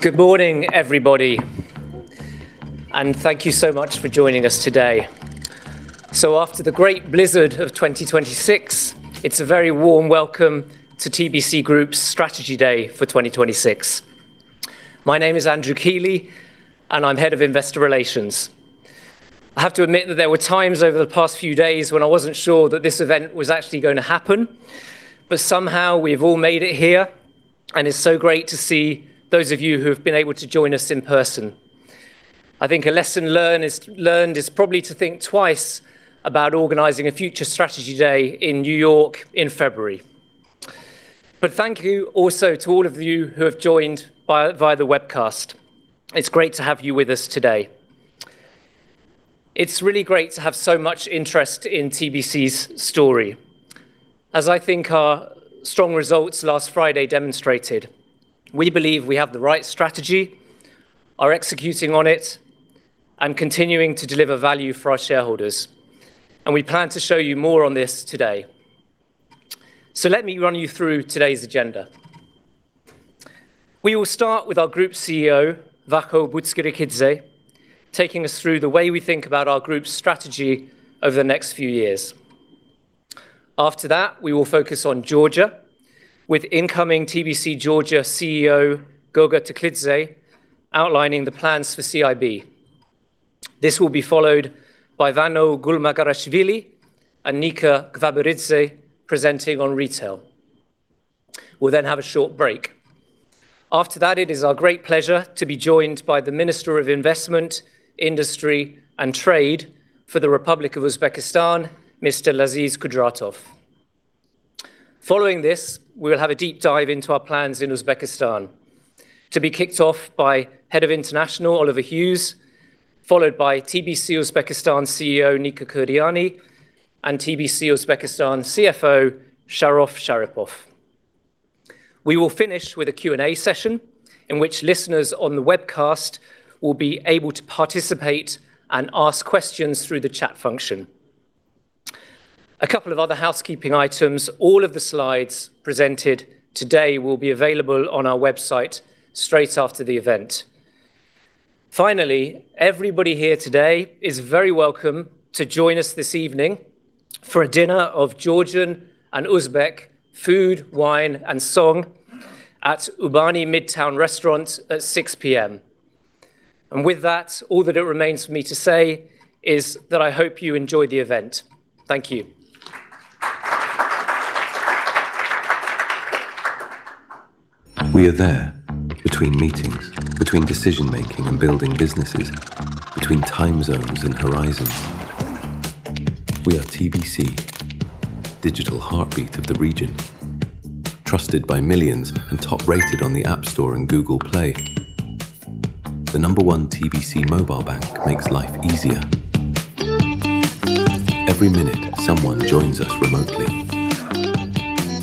Good morning, everybody, thank you so much for joining us today. After the great blizzard of 2026, it's a very warm welcome to TBC Group's Strategy Day for 2026. My name is Andrew Keeley, and I'm Head of Investor Relations. I have to admit that there were times over the past few days when I wasn't sure that this event was actually going to happen, but somehow we've all made it here, and it's so great to see those of you who have been able to join us in person. I think a lesson learned is probably to think twice about organizing a future Strategy Day in New York in February. Thank you also to all of you who have joined via the webcast. It's great to have you with us today. It's really great to have so much interest in TBC's story. As I think our strong results last Friday demonstrated, we believe we have the right strategy, are executing on it, and continuing to deliver value for our shareholders, and we plan to show you more on this today. Let me run you through today's agenda. We will start with our Group CEO, Vakhtang Butskhrikidze, taking us through the way we think about our group's strategy over the next few years. After that, we will focus on Georgia with incoming TBC Georgia CEO, George Tkhelidze, outlining the plans for CIB. This will be followed by Vano Gulmagharashvili and Nika Gvaberidze presenting on retail. We'll then have a short break. After that, it is our great pleasure to be joined by the Minister of Investment, Industry, and Trade for the Republic of Uzbekistan, Mr. Laziz Kudratov. Following this, we will have a deep dive into our plans in Uzbekistan to be kicked off by Head of International, Oliver Hughes, followed by TBC Uzbekistan CEO, Nika Kurdiani, and TBC Uzbekistan CFO, Sharof Sharipov. We will finish with a Q&A session, in which listeners on the webcast will be able to participate and ask questions through the chat function. A couple of other housekeeping items: All of the slides presented today will be available on our website straight after the event. Finally, everybody here today is very welcome to join us this evening for a dinner of Georgian and Uzbek food, wine, and song at Urbani Midtown Restaurant at 6:00 P.M. With that, all that it remains for me to say is that I hope you enjoy the event. Thank you. We are there between meetings, between decision-making and building businesses, between time zones and horizons. We are TBC, digital heartbeat of the region, trusted by millions and top-rated on the App Store and Google Play. The number one TBC mobile bank makes life easier. Every minute, someone joins us remotely.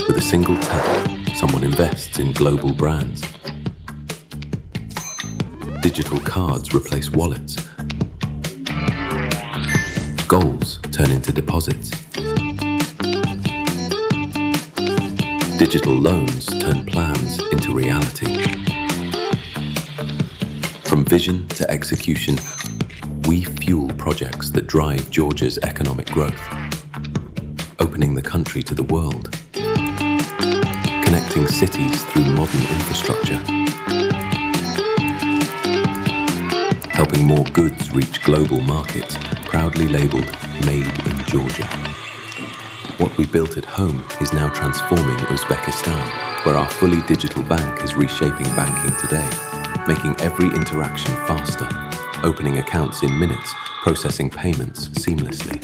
With a single tap, someone invests in global brands. Digital cards replace wallets. Goals turn into deposits. Digital loans turn plans into reality. From vision to execution, we fuel projects that drive Georgia's economic growth, opening the country to the world, connecting cities through modern infrastructure... helping more goods reach global markets, proudly labeled Made in Georgia. What we built at home is now transforming Uzbekistan, where our fully digital bank is reshaping banking today, making every interaction faster, opening accounts in minutes, processing payments seamlessly.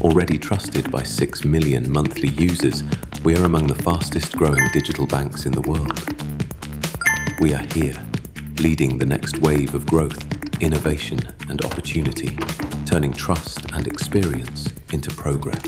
Already trusted by 6 million monthly users, we are among the fastest-growing digital banks in the world. We are here leading the next wave of growth, innovation, and opportunity, turning trust and experience into progress.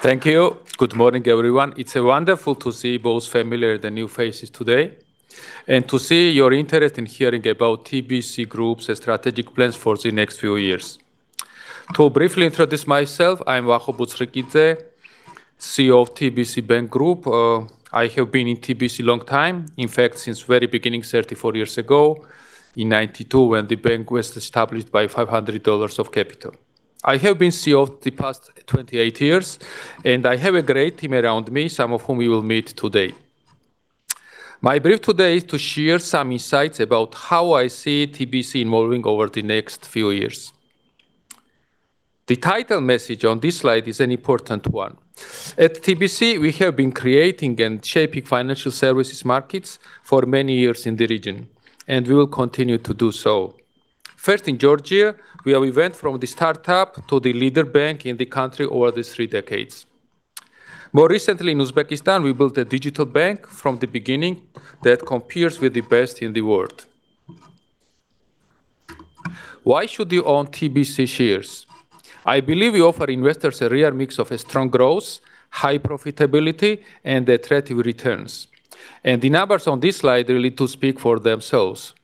Thank you. Good morning, everyone. It's wonderful to see both familiar and new faces today, to see your interest in hearing about TBC Group's strategic plans for the next few years. To briefly introduce myself, I'm Vakho Butskhrikidze, CEO of TBC Bank Group. I have been in TBC long time, in fact, since very beginning, 34 years ago in 1992, when the bank was established by $500 of capital. I have been CEO the past 28 years, I have a great team around me, some of whom you will meet today. My brief today is to share some insights about how I see TBC evolving over the next few years. The title message on this slide is an important one. At TBC, we have been creating and shaping financial services markets for many years in the region, and we will continue to do so. First, in Georgia, where we went from the start-up to the leader bank in the country over the three decades. More recently, in Uzbekistan, we built a digital bank from the beginning that competes with the best in the world. Why should you own TBC shares? I believe we offer investors a rare mix of a strong growth, high profitability, and attractive returns. The numbers on this slide really do speak for themselves.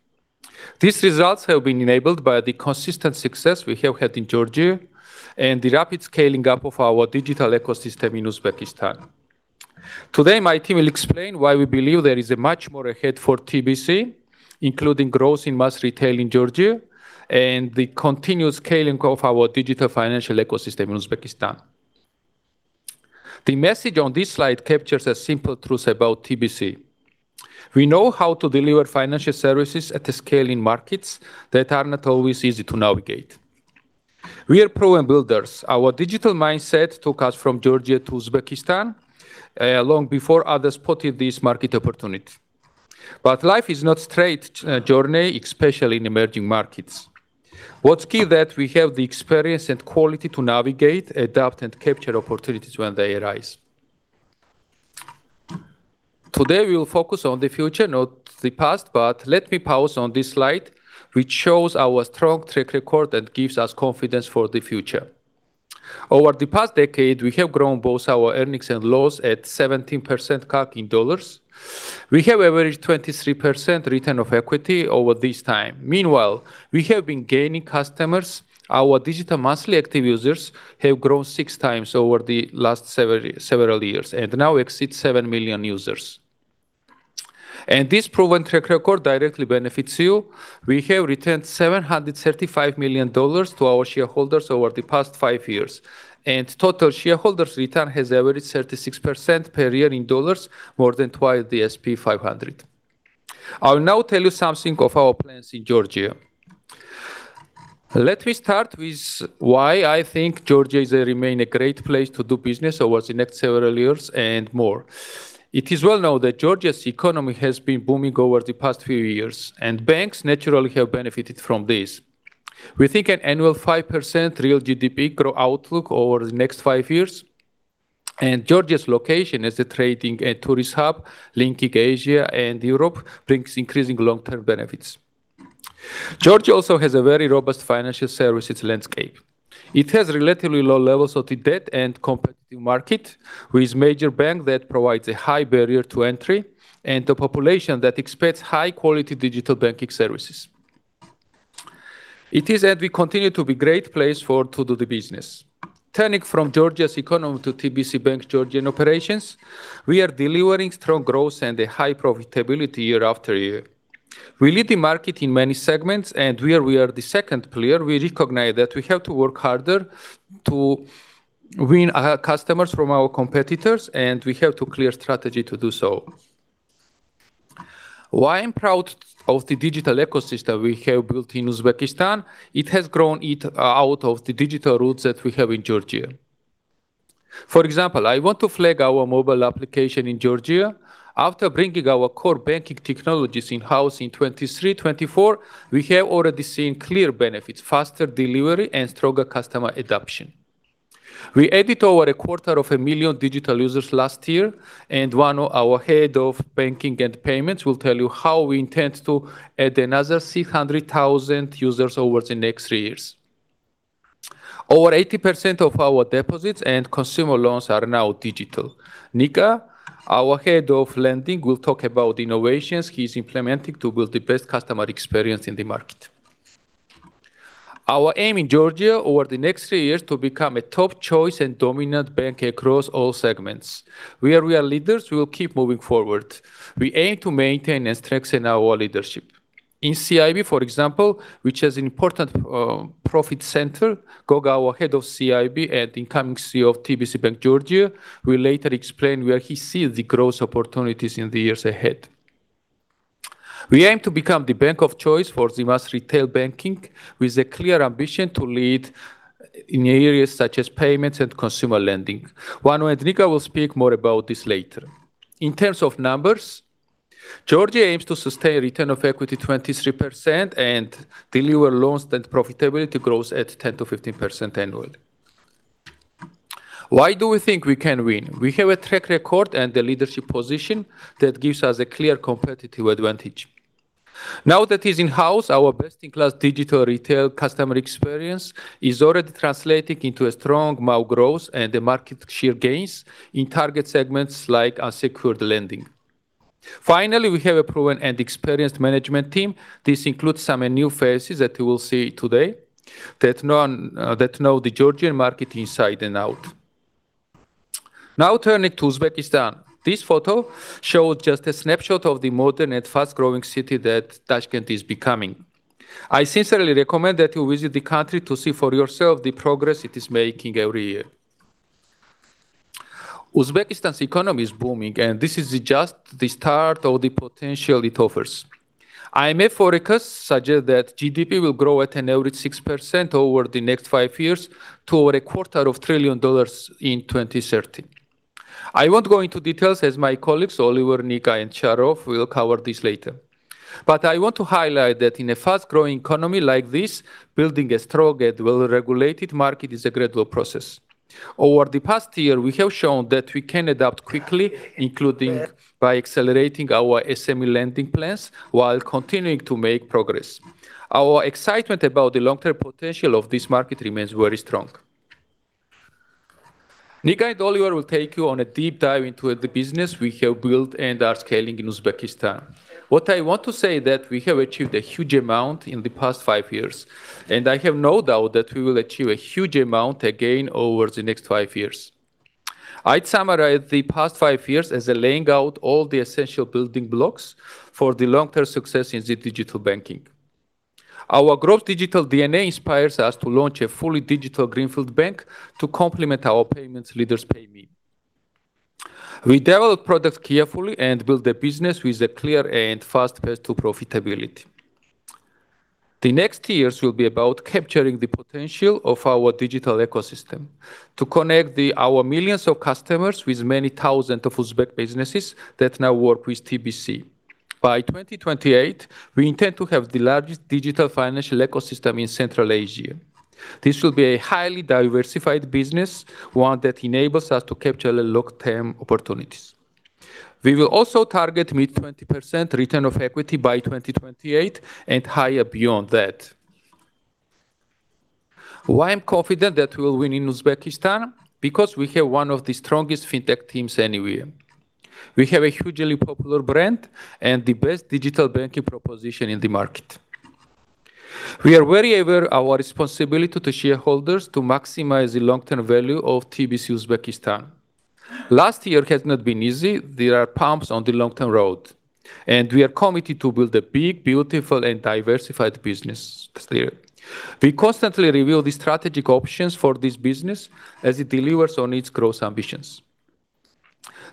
These results have been enabled by the consistent success we have had in Georgia and the rapid scaling up of our digital ecosystem in Uzbekistan. Today, my team will explain why we believe there is much more ahead for TBC, including growth in mass retail in Georgia and the continuous scaling of our digital financial ecosystem in Uzbekistan. The message on this slide captures a simple truth about TBC. We know how to deliver financial services at the scaling markets that are not always easy to navigate. We are problem builders. Our digital mindset took us from Georgia to Uzbekistan, long before others spotted this market opportunity. Life is not straight journey, especially in emerging markets. What's key that we have the experience and quality to navigate, adapt, and capture opportunities when they arise. Today, we will focus on the future, not the past. Let me pause on this slide, which shows our strong track record and gives us confidence for the future. Over the past decade, we have grown both our earnings and lows at 17% CAGR in dollars. We have averaged 23% return of equity over this time. Meanwhile, we have been gaining customers. Our digital monthly active users have grown 6x over the last several years and now exceed 7 million users. This proven track record directly benefits you. We have returned $735 million to our shareholders over the past five years, and total shareholders' return has averaged 36% per year in dollars, more than twice the S&P 500. I will now tell you something of our plans in Georgia. Let me start with why I think Georgia remain a great place to do business over the next several years and more. It is well known that Georgia's economy has been booming over the past few years, and banks naturally have benefited from this. We think an annual 5% real GDP growth outlook over the next five years. Georgia's location as a trading and tourist hub linking Asia and Europe brings increasing long-term benefits. Georgia also has a very robust financial services landscape. It has relatively low levels of debt and competitive market, with major bank that provides a high barrier to entry and a population that expects high-quality digital banking services. It is, and we continue to be great place for to do the business. Turning from Georgia's economy to TBC Bank Georgian operations, we are delivering strong growth and a high profitability year after year. We lead the market in many segments, and where we are the second player, we recognize that we have to work harder to win our customers from our competitors, and we have to clear strategy to do so. Why I'm proud of the digital ecosystem we have built in Uzbekistan? It has grown it out of the digital roots that we have in Georgia. For example, I want to flag our mobile application in Georgia. After bringing our core banking technologies in-house in 2023, 2024, we have already seen clear benefits, faster delivery, and stronger customer adoption. We added over a quarter of a million digital users last year, and one of our head of banking and payments will tell you how we intend to add another 600,000 users over the next three years. Over 80% of our deposits and consumer loans are now digital. Nika, our head of lending, will talk about innovations he's implementing to build the best customer experience in the market. Our aim in Georgia over the next three years, to become a top choice and dominant bank across all segments. Where we are leaders, we will keep moving forward. We aim to maintain and strengthen our leadership. In CIB, for example, which is an important profit center, Goga, our Head of CIB and incoming CEO of TBC Bank, Georgia, will later explain where he sees the growth opportunities in the years ahead. We aim to become the bank of choice for the mass retail banking, with a clear ambition to lead in areas such as payments and consumer lending. Vano and Nika will speak more about this later. In terms of numbers, Georgia aims to sustain return of equity 23% and deliver loans and profitability growth at 10%-15% annually. Why do we think we can win? We have a track record and a leadership position that gives us a clear competitive advantage. Now, that is in-house, our best-in-class digital retail customer experience is already translating into a strong MO growth and the market share gains in target segments like unsecured lending. Finally, we have a proven and experienced management team. This includes some new faces that you will see today, that know the Georgian market inside and out. Now, turning to Uzbekistan. This photo shows just a snapshot of the modern and fast-growing city that Tashkent is becoming. I sincerely recommend that you visit the country to see for yourself the progress it is making every year. Uzbekistan's economy is booming, this is just the start of the potential it offers. IMF forecast suggest that GDP will grow at an average 6% over the next five years to over a quarter of trillion dollars in 2030. I won't go into details as my colleagues, Oliver, Nika, and Sharof will cover this later. I want to highlight that in a fast-growing economy like this, building a strong and well-regulated market is a gradual process. Over the past year, we have shown that we can adapt quickly, including by accelerating our SME lending plans while continuing to make progress. Our excitement about the long-term potential of this market remains very strong. Nika and Oliver will take you on a deep dive into the business we have built and are scaling in Uzbekistan. What I want to say that we have achieved a huge amount in the past five years, and I have no doubt that we will achieve a huge amount again over the next five years. I'd summarize the past five years as laying out all the essential building blocks for the long-term success in the digital banking. Our growth digital DNA inspires us to launch a fully digital greenfield bank to complement our payments leaders Payme. We develop products carefully and build a business with a clear and fast path to profitability. The next years will be about capturing the potential of our digital ecosystem to connect our millions of customers with many thousands of Uzbek businesses that now work with TBC. By 2028, we intend to have the largest digital financial ecosystem in Central Asia. This will be a highly diversified business, one that enables us to capture the long-term opportunities. We will also target mid-20% return of equity by 2028 and higher beyond that. Why I'm confident that we will win in Uzbekistan? Because we have one of the strongest fintech teams anywhere. We have a hugely popular brand and the best digital banking proposition in the market. We are very aware of our responsibility to shareholders to maximize the long-term value of TBC Uzbekistan. Last year has not been easy. There are bumps on the long-term road, and we are committed to build a big, beautiful, and diversified business there. We constantly review the strategic options for this business as it delivers on its growth ambitions.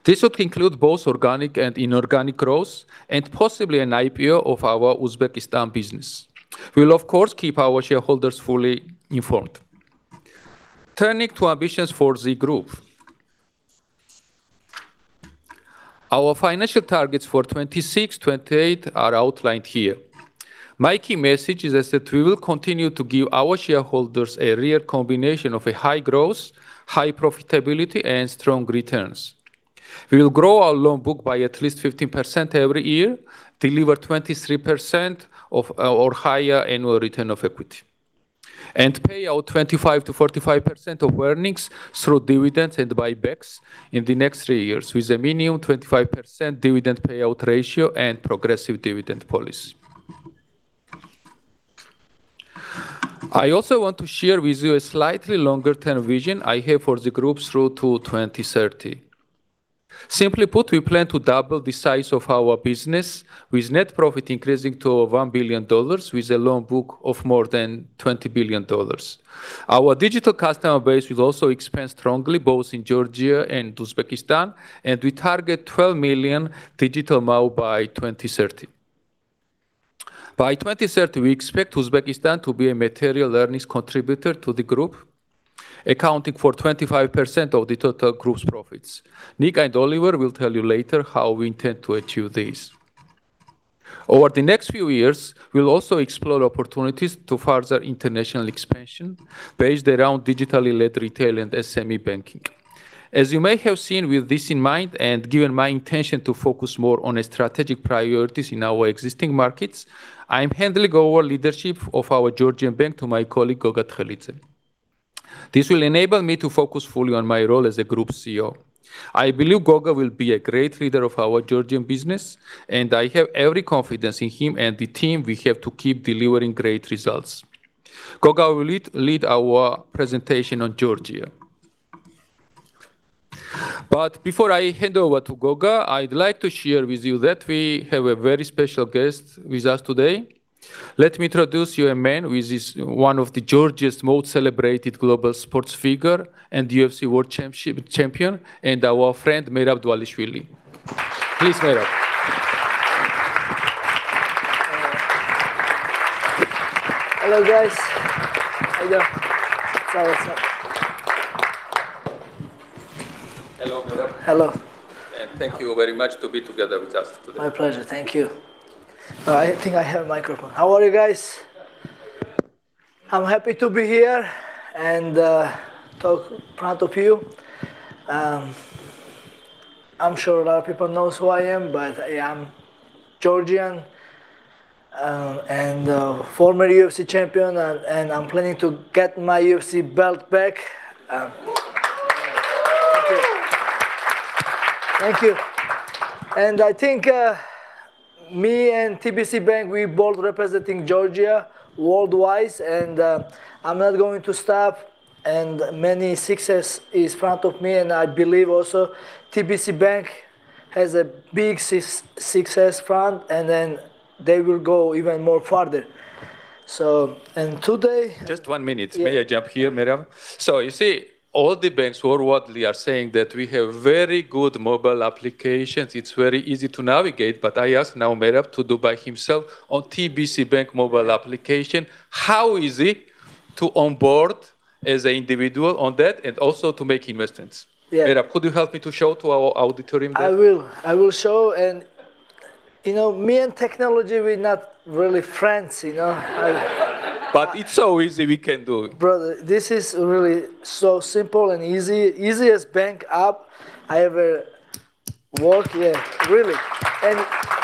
This would include both organic and inorganic growth, and possibly an IPO of our Uzbekistan business. We will, of course, keep our shareholders fully informed. Turning to ambitions for the group. Our financial targets for 2026, 2028 are outlined here. My key message is that we will continue to give our shareholders a real combination of a high growth, high profitability, and strong returns. We will grow our loan book by at least 15% every year, deliver 23% or higher annual return of equity, and pay out 25%-45% of earnings through dividends and buybacks in the next three years, with a minimum 25% dividend payout ratio and progressive dividend policy. I also want to share with you a slightly longer-term vision I have for the group through to 2030. Simply put, we plan to double the size of our business, with net profit increasing to $1 billion, with a loan book of more than $20 billion. Our digital customer base will also expand strongly, both in Georgia and Uzbekistan, and we target 12 million digital MAU by 2030. By 2030, we expect Uzbekistan to be a material earnings contributor to the group, accounting for 25% of the total group's profits. Nika and Oliver will tell you later how we intend to achieve this. Over the next few years, we'll also explore opportunities to further international expansion based around digitally led retail and SME banking. You may have seen, with this in mind, and given my intention to focus more on the strategic priorities in our existing markets, I am handing over leadership of our Georgian bank to my colleague, Goga Tkhelidze. This will enable me to focus fully on my role as a group CEO. I believe Goga will be a great leader of our Georgian business. I have every confidence in him and the team we have to keep delivering great results. Goga will lead our presentation on Georgia. Before I hand over to Goga, I'd like to share with you that we have a very special guest with us today. Let me introduce you a man who is one of the Georgia's most celebrated global sports figure and UFC World Championship champion, and our friend, Merab Dvalishvili. Please, Merab. Hello, guys. How you doing? What's up? Hello, Merab. Hello. Thank you very much to be together with us today. My pleasure. Thank you. I think I have a microphone. How are you, guys? Good. I'm happy to be here and talk in front of you. I'm sure a lot of people knows who I am, but I am Georgian, and former UFC champion, and I'm planning to get my UFC belt back. Thank you. Thank you. I think me and TBC Bank, we're both representing Georgia worldwide, and I'm not going to stop, and many success is in front of me, and I believe also TBC Bank has a big success front, and then they will go even more further. Today. Just one minute. Yeah. May I jump here, Merab? You see, all the banks worldwide, they are saying that we have very good mobile applications. It's very easy to navigate, but I ask now Merab to do by himself on TBC Bank mobile application, how easy to onboard as an individual on that and also to make investments? Yeah. Merab, could you help me to show to our auditorium there? I will. I will show, you know, me and technology, we're not really friends, you know? It's so easy, we can do it. Brother, this is really so simple and easy. Easiest bank app. Work, yeah, really.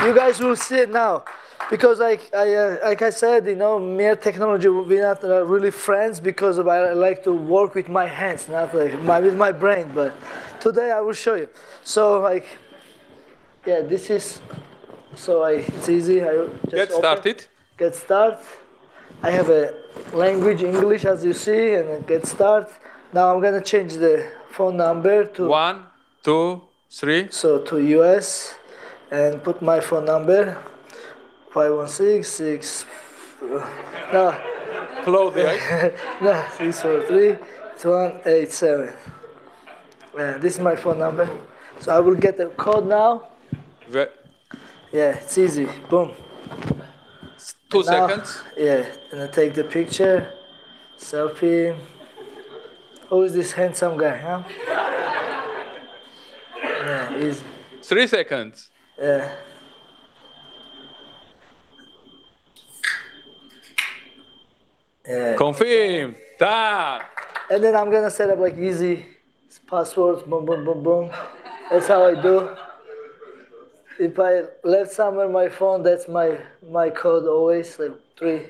You guys will see it now, because like I said, you know, mere technology will be not really friends because of I like to work with my hands, not with my brain. Today I will show you. It's easy. Get started. Get Start. I have a language, English, as you see, and then Get Start. Now I'm gonna change the phone number to- One, two, three. to US and put my phone number, five, one, six, six. Hello there. Yeah. Three. Three, two, one, eight, seven. Yeah, this is my phone number. I will get the code now. Right. Yeah, it's easy. Boom! Two seconds. Yeah, I take the picture, selfie. Who is this handsome guy, huh? Yeah, easy. Three seconds. Yeah. Yeah. Confirm. Ta! I'm gonna set up, like, easy passwords. Boom, boom, boom. That's how I do. If I left somewhere my phone, that's my code always, like, three.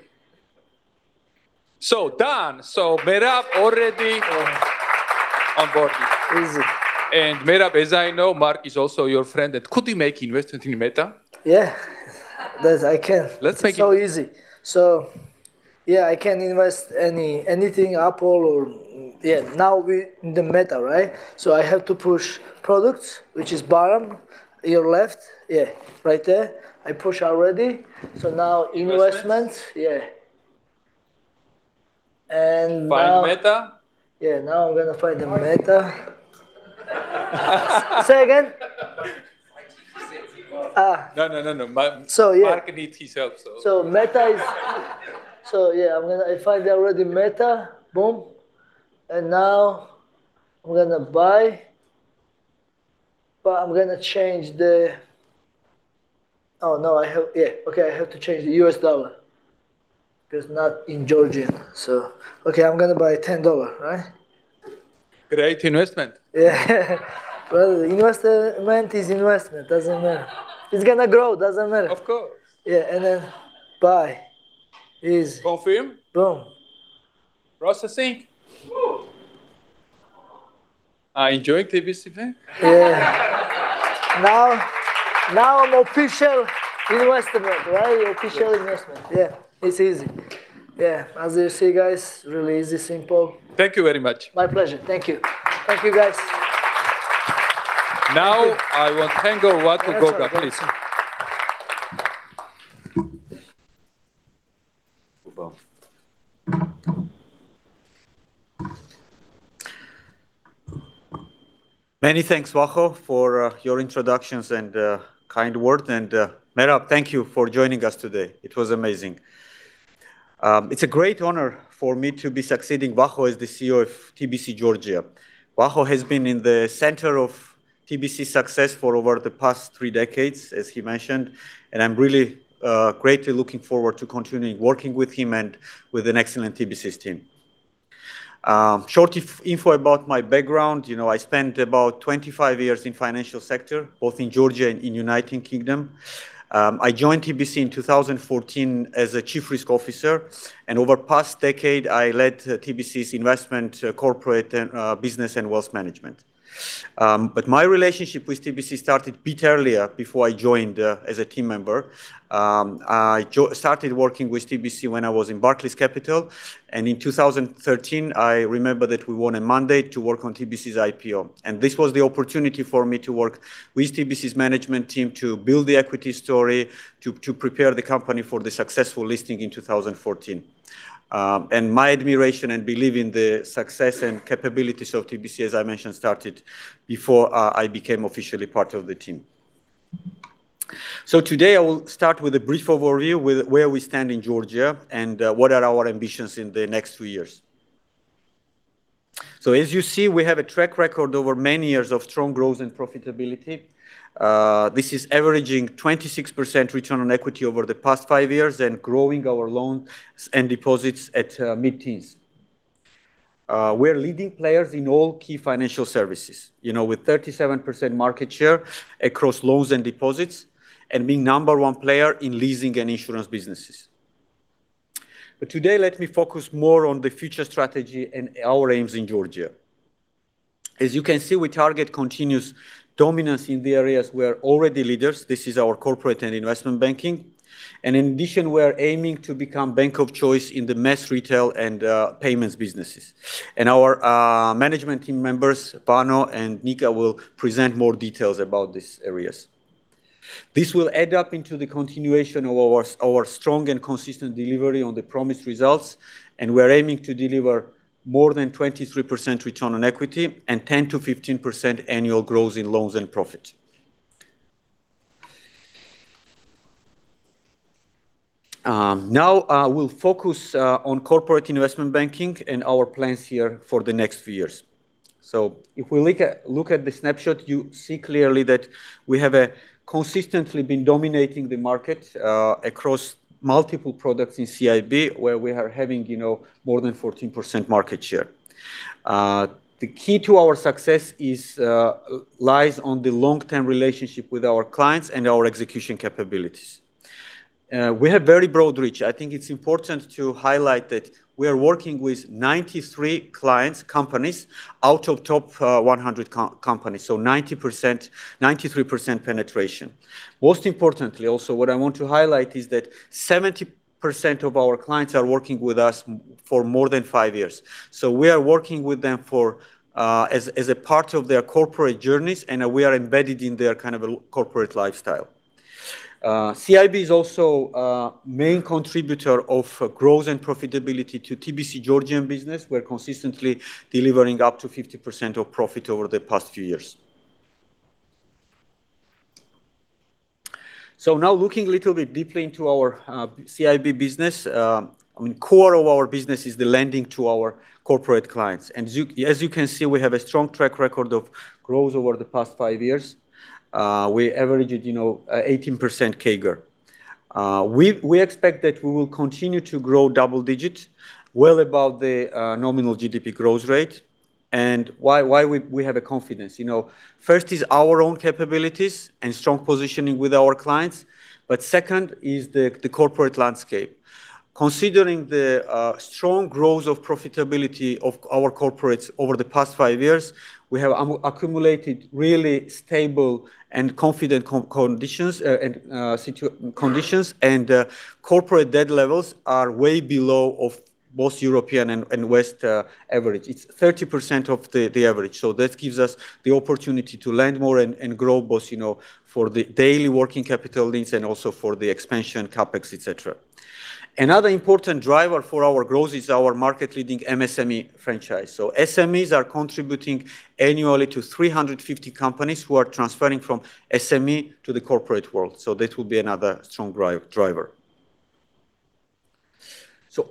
done! Merab on board. Easy. Merab, as I know, Mark is also your friend, and could you make investment in Meta? Yeah. Yes, I can. Let's make it- It's so easy. Yeah, I can invest anything Apple or... Now we in the Meta, right? I have to push products, which is bottom, your left. Right there. I push already. Now investment. Investment. Yeah. Find Meta. Yeah, now I'm gonna find the Meta. Say again? I think he said he was. Ah. No, no, no. Yeah. Mark needs his help, so... I find already Meta. Boom! Now I'm gonna buy, but I'm gonna change the... Okay, I have to change the US dollar, because not in Georgian. Okay, I'm gonna buy $10, right? Great investment. Yeah. Brother, investment is investment, doesn't matter. It's gonna grow, doesn't matter. Of course. Yeah, buy. Easy. Confirm. Boom! Processing. Whoa! Are you enjoying TBC event? Yeah. Now I'm official investment, right? Official investment. Yeah, it's easy. Yeah, as you see, guys, really easy, simple. Thank you very much. My pleasure. Thank you. Thank you, guys. I want thank our Vakho Goga, please. Many thanks, Vakho, for your introductions and kind word. Merab, thank you for joining us today. It was amazing. It's a great honor for me to be succeeding Vakho as the CEO of TBC Georgia. Vakho has been in the center of TBC's success for over the past three decades, as he mentioned, and I'm really greatly looking forward to continuing working with him and with an excellent TBC's team. Short info about my background, you know, I spent about 25 years in financial sector, both in Georgia and in United Kingdom. I joined TBC in 2014 as a Chief Risk Officer, and over past decade, I led TBC's investment, corporate, and business and wealth management. My relationship with TBC started bit earlier, before I joined as a team member. I started working with TBC when I was in Barclays Capital. In 2013, I remember that we won a mandate to work on TBC's IPO. This was the opportunity for me to work with TBC's management team to build the equity story, to prepare the company for the successful listing in 2014. My admiration and belief in the success and capabilities of TBC, as I mentioned, started before I became officially part of the team. Today, I will start with a brief overview with where we stand in Georgia and what are our ambitions in the next few years. As you see, we have a track record over many years of strong growth and profitability. This is averaging 26% return on equity over the past 5 years and growing our loans and deposits at mid-teens. We are leading players in all key financial services, you know, with 37% market share across loans and deposits, and being number one player in leasing and insurance businesses. Today, let me focus more on the future strategy and our aims in Georgia. As you can see, we target continuous dominance in the areas we are already leaders. This is our corporate and investment banking. In addition, we are aiming to become bank of choice in the mass retail and payments businesses. Our management team members, Vano and Nika, will present more details about these areas. This will add up into the continuation of our strong and consistent delivery on the promised results, we are aiming to deliver more than 23% return on equity and 10%-15% annual growth in loans and profit. Now, we'll focus on corporate investment banking and our plans here for the next few years. If we look at the snapshot, you see clearly that we have consistently been dominating the market across multiple products in CIB, where we are having, you know, more than 14% market share. The key to our success is lies on the long-term relationship with our clients and our execution capabilities. We have very broad reach. I think it's important to highlight that we are working with 93 clients, companies, out of top 100 companies. 90%, 93% penetration. Most importantly, also, what I want to highlight is that 70% of our clients are working with us for more than five years. We are working with them for as a part of their corporate journeys, and we are embedded in their kind of corporate lifestyle. CIB is also a main contributor of growth and profitability to TBC Georgian business. We're consistently delivering up to 50% of profit over the past few years. Now looking a little bit deeply into our CIB business, I mean, core of our business is the lending to our corporate clients. As you can see, we have a strong track record of growth over the past 5 years. We averaged, you know, 18% CAGR. We expect that we will continue to grow double-digit, well above the nominal GDP growth rate. Why we have a confidence? You know, first is our own capabilities and strong positioning with our clients, but second is the corporate landscape. Considering the strong growth of profitability of our corporates over the past five years, we have accumulated really stable and confident conditions, and corporate debt levels are way below of both European and West average. It's 30% of the average. That gives us the opportunity to lend more and grow both, you know, for the daily working capital needs and also for the expansion, CapEx, et cetera. Another important driver for our growth is our market-leading MSME franchise. SMEs are contributing annually to 350 companies who are transferring from SME to the corporate world. That will be another strong driver.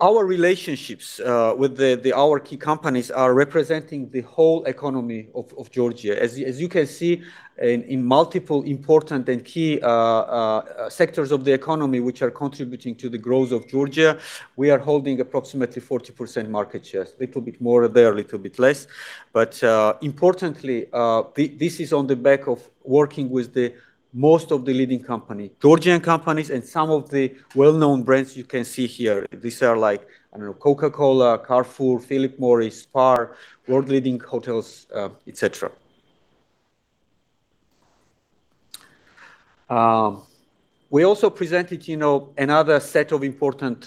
Our relationships with our key companies are representing the whole economy of Georgia. As you can see, in multiple important and key sectors of the economy, which are contributing to the growth of Georgia, we are holding approximately 40% market share, a little bit more there, a little bit less. Importantly, this is on the back of working with the most of the leading company, Georgian companies, and some of the well-known brands you can see here. These are like, I don't know, Coca-Cola, Carrefour, Philip Morris, SPAR, world-leading hotels, et cetera. We also presented, you know, another set of important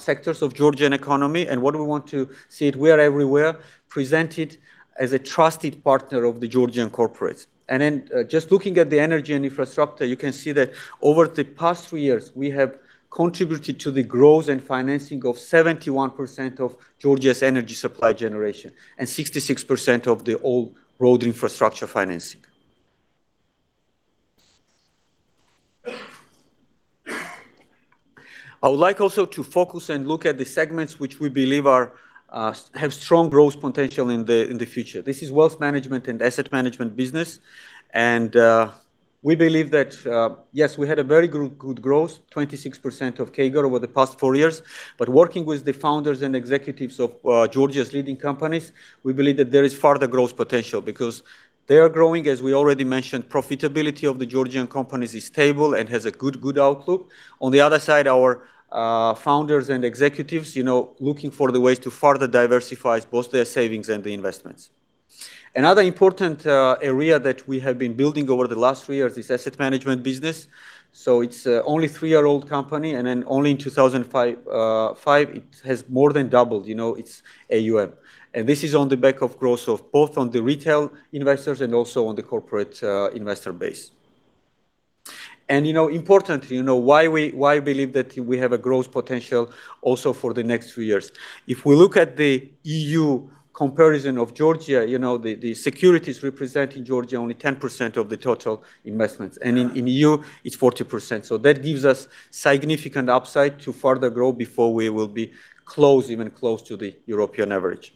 sectors of Georgian economy. What we want to see it, we are everywhere, presented as a trusted partner of the Georgian corporates. Just looking at the energy and infrastructure, you can see that over the past three four years, we have contributed to the growth and financing of 71% of Georgia's energy supply generation and 66% of the all road infrastructure financing. I would like also to focus and look at the segments which we believe are have strong growth potential in the future. This is wealth management and asset management business. We believe that, yes, we had a very good growth, 26% of CAGR over the past four years. Working with the founders and executives of Georgia's leading companies, we believe that there is further growth potential because they are growing. As we already mentioned, profitability of the Georgian companies is stable and has a good outlook. On the other side, our founders and executives, you know, looking for the ways to further diversify both their savings and the investments. Another important area that we have been building over the last three years is asset management business. It's only three-year-old company, only in 2005, it has more than doubled, you know, its AUM. This is on the back of growth of both on the retail investors and also on the corporate investor base. You know, importantly, you know, why believe that we have a growth potential also for the next few years? If we look at the EU comparison of Georgia, you know, the securities represent in Georgia only 10% of the total investments, and in EU, it's 40%. That gives us significant upside to further grow before we will be close, even close to the European average.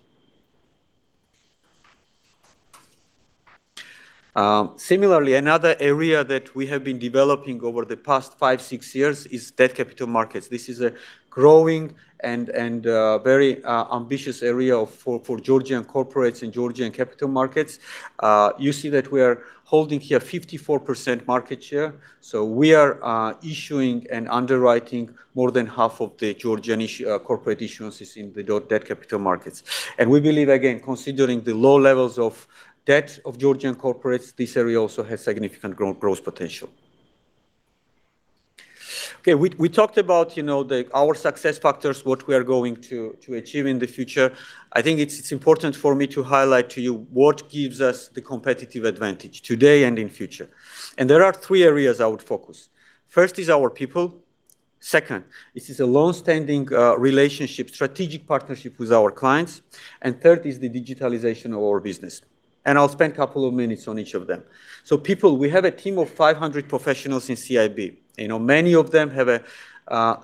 Similarly, another area that we have been developing over the past five, six years is debt capital markets. This is a growing and very ambitious area for Georgian corporates and Georgian capital markets. You see that we are holding here 54% market share, so we are issuing and underwriting more than half of the Georgian corporate issuances in the debt capital markets. We believe, again, considering the low levels of debt of Georgian corporates, this area also has significant growth potential. We talked about, you know, the, our success factors, what we are going to achieve in the future. I think it's important for me to highlight to you what gives us the competitive advantage today and in future. There are three areas I would focus. First is our people. Second, this is a long-standing relationship, strategic partnership with our clients. Third is the digitalization of our business. I'll spend a couple of minutes on each of them. People, we have a team of 500 professionals in CIB. You know, many of them have a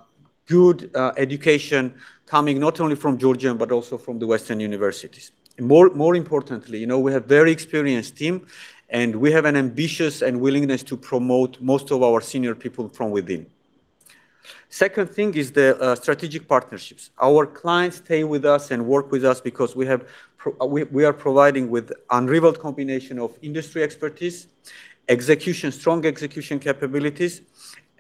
good education coming not only from Georgia but also from the Western universities. More importantly, you know, we have very experienced team, and we have an ambitious and willingness to promote most of our senior people from within. Second thing is the strategic partnerships. Our clients stay with us and work with us because we are providing with unrivaled combination of industry expertise, execution, strong execution capabilities,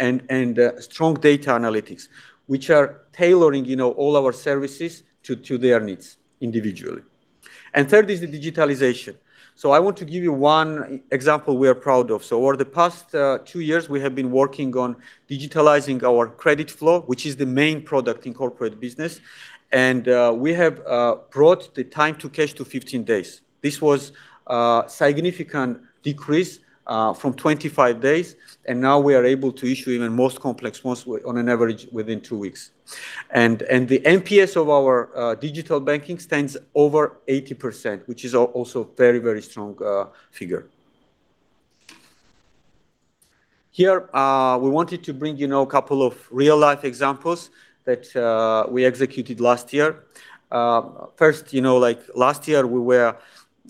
and strong data analytics, which are tailoring, you know, all our services to their needs individually. Third is the digitalization. I want to give you one example we are proud of. Over the past two years, we have been working on digitalizing our credit flow, which is the main product in corporate business, and we have brought the time to cash to 15 days. This was a significant decrease from 25 days, now we are able to issue even most complex ones on an average within two weeks. The NPS of our digital banking stands over 80%, which is also very, very strong figure. Here, we wanted to bring, you know, a couple of real-life examples that we executed last year. First, you know, like, last year, we were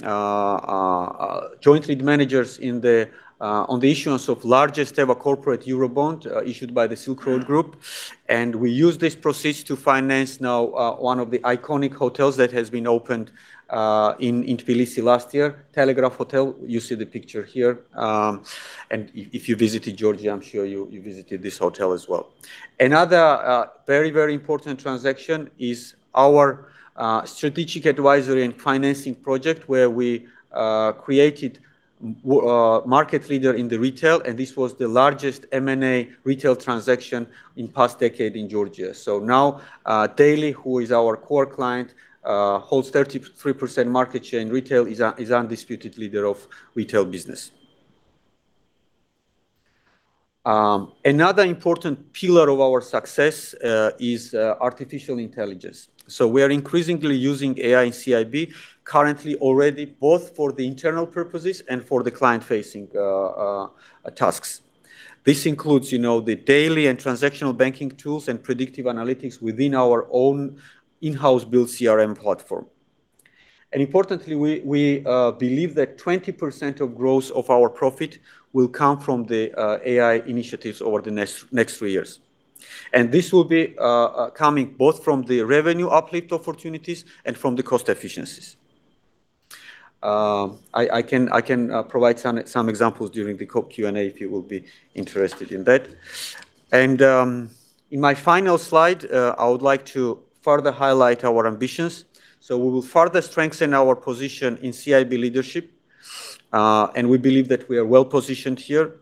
joint lead managers in the on the issuance of largest-ever corporate Eurobond, issued by the Silk Road Group, we used this proceeds to finance now one of the iconic hotels that has been opened in Tbilisi last year, Telegraph Hotel. You see the picture here. If you visited Georgia, I'm sure you visited this hotel as well. Another very, very important transaction is our strategic advisory and financing project, where we created market leader in the retail. This was the largest M&A retail transaction in past decade in Georgia. Now, Daily, who is our core client, holds 33% market share in retail, is undisputed leader of retail business. Another important pillar of our success is artificial intelligence. We are increasingly using AI and CIB, currently already both for the internal purposes and for the client-facing tasks. This includes, you know, the daily and transactional banking tools and predictive analytics within our own in-house built CRM platform. Importantly, we believe that 20% of growth of our profit will come from the AI initiatives over the next 3 years. This will be coming both from the revenue uplift opportunities and from the cost efficiencies. I can provide some examples during the Q&A if you will be interested in that. In my final slide, I would like to further highlight our ambitions. We will further strengthen our position in CIB leadership, and we believe that we are well-positioned here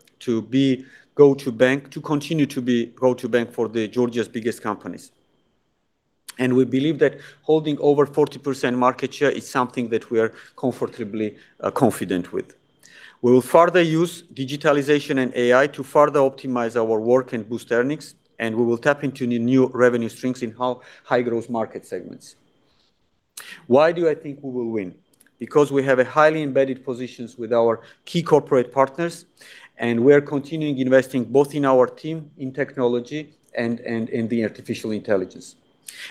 to continue to be go-to bank for the Georgia's biggest companies. We believe that holding over 40% market share is something that we are comfortably confident with. We will further use digitalization and AI to further optimize our work and boost earnings, and we will tap into new revenue streams in high-growth market segments. Why do I think we will win? We have a highly embedded positions with our key corporate partners, and we are continuing investing both in our team, in technology, and in the artificial intelligence.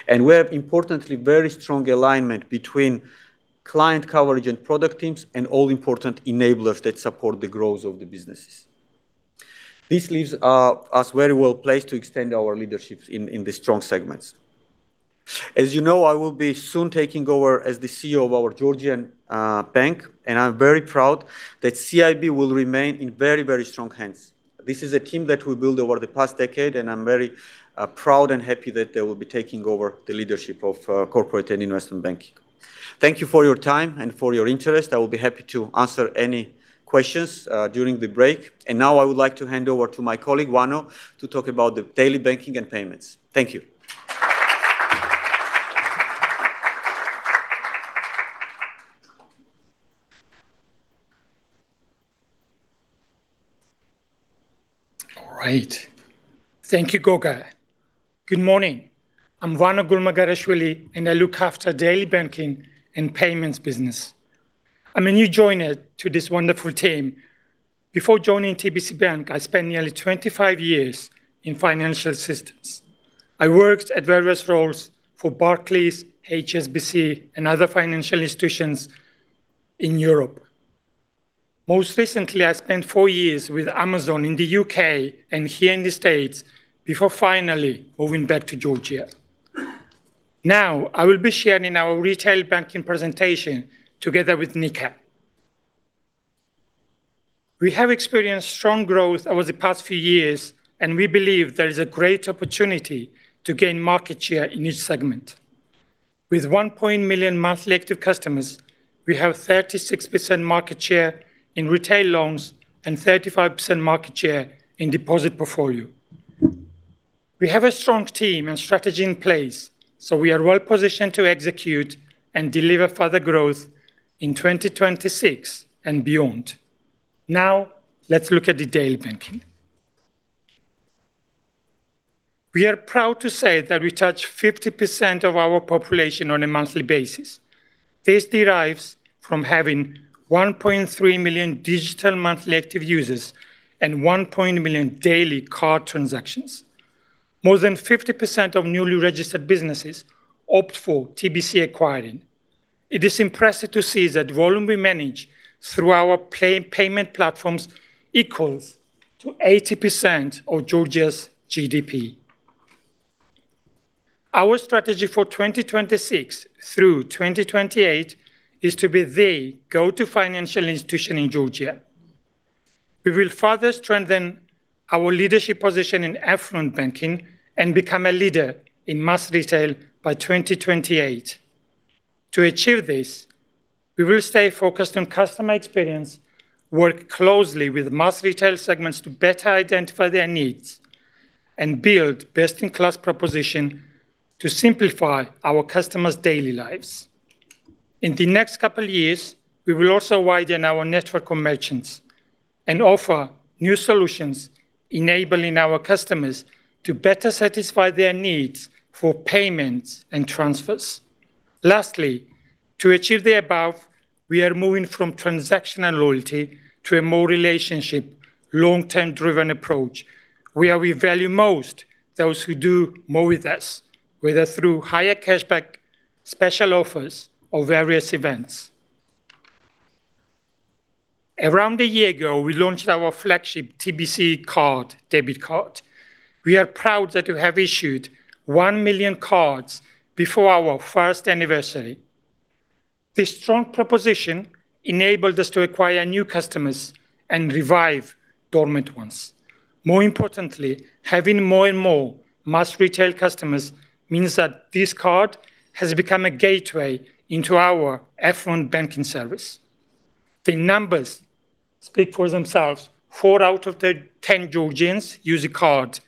We have, importantly, very strong alignment between client coverage and product teams, and all important enablers that support the growth of the businesses. This leaves us very well placed to extend our leadership in the strong segments. As you know, I will be soon taking over as the CEO of our Georgian bank, and I'm very proud that CIB will remain in very strong hands. This is a team that we built over the past decade, and I'm very proud and happy that they will be taking over the leadership of corporate and investment banking. Thank you for your time and for your interest. I will be happy to answer any questions during the break. Now I would like to hand over to my colleague, Vano, to talk about the daily banking and payments. Thank you. All right. Thank you, Goga. Good morning. I'm Vano Gurmagareishvili, I look after daily banking and payments business. I'm a new joiner to this wonderful team. Before joining TBC Bank, I spent nearly 25 years in financial systems. I worked at various roles for Barclays, HSBC, other financial institutions in Europe. Most recently, I spent four years with Amazon in the U.K. here in the States before finally moving back to Georgia. I will be sharing our retail banking presentation together with Nika. We have experienced strong growth over the past few years, we believe there is a great opportunity to gain market share in each segment. With 1 million monthly active customers, we have 36% market share in retail loans 35% market share in deposit portfolio. We have a strong team and strategy in place, so we are well positioned to execute and deliver further growth in 2026 and beyond. Now, let's look at the daily banking. We are proud to say that we touch 50% of our population on a monthly basis. This derives from having 1.3 million digital monthly active users and 1 point million daily card transactions. More than 50% of newly registered businesses opt for TBC acquiring. It is impressive to see that volume we manage through our payment platforms equals to 80% of Georgia's GDP. Our strategy for 2026 through 2028 is to be the go-to financial institution in Georgia. We will further strengthen our leadership position in affluent banking and become a leader in mass retail by 2028. To achieve this, we will stay focused on customer experience, work closely with mass retail segments to better identify their needs, and build best-in-class proposition to simplify our customers' daily lives. In the next couple years, we will also widen our network of merchants and offer new solutions, enabling our customers to better satisfy their needs for payments and transfers. Lastly, to achieve the above, we are moving from transactional loyalty to a more relationship, long-term driven approach, where we value most those who do more with us, whether through higher cashback, special offers, or various events. Around a year ago, we launched our flagship TBC Card, debit card. We are proud that we have issued 1 million cards before our first anniversary. This strong proposition enabled us to acquire new customers and revive dormant ones. More importantly, having more and more mass retail customers means that this card has become a gateway into our affluent banking service. The numbers speak for themselves: four out of the 10 Georgians use a card.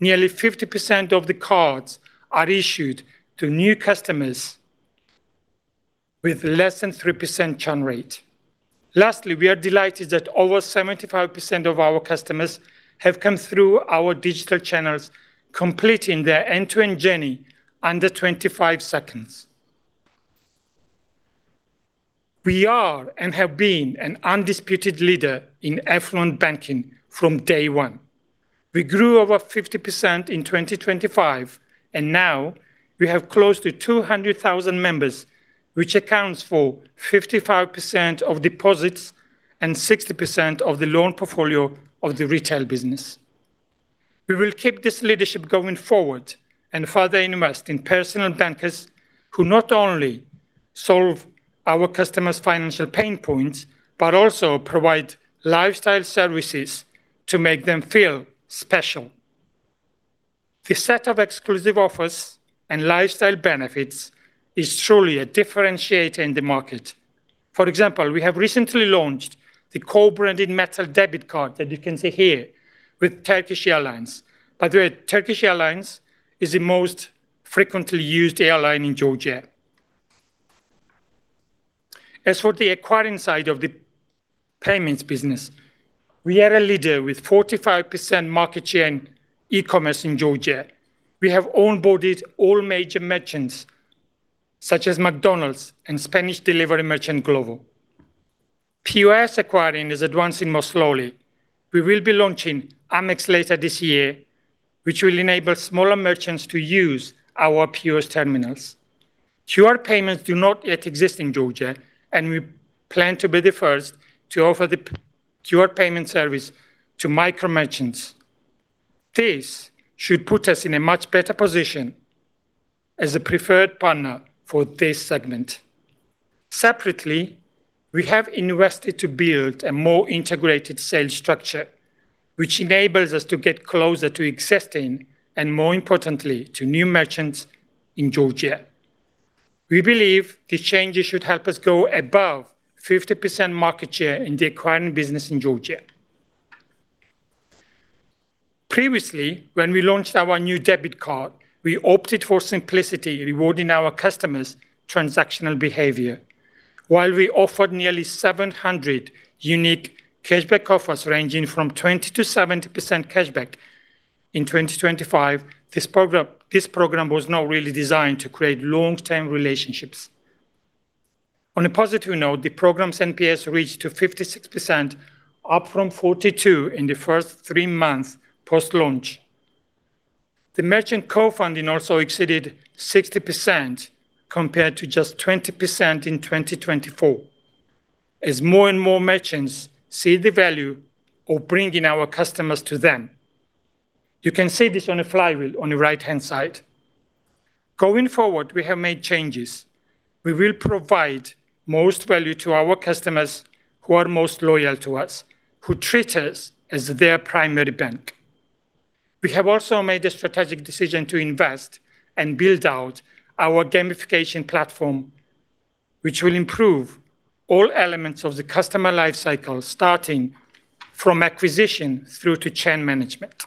Nearly 50% of the cards are issued to new customers with less than 3% churn rate. Lastly, we are delighted that over 75% of our customers have come through our digital channels, completing their end-to-end journey under 25 seconds. We are, and have been, an undisputed leader in affluent banking from day one. We grew over 50% in 2025, and now we have close to 200,000 members, which accounts for 55% of deposits and 60% of the loan portfolio of the retail business. We will keep this leadership going forward and further invest in personal bankers who not only solve our customers' financial pain points, but also provide lifestyle services to make them feel special. The set of exclusive offers and lifestyle benefits is truly a differentiator in the market. For example, we have recently launched the co-branded metal debit card that you can see here with Turkish Airlines. Turkish Airlines is the most frequently used airline in Georgia. As for the acquiring side of the payments business, we are a leader with 45% market share in e-commerce in Georgia. We have onboarded all major merchants, such as McDonald's and Spanish delivery merchant, Glovo. POS acquiring is advancing more slowly. We will be launching Amex later this year, which will enable smaller merchants to use our POS terminals. QR payments do not yet exist in Georgia. We plan to be the first to offer the QR payment service to micro merchants. This should put us in a much better position as a preferred partner for this segment. Separately, we have invested to build a more integrated sales structure, which enables us to get closer to existing and, more importantly, to new merchants in Georgia. We believe these changes should help us go above 50% market share in the acquiring business in Georgia. Previously, when we launched our new debit card, we opted for simplicity, rewarding our customers' transactional behavior. While we offered nearly 700 unique cashback offers, ranging from 20%-70% cashback in 2025, this program was not really designed to create long-term relationships. On a positive note, the program's NPS reached to 56%, up from 42 in the first three months post-launch. The merchant co-funding also exceeded 60%, compared to just 20% in 2024, as more and more merchants see the value of bringing our customers to them. You can see this on the flywheel on the right-hand side. Going forward, we have made changes. We will provide most value to our customers who are most loyal to us, who treat us as their primary bank. We have also made a strategic decision to invest and build out our gamification platform, which will improve all elements of the customer life cycle, starting from acquisition through to churn management.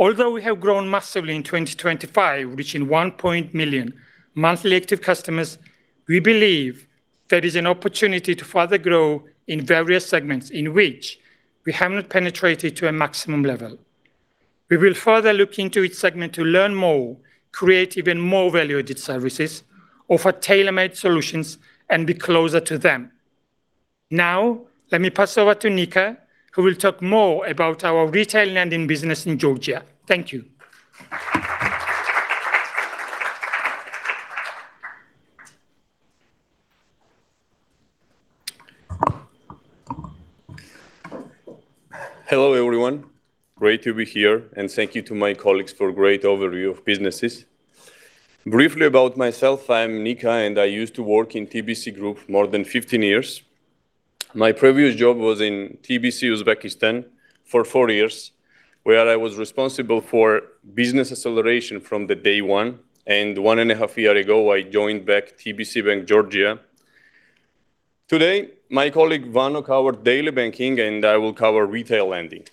Although we have grown massively in 2025, reaching 1 point million monthly active customers, we believe there is an opportunity to further grow in various segments in which we have not penetrated to a maximum level. We will further look into each segment to learn more, create even more value-added services, offer tailor-made solutions, and be closer to them. Now, let me pass over to Nika, who will talk more about our retail lending business in Georgia. Thank you. Hello, everyone. Great to be here, and thank you to my colleagues for a great overview of businesses. Briefly about myself, I am Nika, and I used to work in TBC Group more than 15 years. My previous job was in TBC Bank Uzbekistan for four years, where I was responsible for business acceleration from the day one, and one and a half year ago, I joined back TBC Bank, Georgia. Today, my colleague, Vano, covered daily banking, and I will cover retail lending.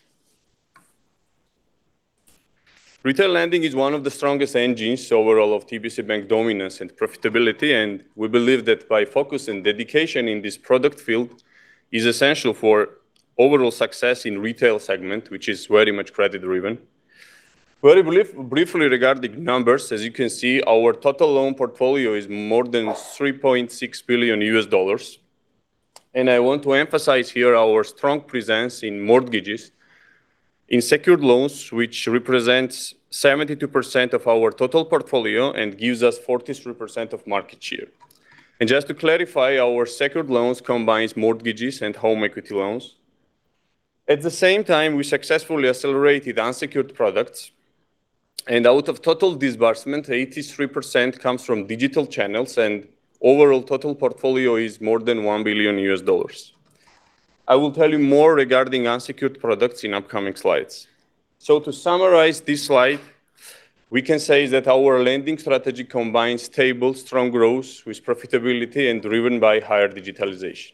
Retail lending is one of the strongest engines overall of TBC Bank dominance and profitability, and we believe that by focus and dedication in this product field is essential for overall success in retail segment, which is very much credit-driven. Briefly regarding numbers, as you can see, our total loan portfolio is more than $3.6 billion. I want to emphasize here our strong presence in mortgages, in secured loans, which represents 72% of our total portfolio and gives us 43% of market share. Just to clarify, our secured loans combines mortgages and home equity loans. At the same time, we successfully accelerated unsecured products, and out of total disbursement, 83% comes from digital channels, and overall total portfolio is more than $1 billion. I will tell you more regarding unsecured products in upcoming slides. To summarize this slide, we can say that our lending strategy combines stable, strong growth with profitability and driven by higher digitalization.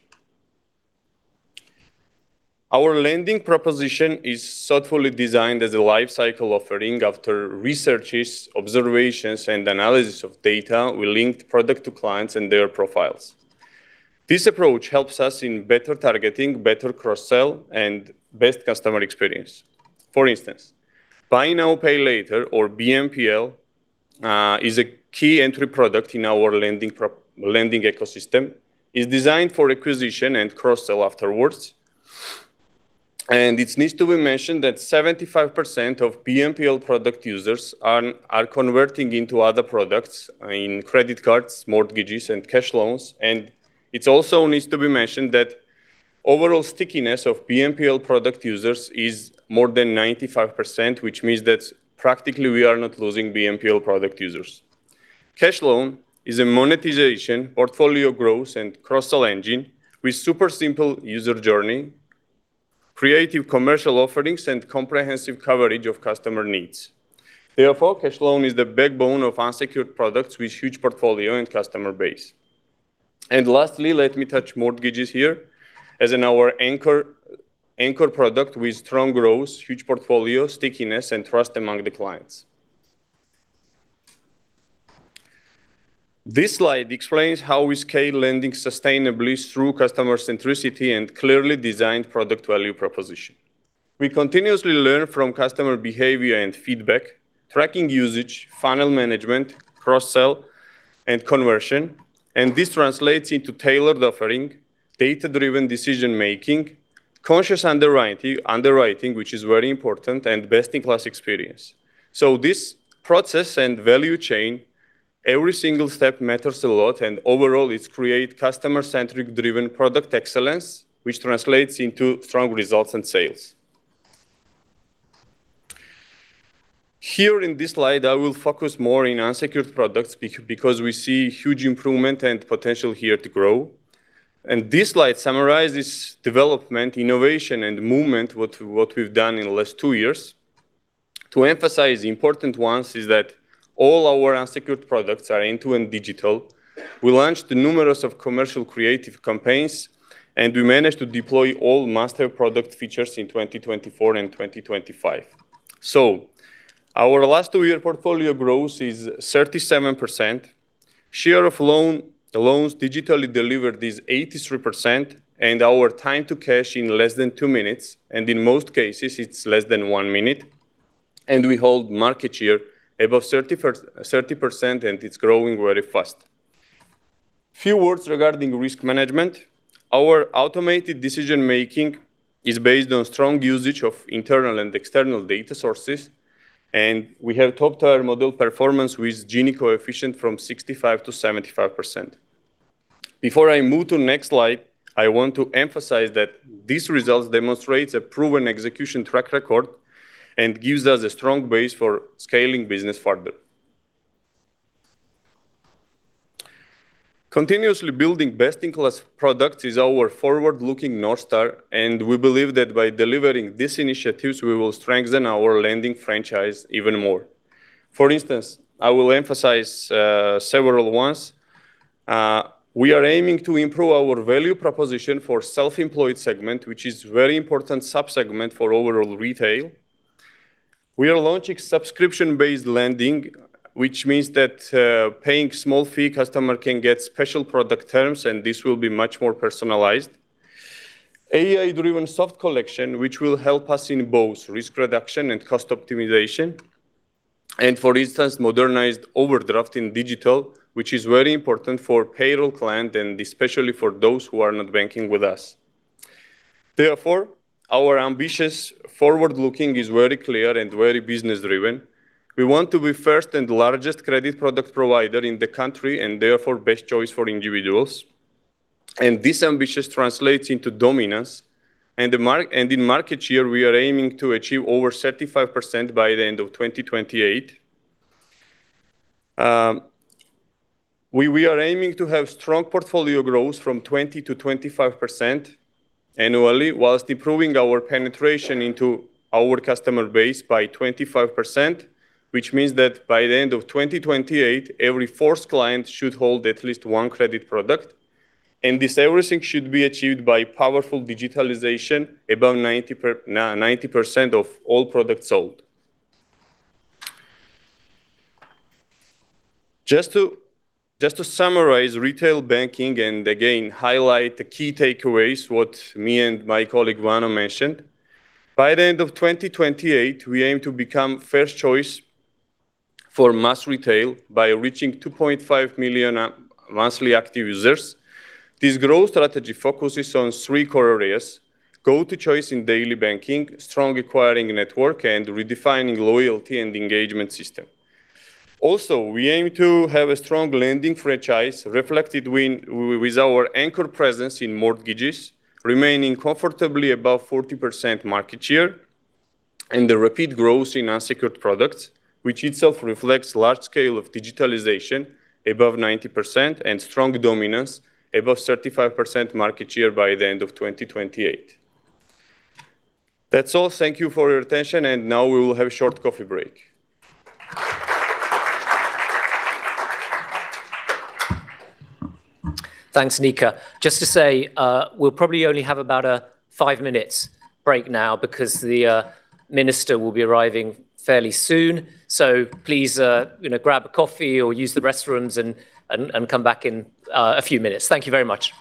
Our lending proposition is thoughtfully designed as a life cycle offering after researches, observations, and analysis of data, we linked product to clients and their profiles. This approach helps us in better targeting, better cross-sell, and best customer experience. For instance, Buy Now, Pay Later, or BNPL, is a key entry product in our lending ecosystem. It's designed for acquisition and cross-sell afterwards. It needs to be mentioned that 75% of BNPL product users are converting into other products, I mean, credit cards, mortgages, and cash loans. It also needs to be mentioned that overall stickiness of BNPL product users is more than 95%, which means that practically we are not losing BNPL product users. Cash loan is a monetization, portfolio growth, and cross-sell engine with super simple user journey, creative commercial offerings, and comprehensive coverage of customer needs. Therefore, cash loan is the backbone of unsecured products with huge portfolio and customer base. Lastly, let me touch mortgages here, as in our anchor product with strong growth, huge portfolio, stickiness, and trust among the clients. This slide explains how we scale lending sustainably through customer centricity and clearly designed product value proposition. We continuously learn from customer behavior and feedback, tracking usage, funnel management, cross-sell, and conversion. This translates into tailored offering, data-driven decision making, conscious underwriting, which is very important, and best-in-class experience. This process and value chain, every single step matters a lot. Overall, it create customer-centric driven product excellence, which translates into strong results and sales. In this slide, I will focus more in unsecured products because we see huge improvement and potential here to grow. This slide summarizes development, innovation, and movement, what we've done in the last two years. To emphasize the important ones is that all our unsecured products are end-to-end digital. We launched numerous of commercial creative campaigns, and we managed to deploy all master product features in 2024 and 2025. Our last two-year portfolio growth is 37%. Share of loans digitally delivered is 83%, and our time to cash in less than two minutes, and in most cases, it's less than one minute, and we hold market share above 30%, and it's growing very fast. Few words regarding risk management. Our automated decision-making is based on strong usage of internal and external data sources, and we have top-tier model performance with Gini coefficient from 65%-75%. Before I move to next slide, I want to emphasize that these results demonstrates a proven execution track record and gives us a strong base for scaling business further. Continuously building best-in-class product is our forward-looking North Star, and we believe that by delivering these initiatives, we will strengthen our lending franchise even more. For instance, I will emphasize several ones. We are aiming to improve our value proposition for self-employed segment, which is very important sub-segment for overall retail. We are launching subscription-based lending, which means that, paying small fee, customer can get special product terms, and this will be much more personalized. AI-driven soft collection, which will help us in both risk reduction and cost optimization. For instance, modernized overdraft in digital, which is very important for payroll client, and especially for those who are not banking with us. Our ambitious forward-looking is very clear and very business-driven. We want to be first and largest credit product provider in the country, and therefore, best choice for individuals. This ambitious translates into dominance, and in market share, we are aiming to achieve over 35% by the end of 2028. We are aiming to have strong portfolio growth from 20%-25% annually, whilst improving our penetration into our customer base by 25%, which means that by the end of 2028, every fourth client should hold at least one credit product, and this everything should be achieved by powerful digitalization, above 90% of all products sold. Just to summarize retail banking and again, highlight the key takeaways, what me and my colleague, Vano, mentioned. By the end of 2028, we aim to become first choice for mass retail by reaching 2.5 million monthly active users. This growth strategy focuses on three core areas: go-to choice in daily banking, strong acquiring network, and redefining loyalty and engagement system. We aim to have a strong lending franchise, reflected win with our anchor presence in mortgages, remaining comfortably above 40% market share, and the rapid growth in unsecured products, which itself reflects large scale of digitalization above 90%, and strong dominance above 35% market share by the end of 2028. That's all. Thank you for your attention, now we will have a short coffee break. Thanks, Nika. Just to say, we'll probably only have about a five minutes break now, because the minister will be arriving fairly soon. Please, you know, grab a coffee or use the restrooms and come back in a few minutes. Thank you very much.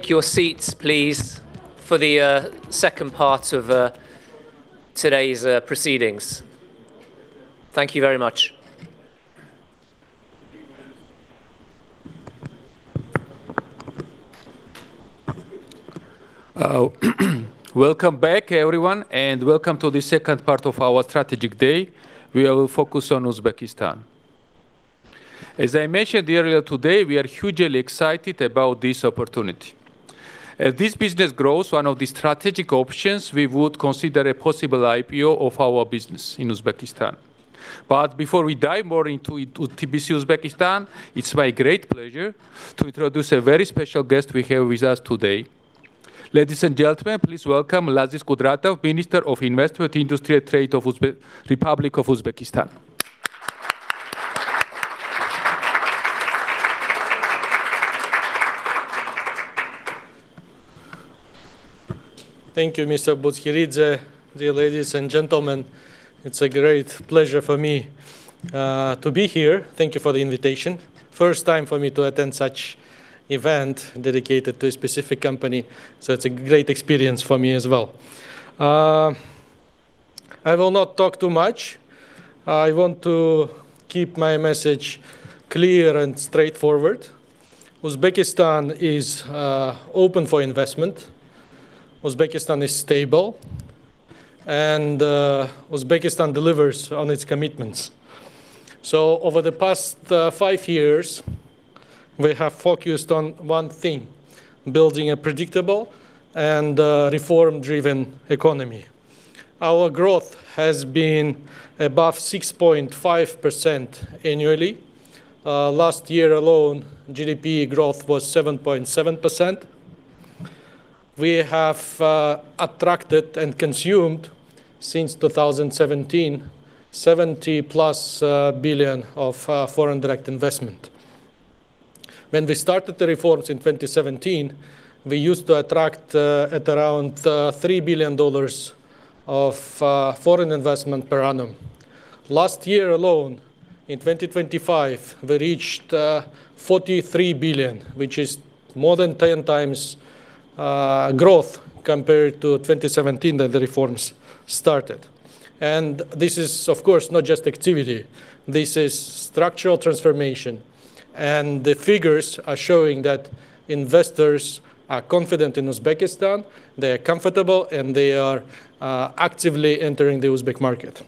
Thank you very much. Welcome back, everyone, and welcome to the second part of our strategic day. We will focus on Uzbekistan. As I mentioned earlier today, we are hugely excited about this opportunity. As this business grows, one of the strategic options we would consider a possible IPO of our business in Uzbekistan. Before we dive more into TBC Uzbekistan, it's my great pleasure to introduce a very special guest we have with us today. Ladies and gentlemen, please welcome Laziz Kudratov, Minister of Investment, Industry, and Trade of Republic of Uzbekistan. Thank you, Mr. Butskhrikidze. Dear ladies and gentlemen, it's a great pleasure for me to be here. Thank you for the invitation. First time for me to attend such event dedicated to a specific company, so it's a great experience for me as well. I will not talk too much. I want to keep my message clear and straightforward. Uzbekistan is open for investment. Uzbekistan is stable. Uzbekistan delivers on its commitments. Over the past five years, we have focused on one thing: building a predictable and reform-driven economy. Our growth has been above 6.5% annually. Last year alone, GDP growth was 7.7%. We have attracted and consumed, since 2017, $70+ billion of foreign direct investment. When we started the reforms in 2017, we used to attract at around $3 billion of foreign investment per annum. Last year alone, in 2025, we reached $43 billion, which is more than 10 times growth compared to 2017, when the reforms started. This is, of course, not just activity, this is structural transformation, and the figures are showing that investors are confident in Uzbekistan, they are comfortable, and they are actively entering the Uzbek market.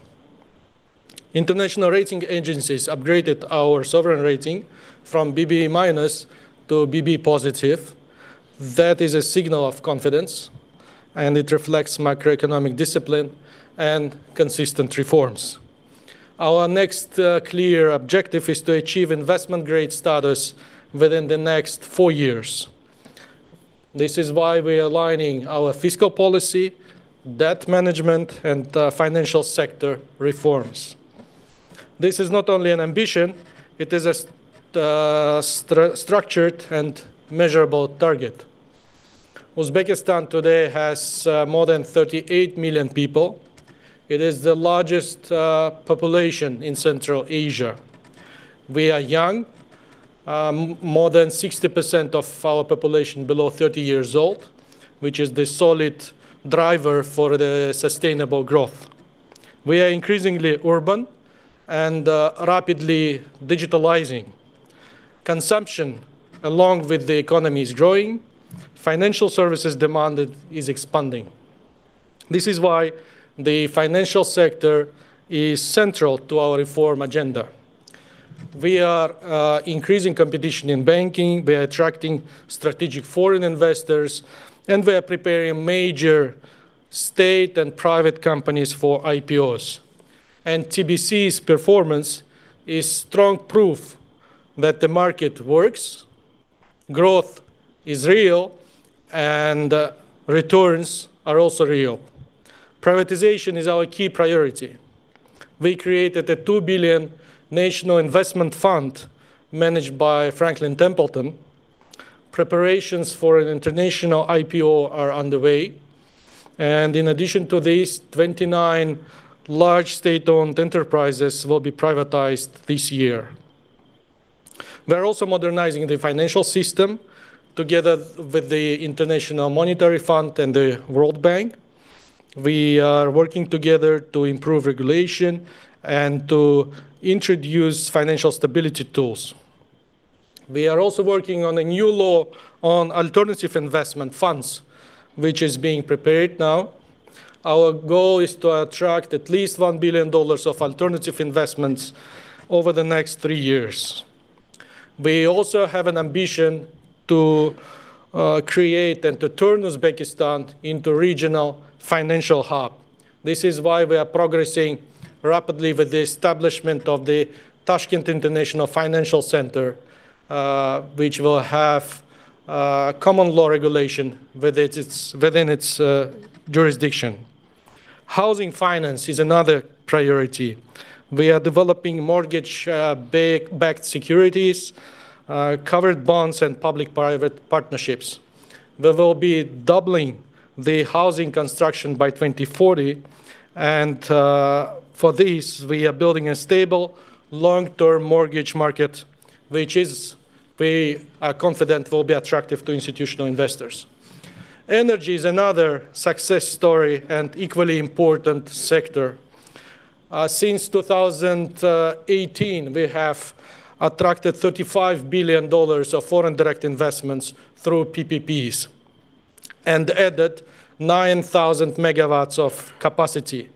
International rating agencies upgraded our sovereign rating from BB minus to BB positive. That is a signal of confidence, and it reflects macroeconomic discipline and consistent reforms. Our next clear objective is to achieve investment grade status within the next four years. This is why we are aligning our fiscal policy, debt management, and financial sector reforms. This is not only an ambition, it is a structured and measurable target. Uzbekistan today has more than 38 million people. It is the largest population in Central Asia. We are young. More than 60% of our population below 30 years old, which is the solid driver for the sustainable growth. We are increasingly urban and rapidly digitalizing. Consumption, along with the economy, is growing. Financial services demanded is expanding. This is why the financial sector is central to our reform agenda. We are increasing competition in banking, we are attracting strategic foreign investors, and we are preparing major state and private companies for IPOs. TBC's performance is strong proof that the market works, growth is real, and returns are also real. Privatization is our key priority. We created a $2 billion national investment fund managed by Franklin Templeton. Preparations for an international IPO are underway, and in addition to this, 29 large state-owned enterprises will be privatized this year. We are also modernizing the financial system together with the International Monetary Fund and the World Bank. We are working together to improve regulation and to introduce financial stability tools. We are also working on a new law on alternative investment funds, which is being prepared now. Our goal is to attract at least $1 billion of alternative investments over the next three years. We also have an ambition to create and to turn Uzbekistan into regional financial hub. This is why we are progressing rapidly with the establishment of the Tashkent International Financial Center, which will have common law regulation with its, within its jurisdiction. Housing finance is another priority. We are developing mortgage-backed securities, covered bonds, and public-private partnerships. We will be doubling the housing construction by 2040, and for this, we are building a stable long-term mortgage market, which is, we are confident will be attractive to institutional investors. Energy is another success story and equally important sector. Since 2018, we have attracted $35 billion of foreign direct investments through PPPs and added 9,000 megawatts of capacity.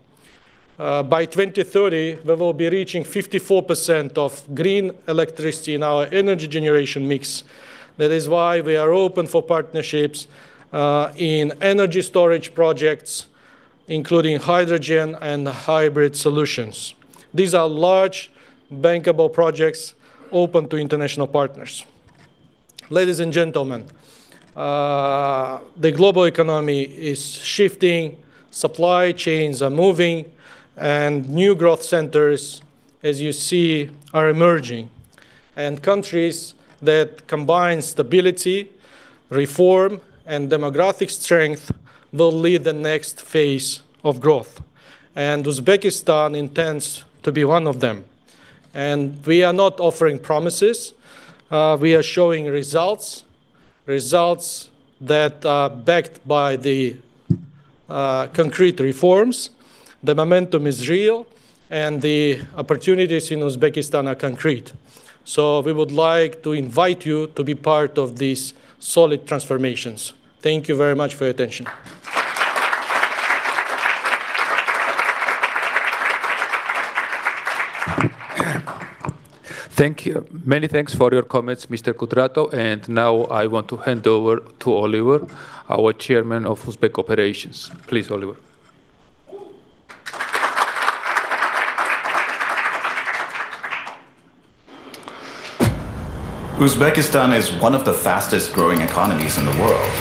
By 2030, we will be reaching 54% of green electricity in our energy generation mix. That is why we are open for partnerships in energy storage projects, including hydrogen and hybrid solutions. These are large, bankable projects open to international partners. Ladies and gentlemen, the global economy is shifting, supply chains are moving, and new growth centers, as you see, are emerging. Countries that combine stability, reform, and demographic strength will lead the next phase of growth, and Uzbekistan intends to be one of them. We are not offering promises, we are showing results that are backed by the concrete reforms. The momentum is real, and the opportunities in Uzbekistan are concrete. We would like to invite you to be part of these solid transformations. Thank you very much for your attention. Thank you. Many thanks for your comments, Mr. Kudratov. Now I want to hand over to Oliver, our Chairman of Uzbek operations. Please, Oliver. Uzbekistan is one of the fastest-growing economies in the world.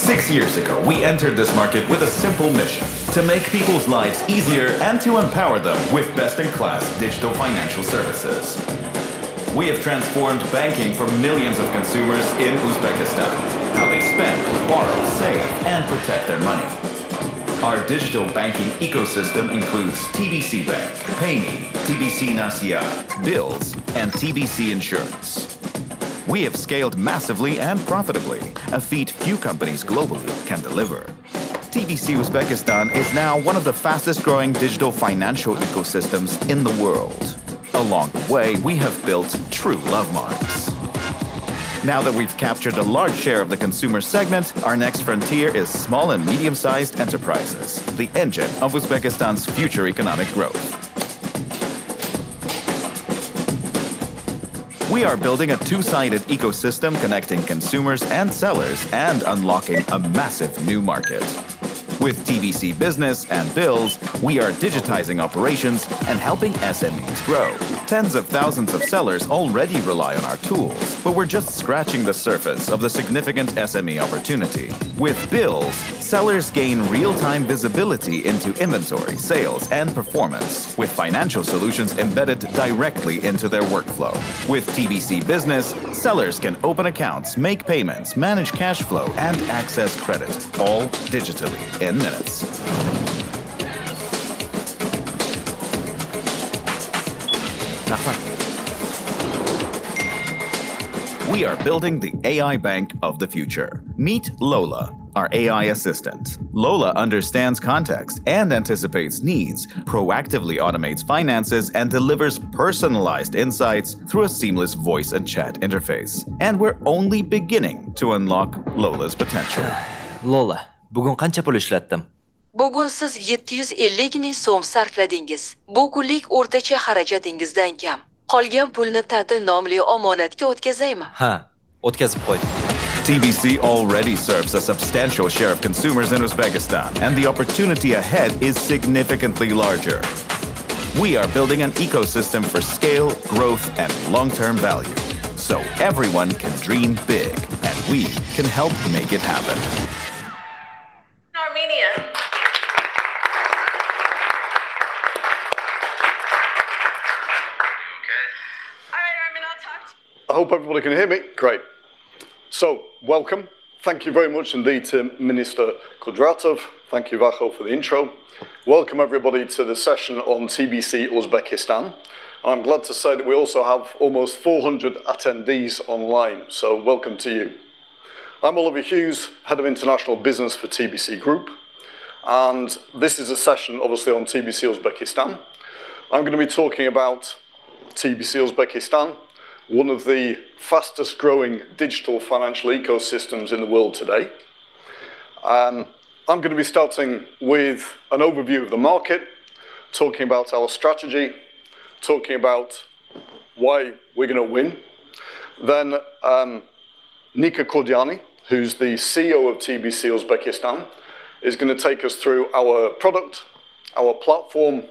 Six years ago, we entered this market with a simple mission: to make people's lives easier and to empower them with best-in-class digital financial services. We have transformed banking for millions of consumers in Uzbekistan, how they spend, borrow, save, and protect their money. Our digital banking ecosystem includes TBC Bank, Payme, TBC Nasiya, BILLZ, and TBC Insurance. We have scaled massively and profitably, a feat few companies globally can deliver. TBC Uzbekistan is now one of the fastest-growing digital financial ecosystems in the world. Along the way, we have built true love marks. Now that we've captured a large share of the consumer segment, our next frontier is small and medium-sized enterprises, the engine of Uzbekistan's future economic growth. We are building a two-sided ecosystem, connecting consumers and sellers and unlocking a massive new market. With TBC Business and BILLZ, we are digitizing operations and helping SMEs grow. Tens of thousands of sellers already rely on our tools, but we're just scratching the surface of the significant SME opportunity. With BILLZ, sellers gain real-time visibility into inventory, sales, and performance, with financial solutions embedded directly into their workflow. With TBC Business, sellers can open accounts, make payments, manage cash flow, and access credit, all digitally in minutes. We are building the AI bank of the future. Meet Lola, our AI assistant. Lola understands context and anticipates needs, proactively automates finances, and delivers personalized insights through a seamless voice and chat interface. We're only beginning to unlock Lola's potential. Lola, TBC already serves a substantial share of consumers in Uzbekistan, and the opportunity ahead is significantly larger. We are building an ecosystem for scale, growth, and long-term value, so everyone can dream big, and we can help make it happen. Armenia. Okay. All right, Armin, I'll talk to you- I hope everybody can hear me. Great. Welcome. Thank you very much indeed to Minister Kudratov. Thank you, Vakho, for the intro. Welcome, everybody, to the session on TBC Uzbekistan. I'm glad to say that we also have almost 400 attendees online, welcome to you. I'm Oliver Hughes, Head of International Business for TBC Group, this is a session, obviously, on TBC Uzbekistan. I'm gonna be talking about TBC Uzbekistan, one of the fastest-growing digital financial ecosystems in the world today. I'm gonna be starting with an overview of the market, talking about our strategy, talking about why we're gonna win. Nika Kordiani, who's the CEO of TBC Uzbekistan, is gonna take us through our product, our platform,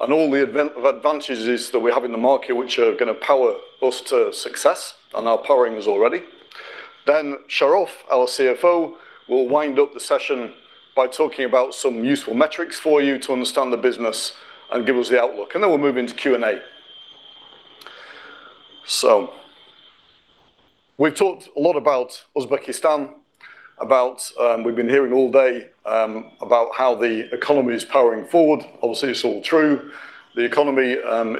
and all the advantages that we have in the market, which are gonna power us to success and are powering us already. Sharof, our CFO, will wind up the session by talking about some useful metrics for you to understand the business and give us the outlook, and then we'll move into Q&A. We've talked a lot about Uzbekistan. We've been hearing all day about how the economy is powering forward. Obviously, it's all true. The economy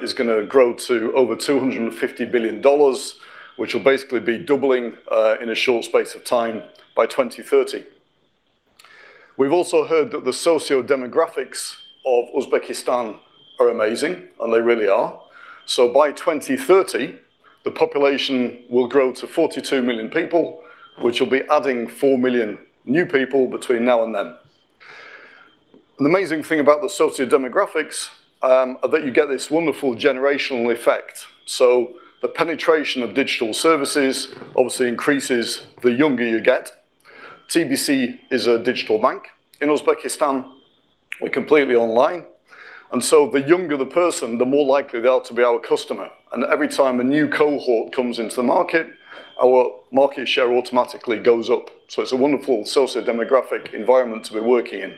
is gonna grow to over $250 billion, which will basically be doubling in a short space of time by 2030. We've also heard that the socio-demographics of Uzbekistan are amazing, and they really are. By 2030, the population will grow to 42 million people, which will be adding 4 million new people between now and then. The amazing thing about the socio-demographics are that you get this wonderful generational effect. The penetration of digital services obviously increases the younger you get. TBC is a digital bank in Uzbekistan. We're completely online, the younger the person, the more likely they are to be our customer, and every time a new cohort comes into the market, our market share automatically goes up. It's a wonderful socio-demographic environment to be working in.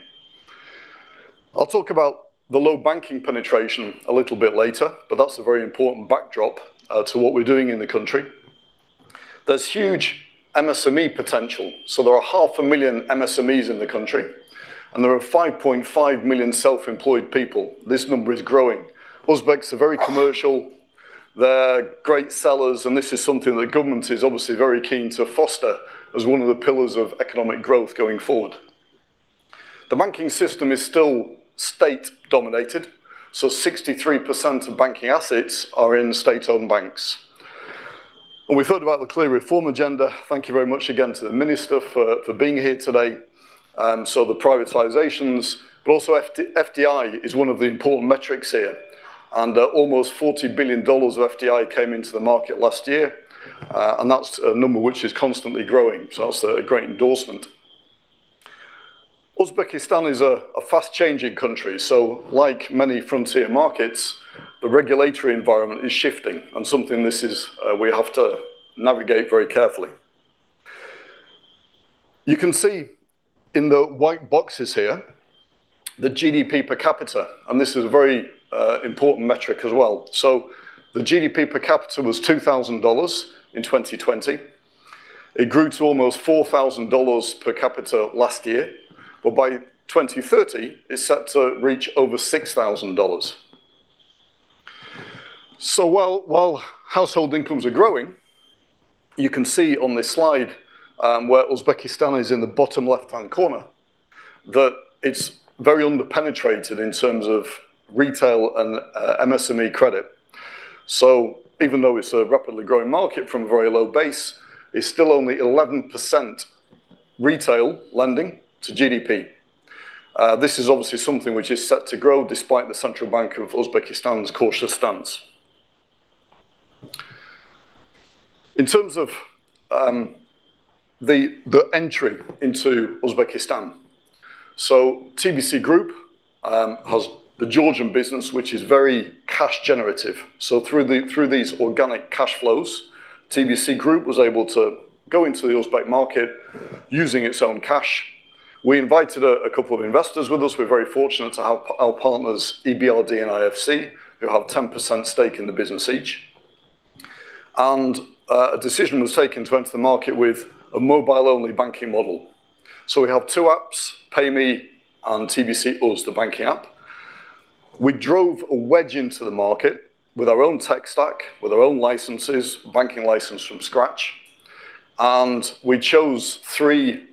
I'll talk about the low banking penetration a little bit later, that's a very important backdrop to what we're doing in the country. There's huge MSME potential, there are half a million MSMEs in the country, and there are 5.5 million self-employed people. This number is growing. Uzbeks are very commercial, they're great sellers, and this is something the government is obviously very keen to foster as one of the pillars of economic growth going forward. The banking system is still state-dominated, so 63% of banking assets are in state-owned banks. We've heard about the clear reform agenda. Thank you very much again to the Minister for being here today. The privatisations, but also FDI is one of the important metrics here, and almost $40 billion of FDI came into the market last year, and that's a number which is constantly growing, so that's a great endorsement. Uzbekistan is a fast-changing country, so like many frontier markets, the regulatory environment is shifting and something this is, we have to navigate very carefully. You can see in the white boxes here, the GDP per capita, and this is a very important metric as well. The GDP per capita was $2,000 in 2020. It grew to almost $4,000 per capita last year. By 2030, it's set to reach over $6,000. While household incomes are growing, you can see on this slide, where Uzbekistan is in the bottom left-hand corner, that it's very underpenetrated in terms of retail and MSME credit. Even though it's a rapidly growing market from a very low base, it's still only 11% retail lending to GDP. This is obviously something which is set to grow, despite the Central Bank of Uzbekistan's cautious stance. In terms of the entry into Uzbekistan, TBC Group has the Georgian business, which is very cash generative. Through these organic cash flows, TBC Group was able to go into the Uzbek market using its own cash. We invited a couple of investors with us. We're very fortunate to have our partners, EBRD and IFC, who have 10% stake in the business each. A decision was taken to enter the market with a mobile-only banking model. We have two apps, Payme and TBC UZ, the banking app. We drove a wedge into the market with our own tech stack, with our own licenses, banking license from scratch, and we chose three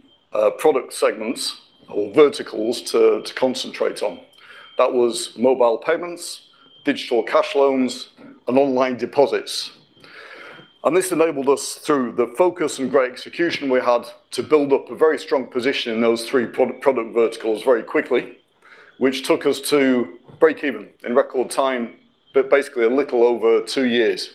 product segments or verticals to concentrate on. That was mobile payments, digital cash loans, and online deposits. This enabled us, through the focus and great execution we had, to build up a very strong position in those three product verticals very quickly, which took us to break even in record time, basically a little over two years.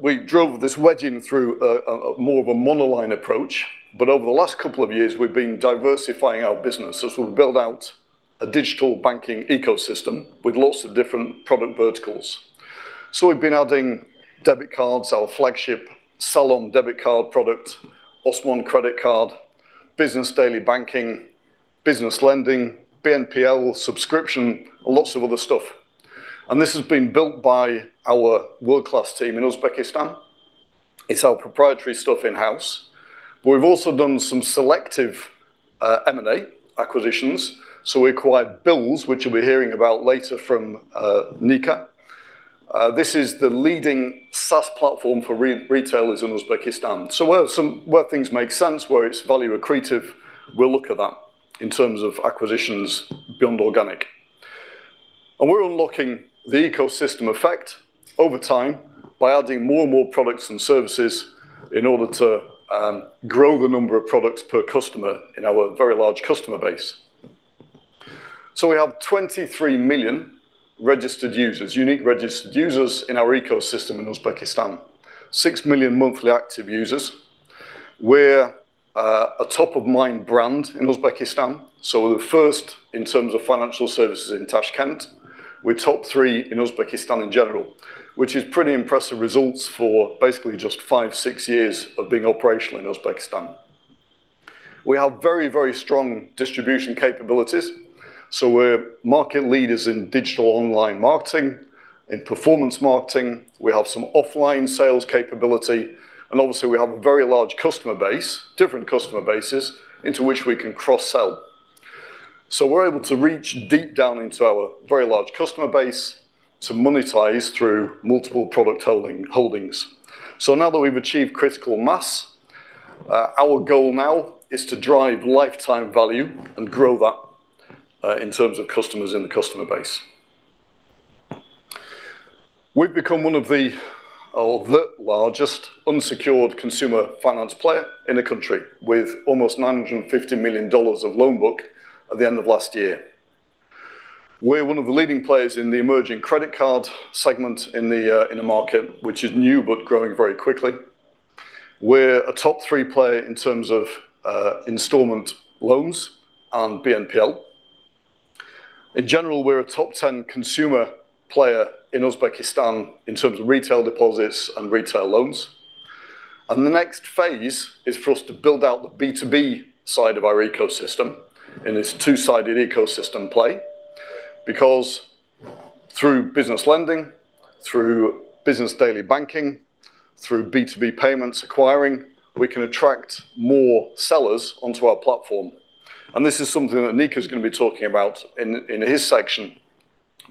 We drove this wedge in through a more of a monoline approach, but over the last couple of years, we've been diversifying our business. We've built out a digital banking ecosystem with lots of different product verticals. We've been adding debit cards, our flagship Salom debit card product, Osman credit card, business daily banking, business lending, BNPL, subscription, and lots of other stuff. This has been built by our world-class team in Uzbekistan. It's our proprietary stuff in-house, but we've also done some selective M&A acquisitions. We acquired BILLZ, which you'll be hearing about later from Nika. This is the leading SaaS platform for retail in Uzbekistan. Where things make sense, where it's value accretive, we'll look at that in terms of acquisitions beyond organic. We're unlocking the ecosystem effect over time by adding more and more products and services in order to grow the number of products per customer in our very large customer base. We have 23 million registered users, unique registered users in our ecosystem in Uzbekistan, 6 million monthly active users. We're a top-of-mind brand in Uzbekistan, we're the first in terms of financial services in Tashkent. We're top three in Uzbekistan in general, which is pretty impressive results for basically just 5-6 years of being operational in Uzbekistan. We have very strong distribution capabilities. We're market leaders in digital online marketing and performance marketing. We have some offline sales capability, and obviously, we have a very large customer base, different customer bases into which we can cross-sell. We're able to reach deep down into our very large customer base to monetize through multiple product holdings. Now that we've achieved critical mass, our goal now is to drive lifetime value and grow that in terms of customers in the customer base. We've become the largest unsecured consumer finance player in the country, with almost $950 million of loan book at the end of last year. We're one of the leading players in the emerging credit card segment in the market, which is new, but growing very quickly. We're a top three player in terms of installment loans and BNPL. In general, we're a top 10 consumer player in Uzbekistan in terms of retail deposits and retail loans. The next phase is for us to build out the B2B side of our ecosystem, in this two-sided ecosystem play, because through business lending, through business daily banking, through B2B payments acquiring, we can attract more sellers onto our platform, and this is something that Nika is gonna be talking about in his section.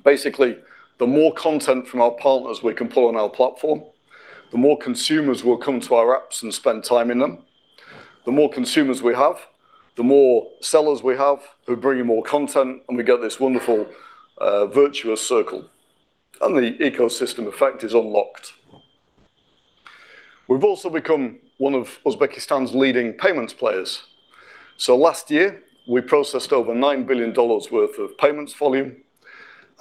Basically, the more content from our partners we can pull on our platform, the more consumers will come to our apps and spend time in them. The more consumers we have, the more sellers we have, who bring in more content, we get this wonderful virtuous circle, the ecosystem effect is unlocked. We've also become one of Uzbekistan's leading payments players. Last year, we processed over $9 billion worth of payments volume,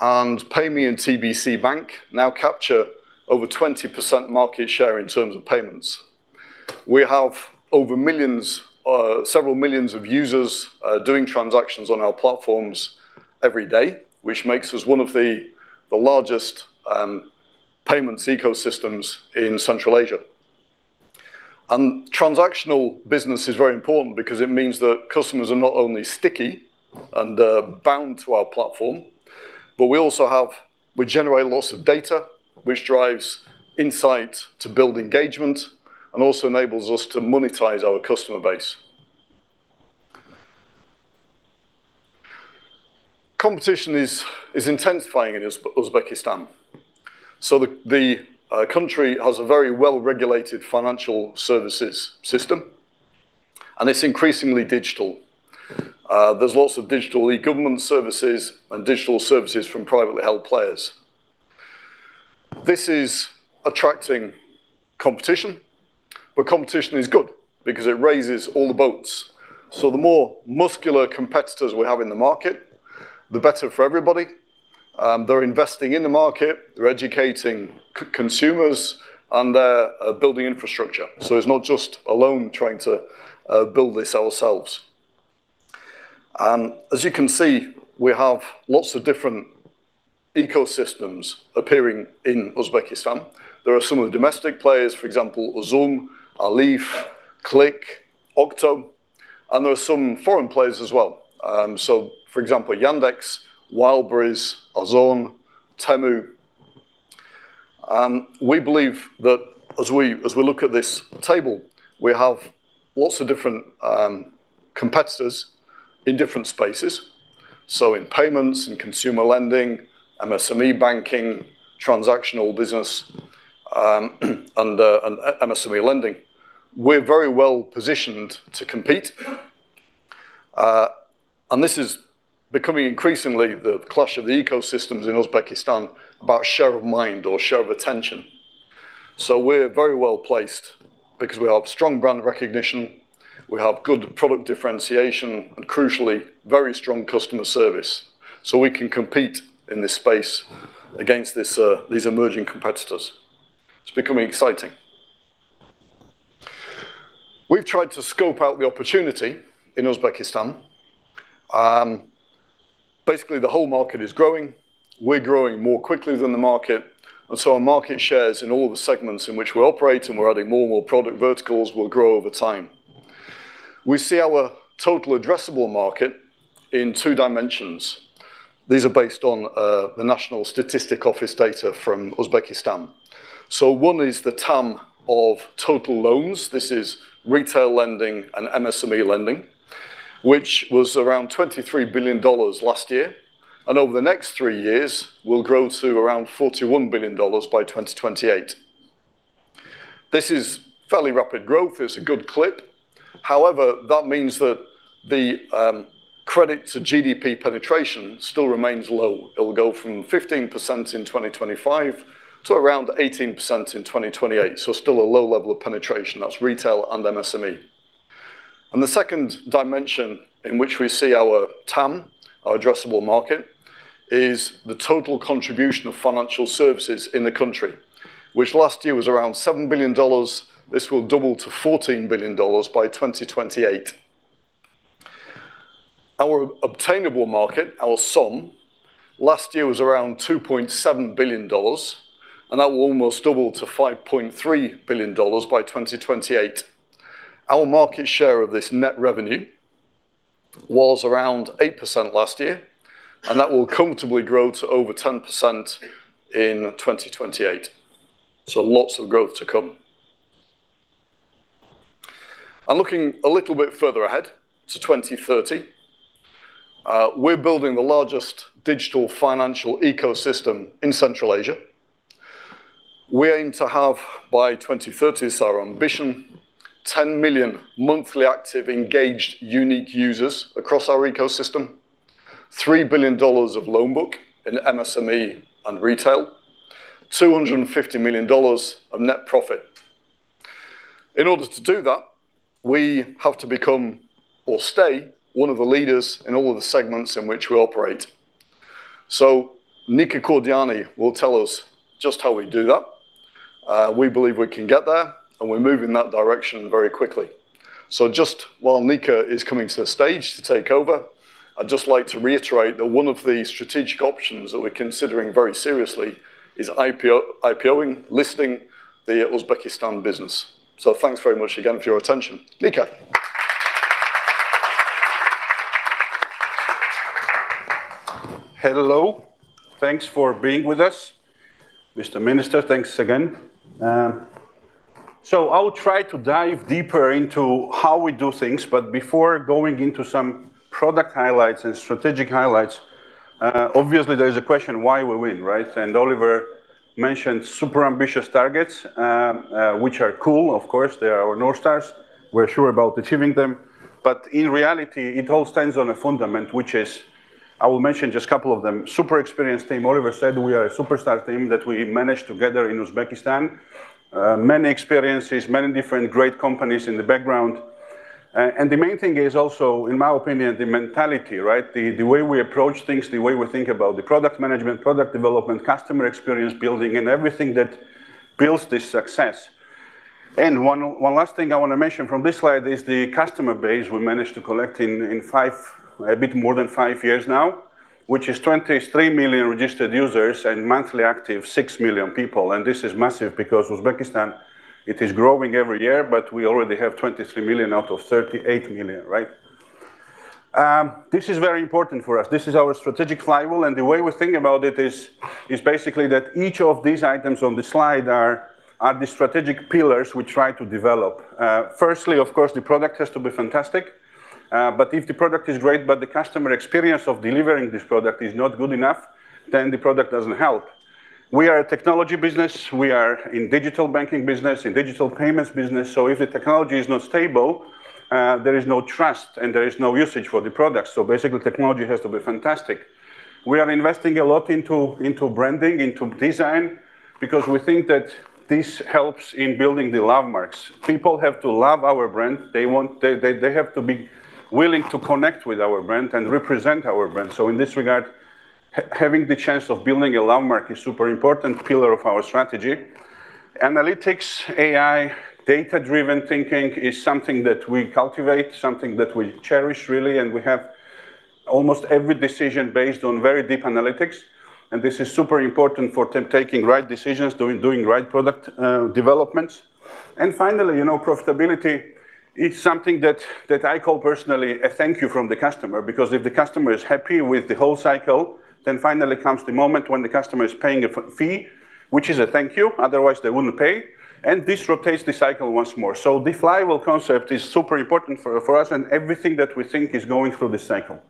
Payme and TBC Bank now capture over 20% market share in terms of payments. We have over several million users doing transactions on our platforms every day, which makes us one of the largest payments ecosystems in Central Asia. Transactional business is very important because it means that customers are not only sticky and bound to our platform, but we generate lots of data, which drives insight to build engagement and also enables us to monetize our customer base. Competition is intensifying in Uzbekistan. The country has a very well-regulated financial services system, and it's increasingly digital. There's lots of digital e-government services and digital services from privately held players. This is attracting competition, but competition is good because it raises all the boats. The more muscular competitors we have in the market, the better for everybody. They're investing in the market, they're educating consumers, they're building infrastructure. It's not just alone trying to build this ourselves. As you can see, we have lots of different ecosystems appearing in Uzbekistan. There are some of the domestic players, for example, Uzum, Alif, Click, Oktob, there are some foreign players as well. For example, Yandex, Wildberries, Ozon, Temu. We believe that as we look at this table, we have lots of different competitors in different spaces. In payments, in consumer lending, MSME banking, transactional business, MSME lending, we're very well positioned to compete. This is becoming increasingly the clash of the ecosystems in Uzbekistan about share of mind or share of attention. We're very well-placed because we have strong brand recognition, we have good product differentiation, and crucially, very strong customer service, so we can compete in this space against these emerging competitors. It's becoming exciting. We've tried to scope out the opportunity in Uzbekistan. Basically, the whole market is growing. We're growing more quickly than the market, our market shares in all the segments in which we operate, and we're adding more and more product verticals will grow over time. We see our total addressable market in two dimensions. These are based on the National Statistics Office data from Uzbekistan. One is the TAM of total loans. This is retail lending and MSME lending, which was around $23 billion last year, and over the next 3 years, will grow to around $41 billion by 2028. This is fairly rapid growth. It's a good clip. That means that the credit to GDP penetration still remains low. It'll go from 15% in 2025 to around 18% in 2028. Still a low level of penetration, that's retail and MSME. The second dimension in which we see our TAM, our addressable market, is the total contribution of financial services in the country, which last year was around $7 billion. This will double to $14 billion by 2028. Our obtainable market, our SOM, last year was around $2.7 billion, and that will almost double to $5.3 billion by 2028. Our market share of this net revenue was around 8% last year, and that will comfortably grow to over 10% in 2028. Lots of growth to come. Looking a little bit further ahead to 2030, we're building the largest digital financial ecosystem in Central Asia. We aim to have by 2030, it's our ambition, 10 million monthly active, engaged, unique users across our ecosystem, $3 billion of loan book in MSME and retail, $250 million of net profit. In order to do that, we have to become or stay one of the leaders in all of the segments in which we operate. Nika Kurdiani will tell us just how we do that. We believe we can get there, and we're moving in that direction very quickly. Just while Nika is coming to the stage to take over, I'd just like to reiterate that one of the strategic options that we're considering very seriously is IPO, IPOing, listing the Uzbekistan business. Thanks very much again for your attention. Nika. Hello, thanks for being with us. Mr. Minister, thanks again. I will try to dive deeper into how we do things, but before going into some product highlights and strategic highlights, obviously, there is a question why we win, right? Oliver mentioned super ambitious targets, which are cool. Of course, they are our North Stars. We're sure about achieving them. In reality, it all stands on a fundament, which is, I will mention just a couple of them. Super experienced team. Oliver said we are a superstar team that we managed together in Uzbekistan. Many experiences, many different great companies in the background. The main thing is also, in my opinion, the mentality, right? The way we approach things, the way we think about the product management, product development, customer experience building, and everything that builds this success. One last thing I want to mention from this slide is the customer base we managed to collect in a bit more than 5 years now, which is 23 million registered users and monthly active, 6 million people. This is massive because Uzbekistan, it is growing every year, but we already have 23 million out of 38 million, right? This is very important for us. This is our strategic flywheel, and the way we think about it is basically that each of these items on the slide are the strategic pillars we try to develop. Firstly, of course, the product has to be fantastic, but if the product is great, but the customer experience of delivering this product is not good enough, then the product doesn't help. We are a technology business. We are in digital banking business, in digital payments business. If the technology is not stable, there is no trust and there is no usage for the product. Basically, technology has to be fantastic. We are investing a lot into branding, into design, because we think that this helps in building the love marks. People have to love our brand. They have to be willing to connect with our brand and represent our brand. In this regard, having the chance of building a love mark is super important pillar of our strategy. Analytics, AI, data-driven thinking is something that we cultivate, something that we cherish really, and we have almost every decision based on very deep analytics, and this is super important for taking right decisions, doing right product, developments. Finally, you know, profitability is something that I call personally a thank you from the customer, because if the customer is happy with the whole cycle, then finally comes the moment when the customer is paying a fee, which is a thank you, otherwise, they wouldn't pay, and this rotates the cycle once more. The flywheel concept is super important for us, and everything that we think is going through this cycle.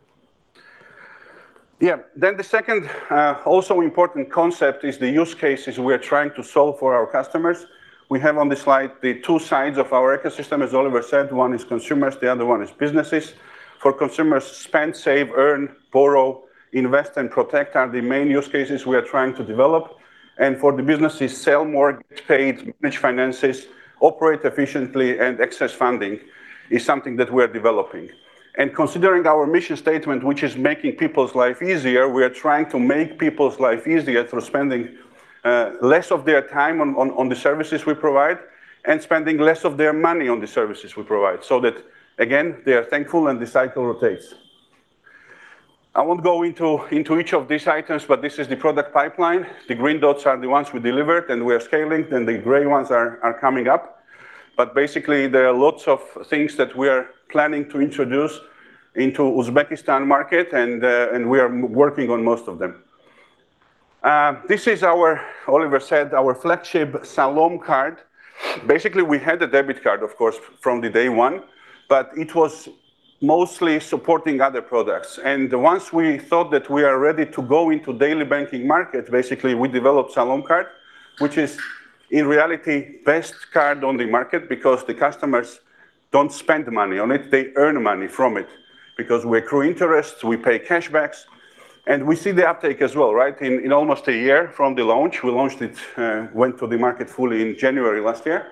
The second also important concept is the use cases we are trying to solve for our customers. We have on this slide the two sides of our ecosystem. As Oliver said, one is consumers, the other one is businesses. For consumers, spend, save, earn, borrow, invest, and protect are the main use cases we are trying to develop. For the businesses, sell more, get paid, manage finances, operate efficiently, and access funding is something that we are developing. Considering our mission statement, which is making people's life easier, we are trying to make people's life easier through spending less of their time on the services we provide, and spending less of their money on the services we provide, so that, again, they are thankful and the cycle rotates. I won't go into each of these items, but this is the product pipeline. The green dots are the ones we delivered, and we are scaling, and the gray ones are coming up. Basically, there are lots of things that we are planning to introduce into Uzbekistan market, and we are working on most of them. This is our, Oliver said, our flagship Salom Card. Basically, we had a debit card, of course, from the day one, but it was mostly supporting other products. Once we thought that we are ready to go into daily banking market, basically, we developed Salom Card, which is in reality, best card on the market because the customers don't spend money on it, they earn money from it. We accrue interest, we pay cash backs, and we see the uptake as well, right? In almost a year from the launch, we launched it, went to the market fully in January last year.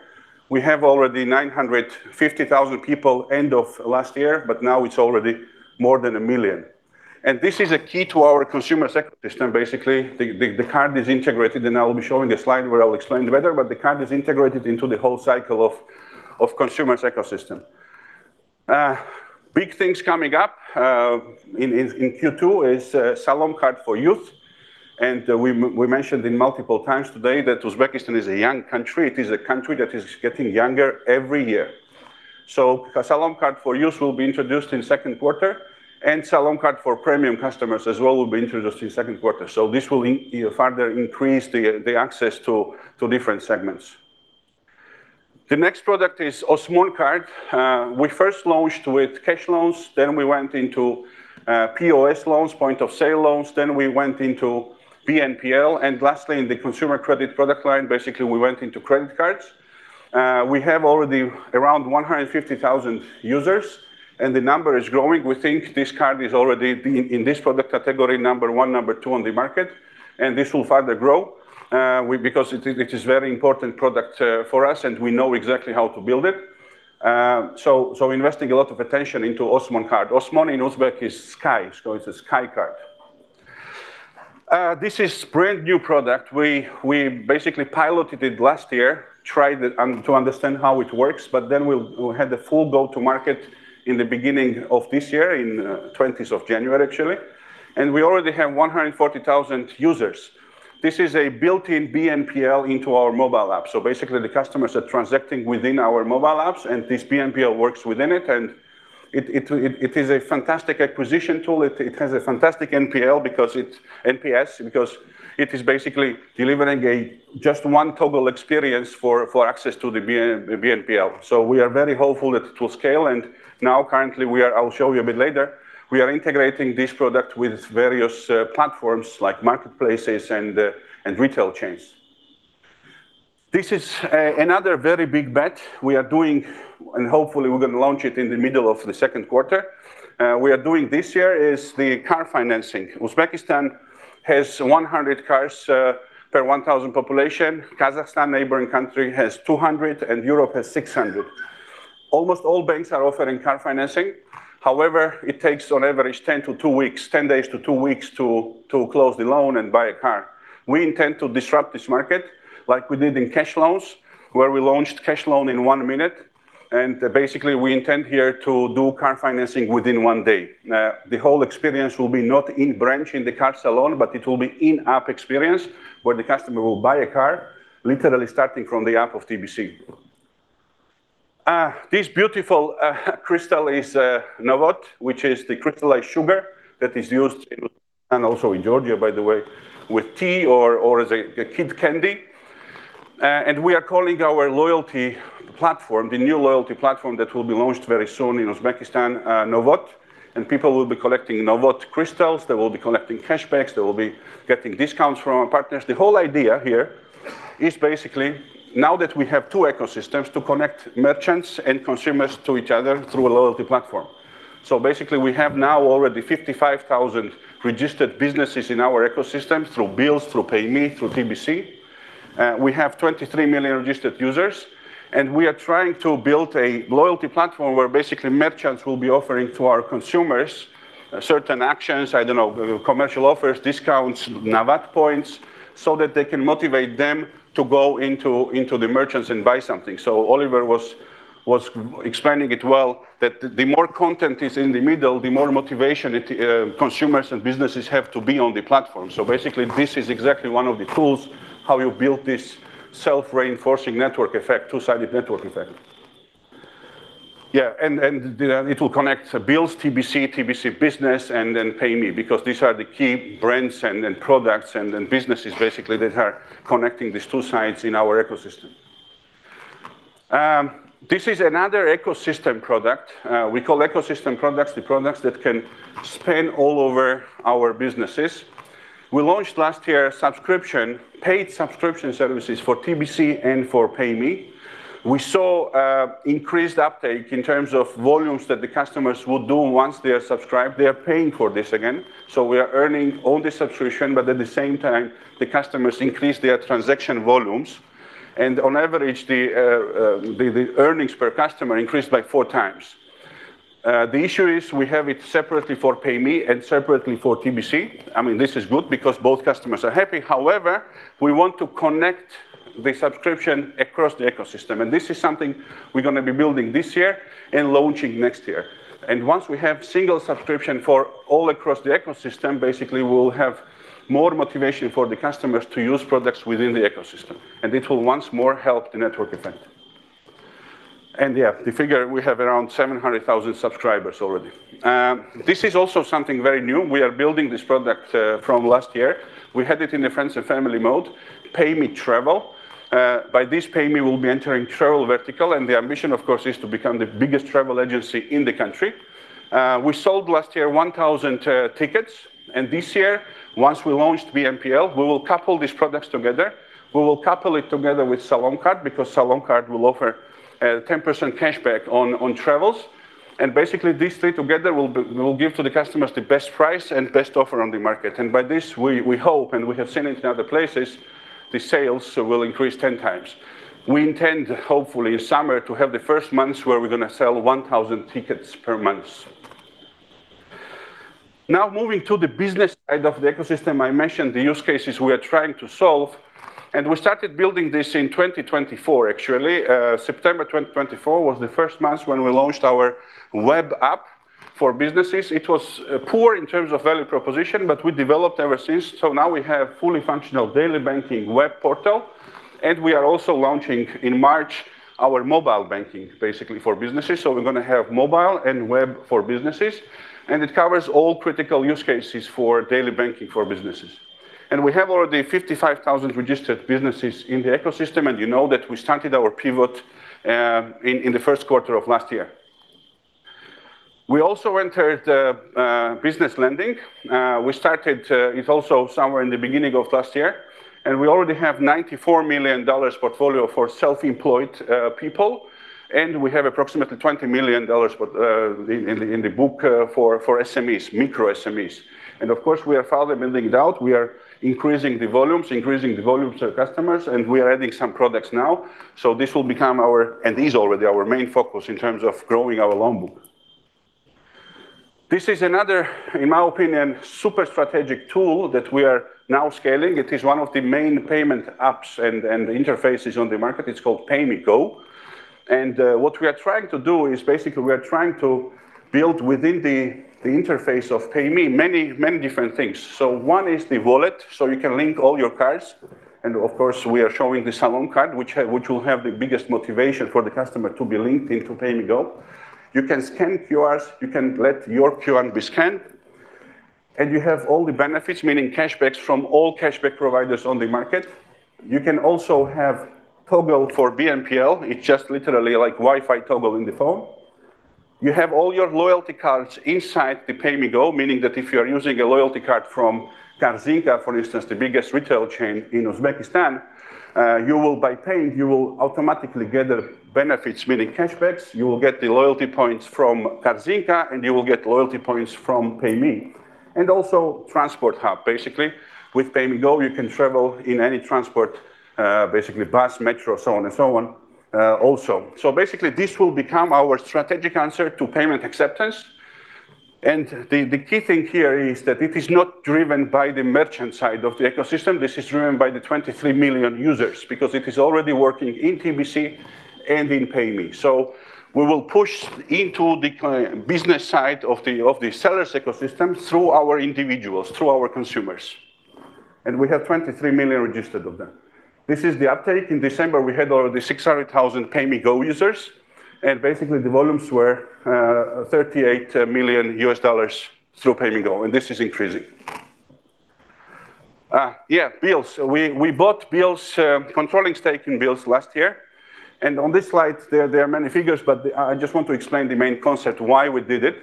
We have already 950,000 people end of last year, but now it's already more than 1 million. This is a key to our consumer ecosystem. Basically, the card is integrated, and I will be showing a slide where I'll explain better, but the card is integrated into the whole cycle of consumer's ecosystem. Big things coming up in Q2 is Salom Card for Youth. We mentioned multiple times today that Uzbekistan is a young country. It is a country that is getting younger every year. Salom Card for Youth will be introduced in second quarter, and Salom Card for premium customers as well will be introduced in second quarter. This will further increase the access to different segments. The next product is Osmon Card. We first launched with cash loans, we went into POS loans, point of sale loans, we went into BNPL, lastly, in the consumer credit product line, basically, we went into credit cards. We have already around 150,000 users. The number is growing. We think this card is already, in this product category, number one, number two on the market. This will further grow because it is very important product for us, and we know exactly how to build it. Investing a lot of attention into Osmon Card. Osmon in Uzbek is sky, so it's a sky card. This is brand-new product. We basically piloted it last year, tried it to understand how it works, we had the full go-to-market in the beginning of this year, in 20th of January, actually. We already have 140,000 users. This is a built-in BNPL into our mobile app. Basically, the customers are transacting within our mobile apps, and this BNPL works within it, and it is a fantastic acquisition tool. It has a fantastic NPS, because it is basically delivering a just one total experience for access to the BNPL. We are very hopeful that it will scale, and now currently, I will show you a bit later, we are integrating this product with various platforms like marketplaces and retail chains. This is another very big bet we are doing, and hopefully, we're gonna launch it in the middle of the second quarter. We are doing this year is the car financing. Uzbekistan has 100 cars per 1,000 population. Kazakhstan, neighboring country, has 200, and Europe has 600. Almost all banks are offering car financing. However, it takes on average 10 days to two weeks, 10 days to two weeks to close the loan and buy a car. We intend to disrupt this market like we did in cash loans, where we launched cash loan in two minute, and basically, we intend here to do car financing within one day. The whole experience will be not in branch in the car salon, but it will be in-app experience, where the customer will buy a car, literally starting from the app of TBC. This beautiful crystal is Navat, which is the crystallized sugar that is used in, and also in Georgia, by the way, with tea or as a kid candy. We are calling our loyalty platform, the new loyalty platform that will be launched very soon in Uzbekistan, Navat, and people will be collecting Navat crystals. They will be collecting cashbacks. They will be getting discounts from our partners. The whole idea here is basically, now that we have two ecosystems, to connect merchants and consumers to each other through a loyalty platform. Basically, we have now already 55,000 registered businesses in our ecosystem through BILLZ, through Payme, through TBC. We have 23 million registered users, we are trying to build a loyalty platform where basically merchants will be offering to our consumers certain actions, I don't know, commercial offers, discounts, Navat points, so that they can motivate them to go into the merchants and buy something. Oliver was explaining it well, that the more content is in the middle, the more motivation it consumers and businesses have to be on the platform. This is exactly one of the tools how you build this self-reinforcing network effect, two-sided network effect. It will connect BILLZ, TBC Business, Payme, because these are the key brands and products and businesses, basically, that are connecting these two sides in our ecosystem. This is another ecosystem product. We call ecosystem products the products that can span all over our businesses. We launched last year, subscription, paid subscription services for TBC and for Payme. We saw increased uptake in terms of volumes that the customers will do once they are subscribed. They are paying for this again, so we are earning all the subscription, but at the same time, the customers increase their transaction volumes, and on average, the earnings per customer increased by four times. The issue is we have it separately for Payme and separately for TBC. I mean, this is good because both customers are happy. We want to connect the subscription across the ecosystem, and this is something we're gonna be building this year and launching next year. Once we have single subscription for all across the ecosystem, basically, we'll have more motivation for the customers to use products within the ecosystem, and it will once more help the network effect. Yeah, the figure, we have around 700,000 subscribers already. This is also something very new. We are building this product from last year. We had it in a friends and family mode, Payme travel. By this, Payme will be entering travel vertical, and the ambition, of course, is to become the biggest travel agency in the country. We sold last year 1,000 tickets, and this year, once we launch BNPL, we will couple these products together. We will couple it together with Salom Card because Salom Card will offer 10% cashback on travels, and basically, these three together will give to the customers the best price and best offer on the market. By this, we hope, and we have seen it in other places, the sales will increase 10 times. We intend to hopefully in summer to have the first months where we're gonna sell 1,000 tickets per month. Now, moving to the business side of the ecosystem, I mentioned the use cases we are trying to solve, and we started building this in 2024 actually. September 2024 was the first month when we launched our web app for businesses. It was poor in terms of value proposition, but we developed ever since. Now we have fully functional daily banking web portal. We are also launching in March our mobile banking, basically for businesses. We're gonna have mobile and web for businesses. It covers all critical use cases for daily banking for businesses. We have already 55,000 registered businesses in the ecosystem. You know that we started our pivot in the first quarter of last year. We also entered business lending. We started it also somewhere in the beginning of last year. We already have $94 million portfolio for self-employed people. We have approximately $20 million, but in the book for SMEs, micro SMEs. Of course, we are further building it out. We are increasing the volumes, increasing the volumes of customers. We are adding some products now. This will become our... and is already our main focus in terms of growing our loan book. This is another, in my opinion, super strategic tool that we are now scaling. It is one of the main payment apps and interfaces on the market. It's called Payme Go. What we are trying to do is we are trying to build within the interface of Payme many, many different things. One is the wallet, so you can link all your cards, and of course, we are showing the Salom Card, which will have the biggest motivation for the customer to be linked into Payme Go. You can scan QRs, you can let your QR be scanned, and you have all the benefits, meaning cashbacks from all cashback providers on the market. You can also have toggle for BNPL. It's just literally like Wi-Fi toggle in the phone. You have all your loyalty cards inside the Payme Go, meaning that if you are using a loyalty card from Korzinka, for instance, the biggest retail chain in Uzbekistan, you will by paying, you will automatically get the benefits, meaning cashbacks. You will get the loyalty points from Korzinka, and you will get loyalty points from Payme. Also transport hub. Basically, with Payme Go, you can travel in any transport, basically bus, metro, so on and so on, also. Basically, this will become our strategic answer to payment acceptance, and the key thing here is that it is not driven by the merchant side of the ecosystem. This is driven by the 23 million users, because it is already working in TBC and in Payme. We will push into the business side of the, of the sellers' ecosystem through our individuals, through our consumers, and we have 23 million registered of them. This is the uptake. In December, we had already 600,000 Payme Go users, basically, the volumes were $38 million through Payme Go, this is increasing. Yeah, BILLZ. We, we bought BILLZ, controlling stake in BILLZ last year, on this slide, there are many figures, I just want to explain the main concept, why we did it.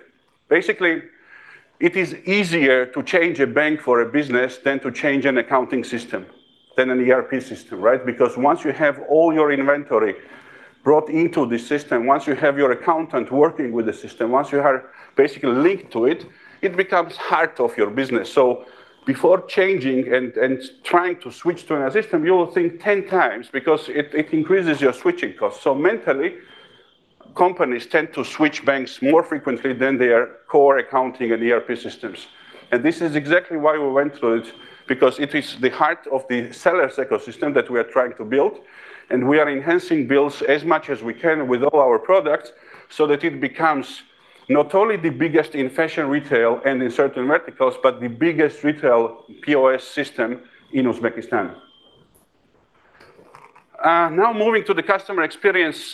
It is easier to change a bank for a business than to change an accounting system than an ERP system, right? Because once you have all your inventory brought into the system, once you have your accountant working with the system, once you are basically linked to it becomes heart of your business. Before changing and trying to switch to an system, you will think 10 times because it increases your switching costs. Mentally, companies tend to switch banks more frequently than their core accounting and ERP systems. This is exactly why we went through it, because it is the heart of the sellers' ecosystem that we are trying to build, and we are enhancing BILLZ as much as we can with all our products so that it becomes not only the biggest in fashion retail and in certain verticals, but the biggest retail POS system in Uzbekistan. Now moving to the customer experience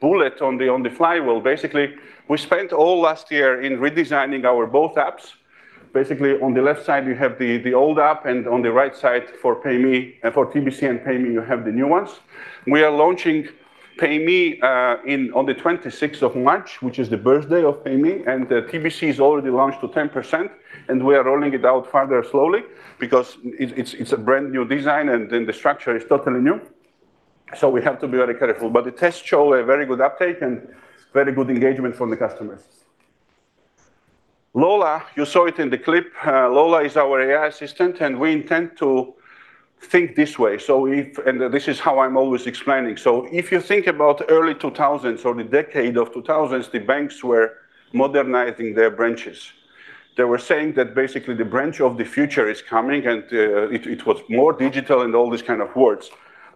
bullet on the flywheel. We spent all last year in redesigning our both apps. On the left side, you have the old app, and on the right side, for Payme, for TBC and Payme, you have the new ones. We are launching Payme on the 26th of March, which is the birthday of Payme, and the TBC is already launched to 10%, and we are rolling it out farther slowly because it's a brand-new design, and then the structure is totally new, so we have to be very careful. The tests show a very good uptake and very good engagement from the customers. Lola, you saw it in the clip. Lola is our AI assistant, and we intend to think this way. If... This is how I'm always explaining. If you think about early 2000s or the decade of 2000s, the banks were modernizing their branches. They were saying that basically the branch of the future is coming, and it was more digital and all these kind of words.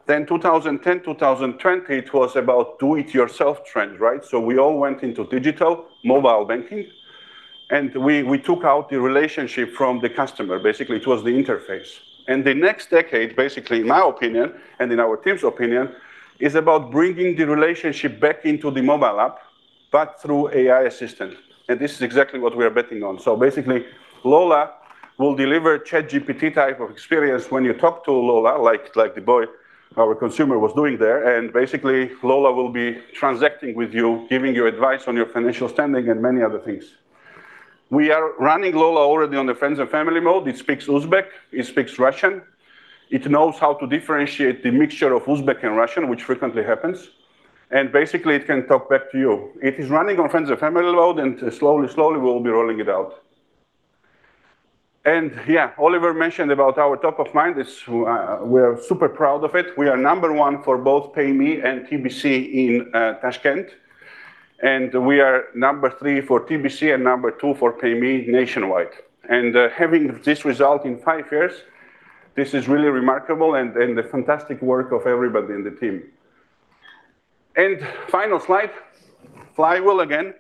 2010, 2020, it was about do it yourself trend, right? We all went into digital, mobile banking. We took out the relationship from the customer. Basically, it was the interface. The next decade, basically, in my opinion, and in our team's opinion, is about bringing the relationship back into the mobile app, but through AI assistant. This is exactly what we are betting on. Basically, Lola will deliver ChatGPT type of experience when you talk to Lola, like the boy, our consumer was doing there, and basically, Lola will be transacting with you, giving you advice on your financial standing and many other things. We are running Lola already on the friends and family mode. It speaks Uzbek, it speaks Russian. It knows how to differentiate the mixture of Uzbek and Russian, which frequently happens, and basically, it can talk back to you. It is running on friends and family mode, and slowly, we will be rolling it out. Yeah, Oliver mentioned about our top of mind is, we are super proud of it. We are number one for both PayMe and TBC in Tashkent, and we are number three for TBC and number two for PayMe nationwide. Having this result in five years, this is really remarkable and the fantastic work of everybody in the team. Final slide, flywheel again,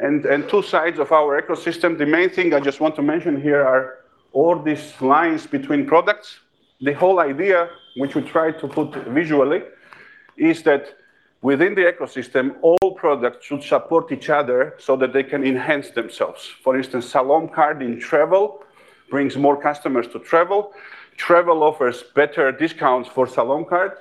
and two sides of our ecosystem. The main thing I just want to mention here are all these lines between products. The whole idea, which we try to put visually, is that within the ecosystem, all products should support each other so that they can enhance themselves. For instance, Salom Card in travel brings more customers to travel. Travel offers better discounts for Salom Card.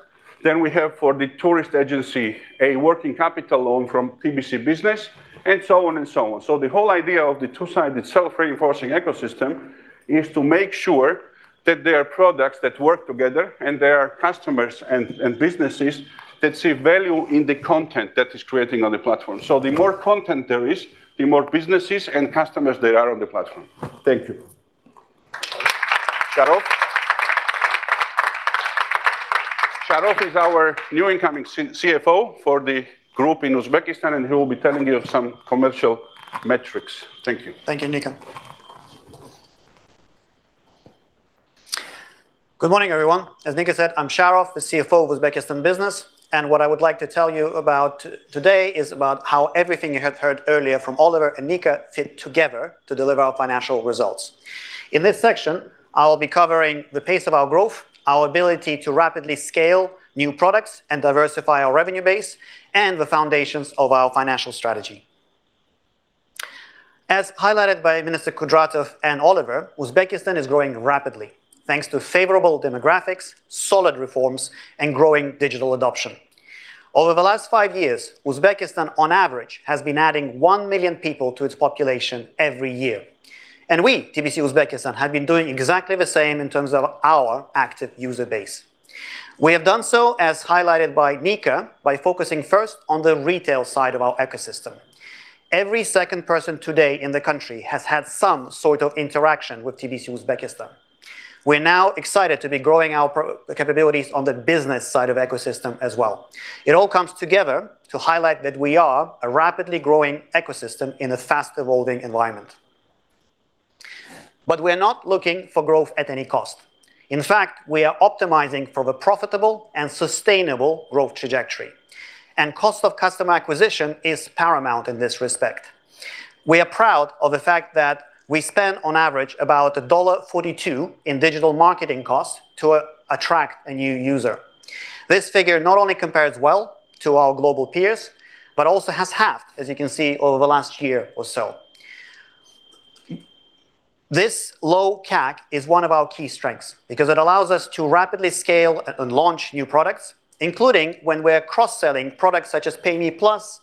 We have for the tourist agency, a working capital loan from TBC Business, and so on and so on. The whole idea of the two-sided self-reinforcing ecosystem is to make sure that there are products that work together and there are customers and businesses that see value in the content that is creating on the platform. The more content there is, the more businesses and customers there are on the platform. Thank you. Sharof? Sharof is our new incoming CFO for the group in Uzbekistan, and he will be telling you of some commercial metrics. Thank you. Thank you, Nika. Good morning, everyone. As Nika said, I'm Sharof, the CFO of Uzbekistan Business, and what I would like to tell you about today is about how everything you have heard earlier from Oliver and Nika fit together to deliver our financial results. In this section, I will be covering the pace of our growth, our ability to rapidly scale new products and diversify our revenue base, and the foundations of our financial strategy. As highlighted by Minister Kudratov and Oliver, Uzbekistan is growing rapidly, thanks to favorable demographics, solid reforms, and growing digital adoption. Over the last five years, Uzbekistan, on average, has been adding one million people to its population every year, and we, TBC Uzbekistan, have been doing exactly the same in terms of our active user base. We have done so, as highlighted by Nika, by focusing first on the retail side of our ecosystem. Every second person today in the country has had some sort of interaction with TBC Uzbekistan. We're now excited to be growing our capabilities on the business side of ecosystem as well. It all comes together to highlight that we are a rapidly growing ecosystem in a fast-evolving environment. We are not looking for growth at any cost. In fact, we are optimizing for the profitable and sustainable growth trajectory, and cost of customer acquisition is paramount in this respect. We are proud of the fact that we spend, on average, about $1.42 in digital marketing costs to attract a new user. This figure not only compares well to our global peers, but also has halved, as you can see, over the last year or so. This low CAC is one of our key strengths because it allows us to rapidly scale and launch new products, including when we're cross-selling products such as PayMe+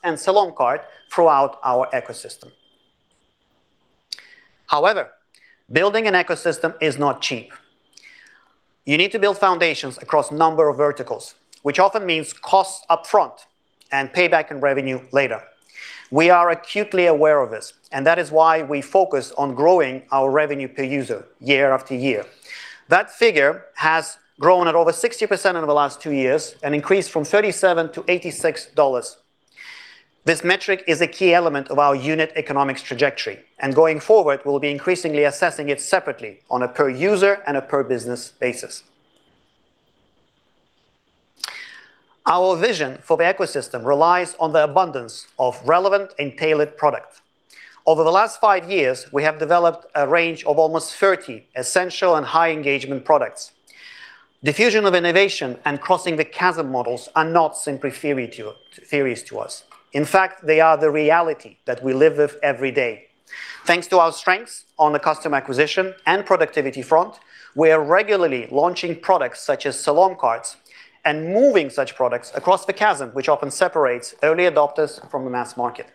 and Salom Card throughout our ecosystem. However, building an ecosystem is not cheap. You need to build foundations across a number of verticals, which often means costs up front and payback and revenue later. We are acutely aware of this, and that is why we focus on growing our revenue per user year after year. That figure has grown at over 60% over the last two years and increased from $37 to $86. This metric is a key element of our unit economics trajectory, and going forward, we'll be increasingly assessing it separately on a per-user and a per-business basis. Our vision for the ecosystem relies on the abundance of relevant and tailored products. Over the last five years, we have developed a range of almost 30 essential and high-engagement products. diffusion of innovation and crossing the chasm models are not simply theories to us. In fact, they are the reality that we live with every day. Thanks to our strengths on the customer acquisition and productivity front, we are regularly launching products such as Salom Card and moving such products across the chasm, which often separates early adopters from the mass market.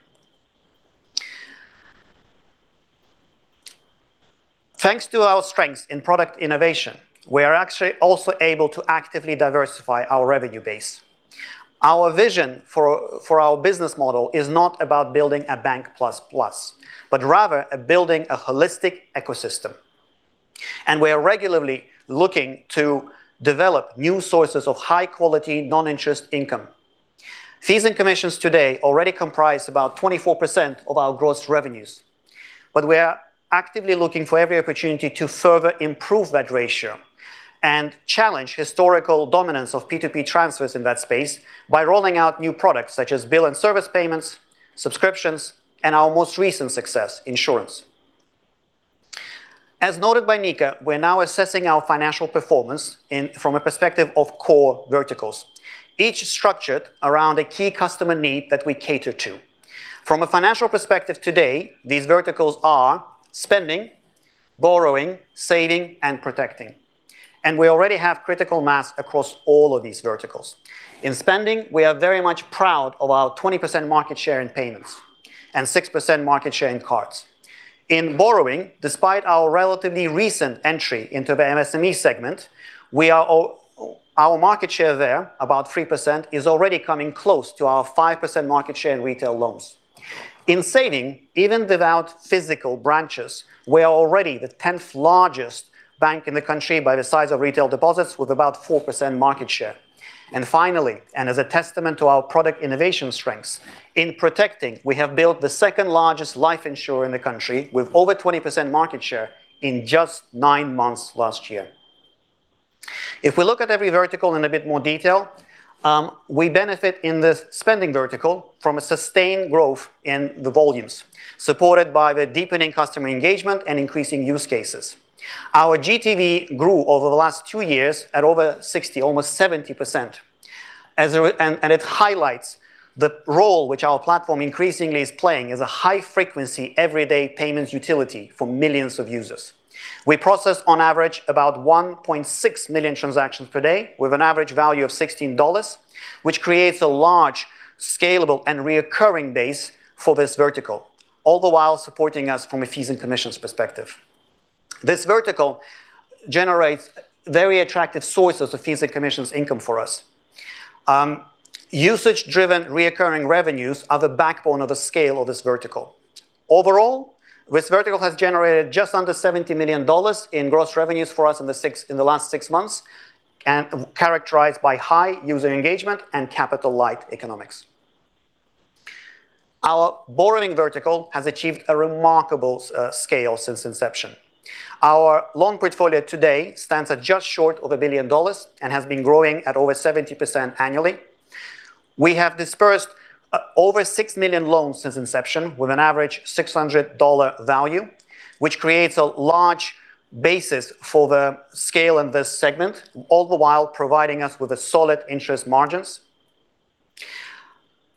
Thanks to our strengths in product innovation, we are actually also able to actively diversify our revenue base. Our vision for our business model is not about building a bank plus plus, but rather building a holistic ecosystem, and we are regularly looking to develop new sources of high-quality, non-interest income. Fees and commissions today already comprise about 24% of our gross revenues. We are actively looking for every opportunity to further improve that ratio and challenge historical dominance of P2P transfers in that space by rolling out new products such as bill and service payments, subscriptions, and our most recent success, insurance. As noted by Nika, we're now assessing our financial performance from a perspective of core verticals, each structured around a key customer need that we cater to. From a financial perspective today, these verticals are spending, borrowing, saving, and protecting. We already have critical mass across all of these verticals. In spending, we are very much proud of our 20% market share in payments and 6% market share in cards. In borrowing, despite our relatively recent entry into the MSME segment, our market share there, about 3%, is already coming close to our 5% market share in retail loans. In saving, even without physical branches, we are already the 10th largest bank in the country by the size of retail deposits, with about 4% market share. Finally, as a testament to our product innovation strengths, in protecting, we have built the 2nd largest life insurer in the country, with over 20% market share in just nine months last year. If we look at every vertical in a bit more detail, we benefit in the spending vertical from a sustained growth in the volumes, supported by the deepening customer engagement and increasing use cases. Our GTV grew over the last two years at over 60%, almost 70%, and it highlights the role which our platform increasingly is playing as a high-frequency, everyday payments utility for millions of users. We process, on average, about 1.6 million transactions per day, with an average value of $16, which creates a large, scalable, and reoccurring base for this vertical, all the while supporting us from a fees and commissions perspective. This vertical generates very attractive sources of fees and commissions income for us. Usage-driven reoccurring revenues are the backbone of the scale of this vertical. Overall, this vertical has generated just under $70 million in gross revenues for us in the last 6 months, and characterized by high user engagement and capital-light economics. Our borrowing vertical has achieved a remarkable scale since inception. Our loan portfolio today stands at just short of $1 billion and has been growing at over 70% annually. We have disbursed over 6 million loans since inception, with an average $600 value, which creates a large basis for the scale in this segment, all the while providing us with a solid interest margins.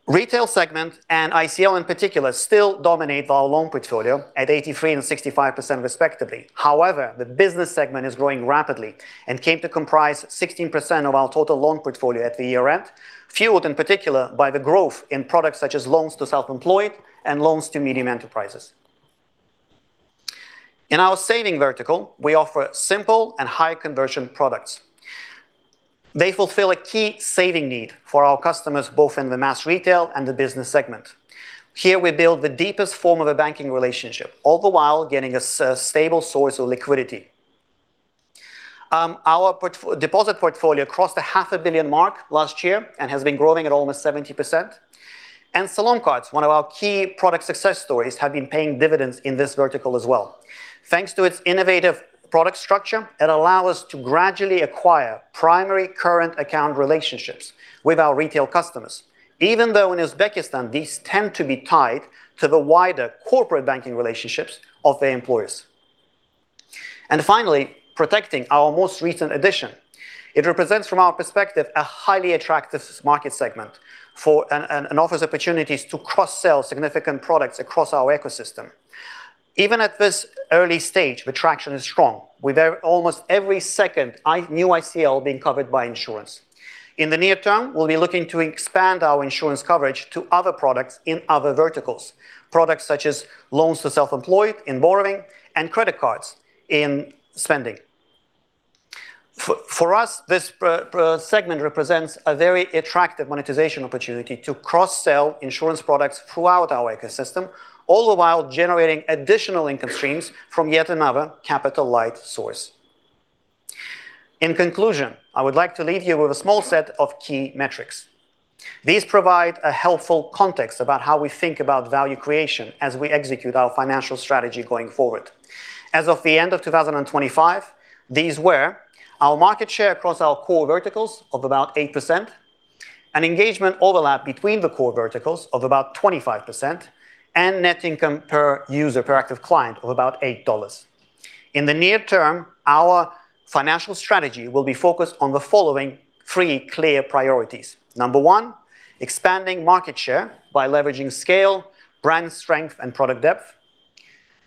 Retail segment, and ICL in particular, still dominate our loan portfolio at 83% and 65% respectively. However, the business segment is growing rapidly and came to comprise 16% of our total loan portfolio at the year-end, fueled in particular by the growth in products such as loans to self-employed and loans to medium enterprises. In our saving vertical, we offer simple and high-conversion products. They fulfill a key saving need for our customers, both in the mass retail and the business segment. Here we build the deepest form of a banking relationship, all the while getting a stable source of liquidity. Our deposit portfolio crossed the half a billion mark last year and has been growing at almost 70%. Salom Cards, one of our key product success stories, have been paying dividends in this vertical as well. Thanks to its innovative product structure, it allow us to gradually acquire primary current account relationships with our retail customers, even though in Uzbekistan, these tend to be tied to the wider corporate banking relationships of their employers. Finally, protecting our most recent addition, it represents, from our perspective, a highly attractive market segment and offers opportunities to cross-sell significant products across our ecosystem. Even at this early stage, the traction is strong, with almost every second new ICL being covered by insurance. In the near term, we'll be looking to expand our insurance coverage to other products in other verticals, products such as loans to self-employed in borrowing and credit cards in spending. For us, this segment represents a very attractive monetization opportunity to cross-sell insurance products throughout our ecosystem, all the while generating additional income streams from yet another capital-light source. In conclusion, I would like to leave you with a small set of key metrics. These provide a helpful context about how we think about value creation as we execute our financial strategy going forward. As of the end of 2025, these were: our market share across our core verticals of about 8%, an engagement overlap between the core verticals of about 25%, and net income per user, per active client of about $8. In the near term, our financial strategy will be focused on the following three clear priorities. Number one, expanding market share by leveraging scale, brand strength, and product depth.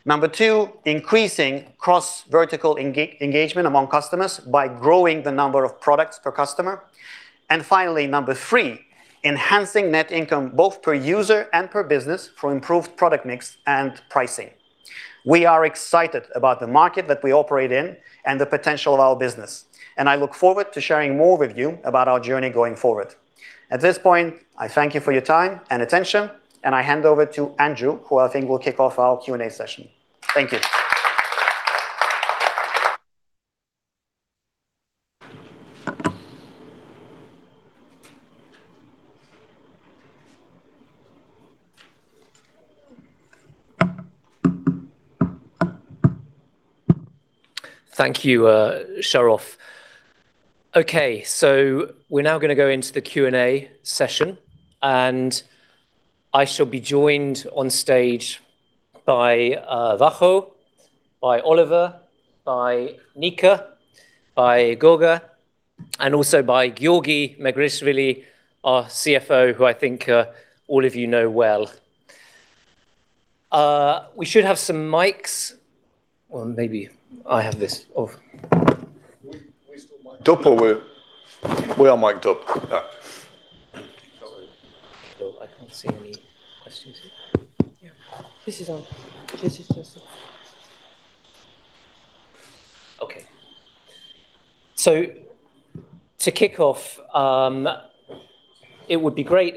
Number two, increasing cross-vertical engagement among customers by growing the number of products per customer. Finally, Number three, enhancing net income, both per user and per business, for improved product mix and pricing. We are excited about the market that we operate in and the potential of our business. I look forward to sharing more with you about our journey going forward. At this point, I thank you for your time and attention. I hand over to Andrew, who I think will kick off our Q&A session. Thank you. Thank you, Sharof. Okay, we're now gonna go into the Q&A session, and I shall be joined on stage by Vaho, by Oliver, by Nika, by Goga, and also by Giorgi Megrelishvili, our CFO, who I think all of you know well. We should have some mics or maybe I have this off. We still mic up or we are miked up? Yeah. Sorry. I can't see any questions here. Yeah, this is on. This is just- Okay. To kick off, it would be great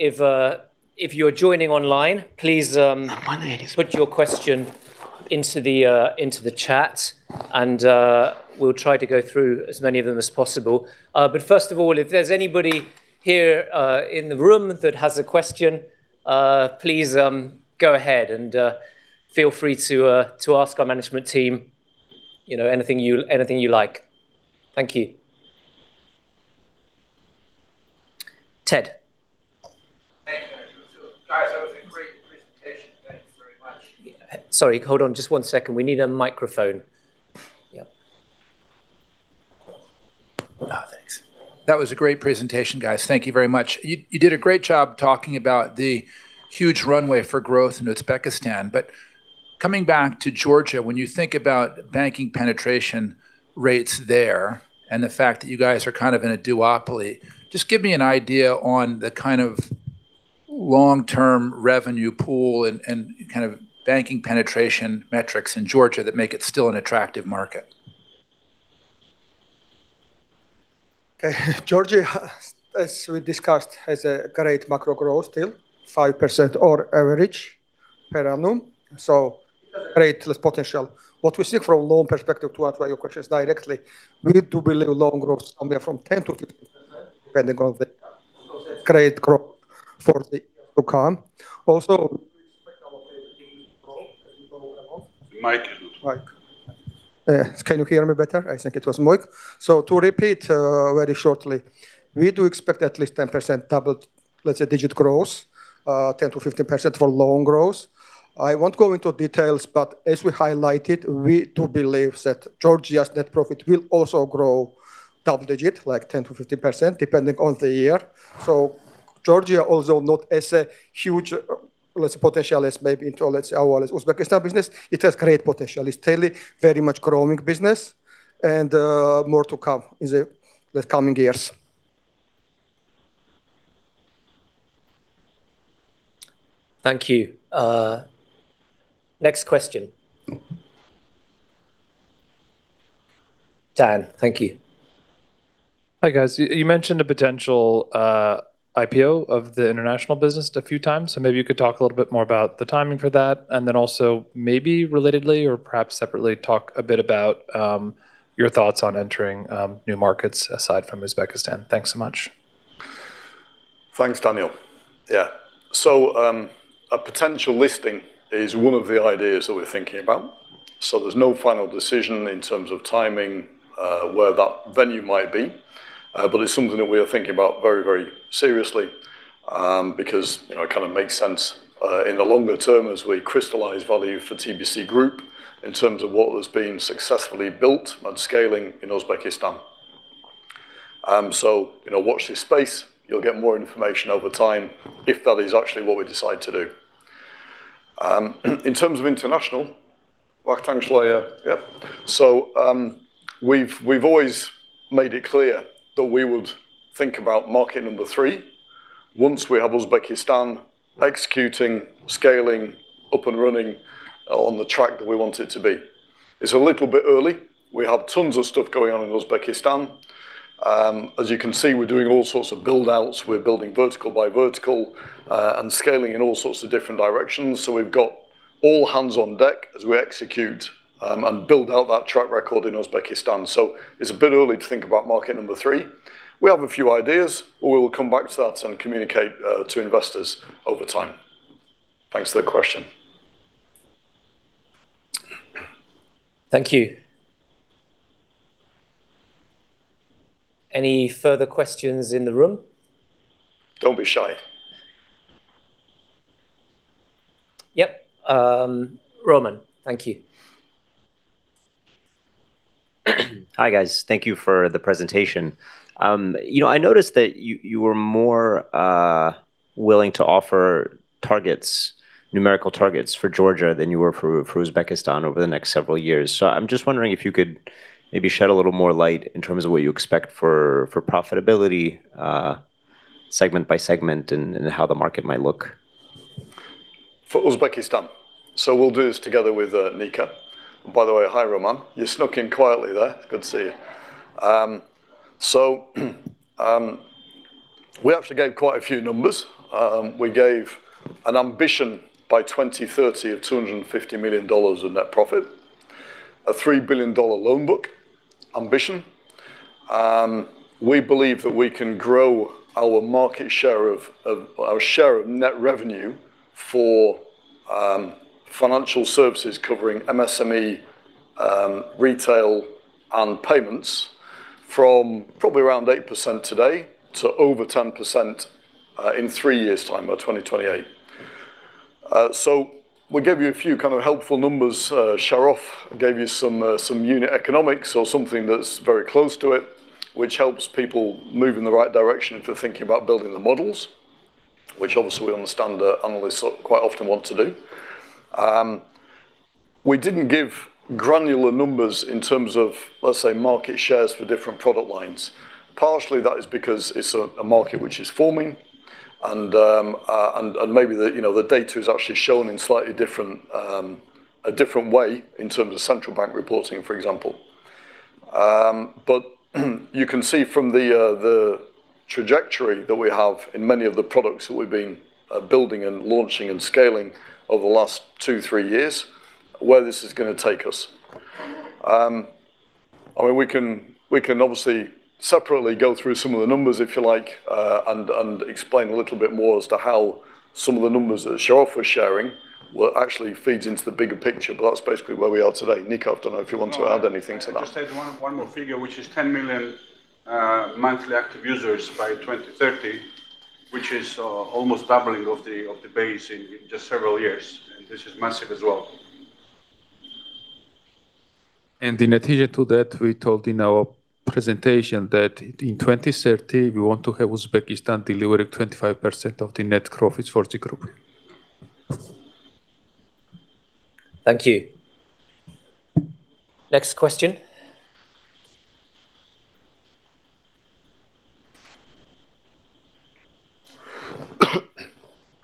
if you're joining online, please, put your question into the, into the chat, and, we'll try to go through as many of them as possible. First of all, if there's anybody here, in the room that has a question, please, go ahead and, feel free to ask our management team, you know, anything you like. Thank you. Ted? Thank you. Guys, that was a great presentation. Thank you very much. Sorry, hold on just one second. We need a microphone. Yep. Thanks. That was a great presentation, guys. Thank you very much. You did a great job talking about the huge runway for growth in Uzbekistan, coming back to Georgia, when you think about banking penetration rates there, and the fact that you guys are kind of in a duopoly, just give me an idea on the kind of long-term revenue pool and kind of banking penetration metrics in Georgia that make it still an attractive market. Okay. Georgia, as we discussed, has a great macro growth, still 5% or average per annum, so great potential. What we see from a loan perspective, to answer your question directly, we do believe loan growth somewhere from 10%-15%, depending on the great growth for the years to come. Also, we expect our growth as we go along. Mic. Mic. Can you hear me better? I think it was mic. To repeat, very shortly, we do expect at least 10% double-digit growth, 10%-15% for loan growth. I won't go into details, but as we highlighted, we do believe that Georgia's net profit will also grow double-digit, like 10%-15%, depending on the year. Georgia, also not as a huge potential as maybe into our Uzbekistan business, it has great potential. It's really very much growing business and more to come in the coming years. Thank you. Next question. Dan, thank you. Hi, guys. You mentioned a potential IPO of the international business a few times. Maybe you could talk a little bit more about the timing for that. Also, maybe relatedly or perhaps separately, talk a bit about your thoughts on entering new markets aside from Uzbekistan. Thanks so much. Thanks, Daniel. Yeah. A potential listing is one of the ideas that we're thinking about. There's no final decision in terms of timing, where that venue might be, but it's something that we are thinking about very, very seriously, because, you know, it kind of makes sense, in the longer term as we crystallize value for TBC Group in terms of what has been successfully built and scaling in Uzbekistan. You know, watch this space. You'll get more information over time if that is actually what we decide to do. In terms of international, Vakhtang is here. Yep. We've always made it clear that we would think about market number 3 once we have Uzbekistan executing, scaling, up and running on the track that we want it to be. It's a little bit early. We have tons of stuff going on in Uzbekistan. As you can see, we're doing all sorts of build-outs. We're building vertical by vertical, and scaling in all sorts of different directions. We've got all hands on deck as we execute, and build out that track record in Uzbekistan. It's a bit early to think about market number three. We have a few ideas, but we will come back to that and communicate to investors over time. Thanks for the question. Thank you. Any further questions in the room? Don't be shy. Yep, Roman, thank you. Hi, guys. Thank you for the presentation. you know, I noticed that you were more willing to offer targets, numerical targets for Georgia than you were for Uzbekistan over the next several years. I'm just wondering if you could maybe shed a little more light in terms of what you expect for profitability, segment by segment, and how the market might look. For Uzbekistan. We'll do this together with Nika. By the way, hi, Roman. You snuck in quietly there. Good to see you. We actually gave quite a few numbers. We gave an ambition by 2030 of $250 million in net profit, a $3 billion loan book ambition. We believe that we can grow our market share of our share of net revenue for financial services covering MSME, retail and payments from probably around 8% today to over 10% in three years' time, by 2028. We'll give you a few kind of helpful numbers. Sharof gave you some unit economics or something that's very close to it, which helps people move in the right direction if they're thinking about building the models, which obviously we understand that analysts quite often want to do. We didn't give granular numbers in terms of, let's say, market shares for different product lines. Partially, that is because it's a market which is forming. Maybe the, you know, the data is actually shown in slightly different, a different way in terms of central bank reporting, for example. But you can see from the trajectory that we have in many of the products that we've been building and launching and scaling over the last two, three years, where this is gonna take us. I mean, we can obviously separately go through some of the numbers, if you like, and explain a little bit more as to how some of the numbers that Sharof was sharing will actually feeds into the bigger picture, but that's basically where we are today. Nika, I don't know if you want to add anything to that. No, I'll just add one more figure, which is 10 million monthly active users by 2030, which is almost doubling of the base in just several years. This is massive as well. In addition to that, we told in our presentation that in 2030, we want to have Uzbekistan delivering 25% of the net profits for the group. Thank you. Next question?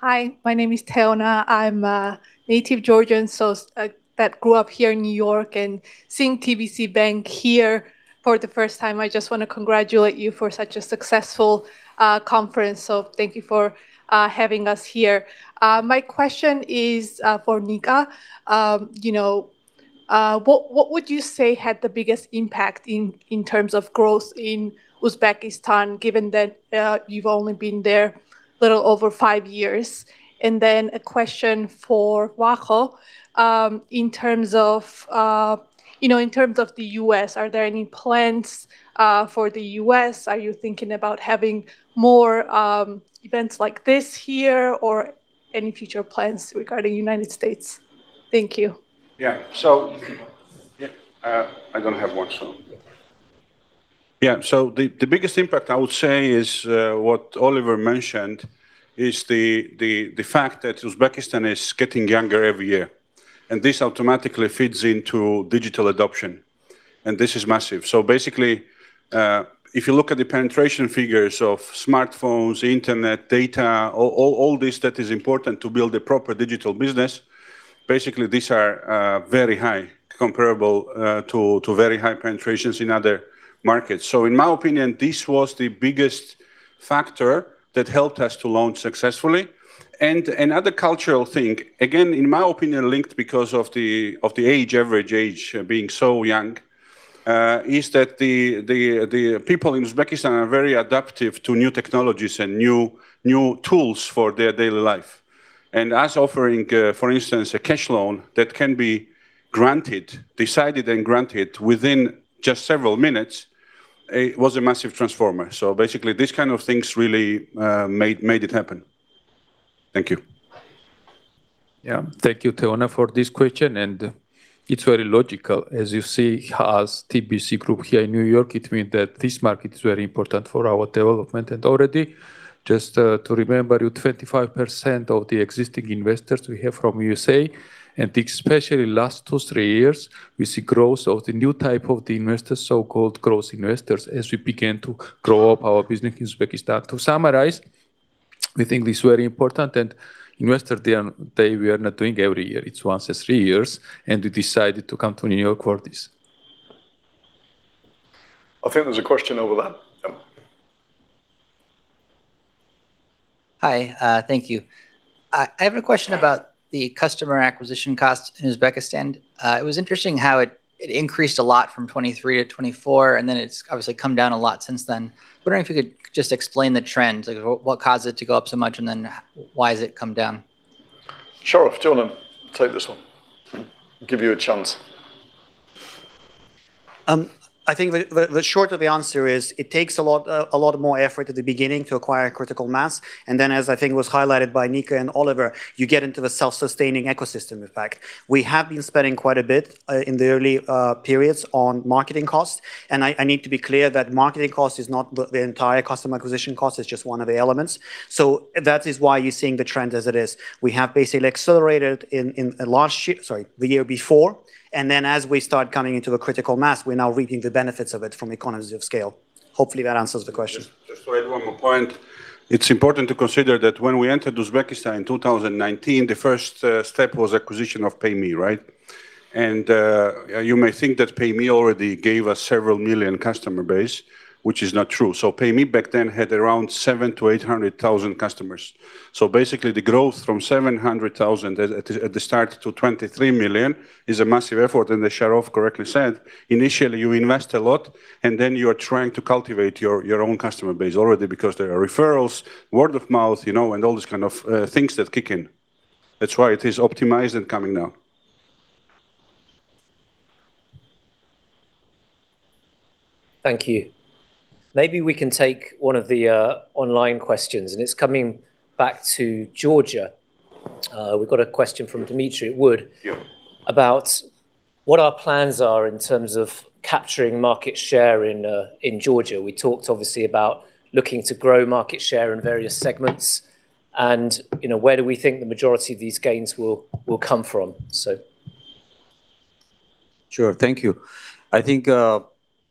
Hi, my name is Teona. I'm a native Georgian, so that grew up here in New York, and seeing TBC Bank here for the first time, I just wanna congratulate you for such a successful conference. Thank you for having us here. My question is for Nika. You know, what would you say had the biggest impact in terms of growth in Uzbekistan, given that you've only been there a little over five years? A question for Vakho, in terms of, you know, in terms of the US, are there any plans for the US? Are you thinking about having more events like this here, or any future plans regarding United States? Thank you. Yeah. Yeah, I gonna have one. Yeah. The biggest impact, I would say, is what Oliver mentioned, is the fact that Uzbekistan is getting younger every year, and this automatically feeds into digital adoption, and this is massive. Basically, if you look at the penetration figures of smartphones, internet, data, all this, that is important to build a proper digital business, basically, these are very high, comparable to very high penetrations in other markets. In my opinion, this was the biggest factor that helped us to launch successfully. Another cultural thing, again, in my opinion, linked because of the age, average age, being so young, is that the people in Uzbekistan are very adaptive to new technologies and new tools for their daily life. Us offering, for instance, a cash loan that can be granted, decided and granted within just several minutes, it was a massive transformer. Basically, these kind of things really made it happen. Thank you. Yeah. Thank you, Teona, for this question, and it's very logical. As you see, as TBC group here in New York, it means that this market is very important for our development. Already, just to remember you, 25% of the existing investors we have from USA, and especially last two years-three years, we see growth of the new type of the investors, so-called growth investors, as we begin to grow up our business in Uzbekistan. To summarize, we think this very important. Investor Day, we are not doing every year. It's once in three years, and we decided to come to New York for this. I think there's a question over there. Yeah. Hi, thank you. I have a question about the customer acquisition cost in Uzbekistan. It was interesting how it increased a lot from 2023 to 2024, and then it's obviously come down a lot since then. I'm wondering if you could just explain the trends, like what caused it to go up so much, and then why has it come down? Sharof, do you want to take this one? Give you a chance. I think the short of the answer is, it takes a lot, a lot more effort at the beginning to acquire critical mass, and then, as I think it was highlighted by Nika and Oliver, you get into the self-sustaining ecosystem effect. We have been spending quite a bit in the early periods on marketing costs, and I need to be clear that marketing cost is not the entire customer acquisition cost, it's just one of the elements. That is why you're seeing the trend as it is. We have basically accelerated in last year... Sorry, the year before, and then as we start coming into the critical mass, we're now reaping the benefits of it from economies of scale. Hopefully, that answers the question? Just to add one more point. It's important to consider that when we entered Uzbekistan in 2019, the first step was acquisition of Payme, right? You may think that Payme already gave us several million customer base, which is not true. Payme back then had around 700,000 customers-800,000 customers. Basically, the growth from 700,000 at the start to 23 million is a massive effort, and as Sharof correctly said, initially, you invest a lot, and then you are trying to cultivate your own customer base already, because there are referrals, word of mouth, you know, and all these kind of things that kick in. That's why it is optimized and coming now. Thank you. Maybe we can take one of the online questions, and it's coming back to Georgia. We've got a question from Demetrios. Yeah... about what our plans are in terms of capturing market share in Georgia. We talked obviously about looking to grow market share in various segments, and, you know, where do we think the majority of these gains will come from? Sure. Thank you. I think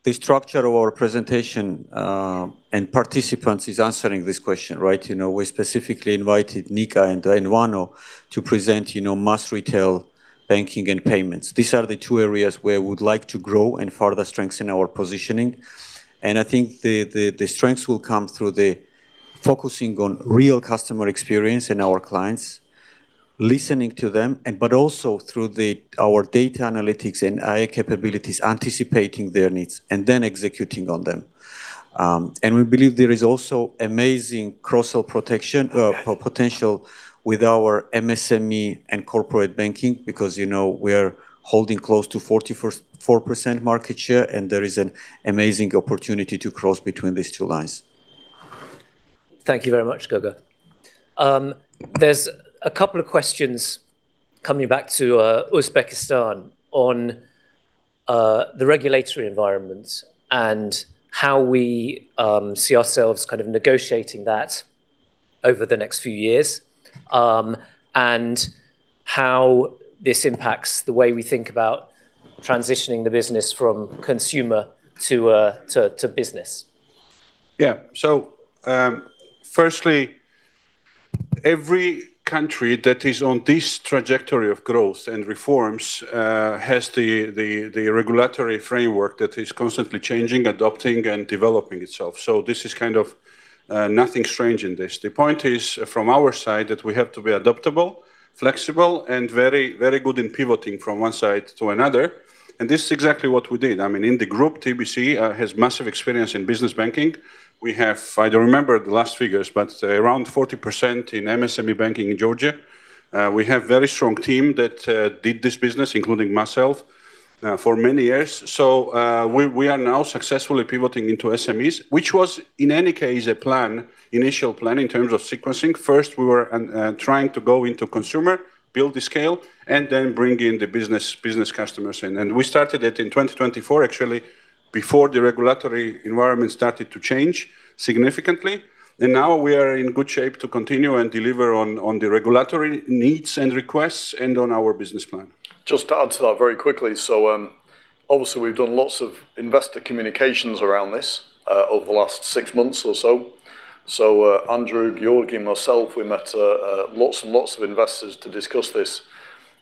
the structure of our presentation and participants is answering this question, right? You know, we specifically invited Nika and Ivano to present, you know, mass retail banking and payments. These are the two areas where we'd like to grow and further strengthen our positioning, and I think the strengths will come through the focusing on real customer experience and our clients, listening to them, and but also through our data analytics and AI capabilities, anticipating their needs and then executing on them. And we believe there is also amazing cross-sell protection potential with our MSME and corporate banking, because, you know, we're holding close to 44% market share, and there is an amazing opportunity to cross between these two lines. Thank you very much, Goga. There's a couple of questions coming back to Uzbekistan on the regulatory environment and how we see ourselves kind of negotiating that over the next few years, and how this impacts the way we think about transitioning the business from consumer to business. Firstly, every country that is on this trajectory of growth and reforms has the regulatory framework that is constantly changing, adapting, and developing itself. This is kind of nothing strange in this. The point is, from our side, that we have to be adaptable, flexible, and very, very good in pivoting from one side to another, and this is exactly what we did. I mean, in the group, TBC has massive experience in business banking. We have I don't remember the last figures, but around 40% in MSME banking in Georgia. We have very strong team that did this business, including myself, for many years. We are now successfully pivoting into SMEs, which was, in any case, a plan, initial plan in terms of sequencing. First, we were trying to go into consumer, build the scale, then bring in the business customers in. We started it in 2024, actually, before the regulatory environment started to change significantly. Now we are in good shape to continue and deliver on the regulatory needs and requests and on our business plan. Just to add to that very quickly. Obviously, we've done lots of investor communications around this over the last 6 months or so. Andrew, Giorgi, myself, we met lots and lots of investors to discuss this,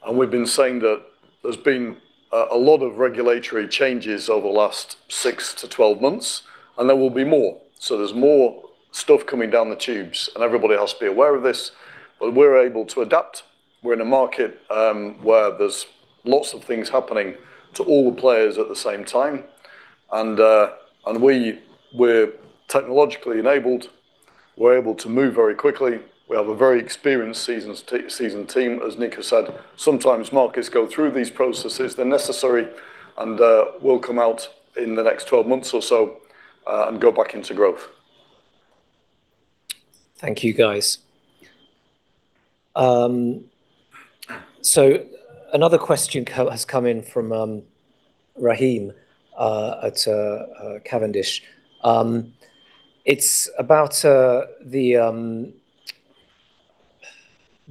and we've been saying that there's been a lot of regulatory changes over the last 6-12 months, and there will be more. There's more stuff coming down the tubes, and everybody has to be aware of this, but we're able to adapt. We're in a market where there's lots of things happening to all the players at the same time, and we're technologically enabled. We're able to move very quickly. We have a very experienced seasoned team, as Nika said. Sometimes markets go through these processes, they're necessary, and we'll come out in the next 12 months or so, and go back into growth. Thank you, guys. Another question has come in from Rahimat Cavendish. It's about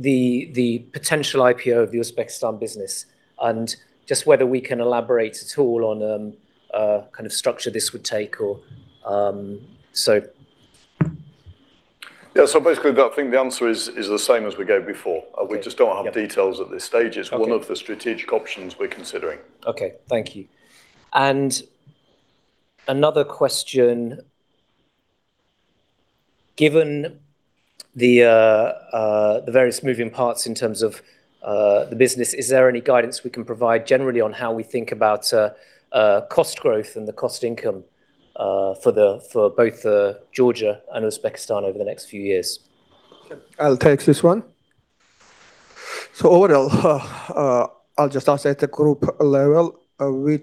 the potential IPO of the Uzbekistan business and just whether we can elaborate at all on kind of structure this would take or so. Yeah. Basically, I think the answer is the same as we gave before. Yeah. We just don't have details at this stage. Okay. It's one of the strategic options we're considering. Okay, thank you. Another question: Given the various moving parts in terms of the business, is there any guidance we can provide generally on how we think about cost growth and the cost income for both Georgia and Uzbekistan over the next few years? I'll take this one. Overall, I'll just answer at the group level, we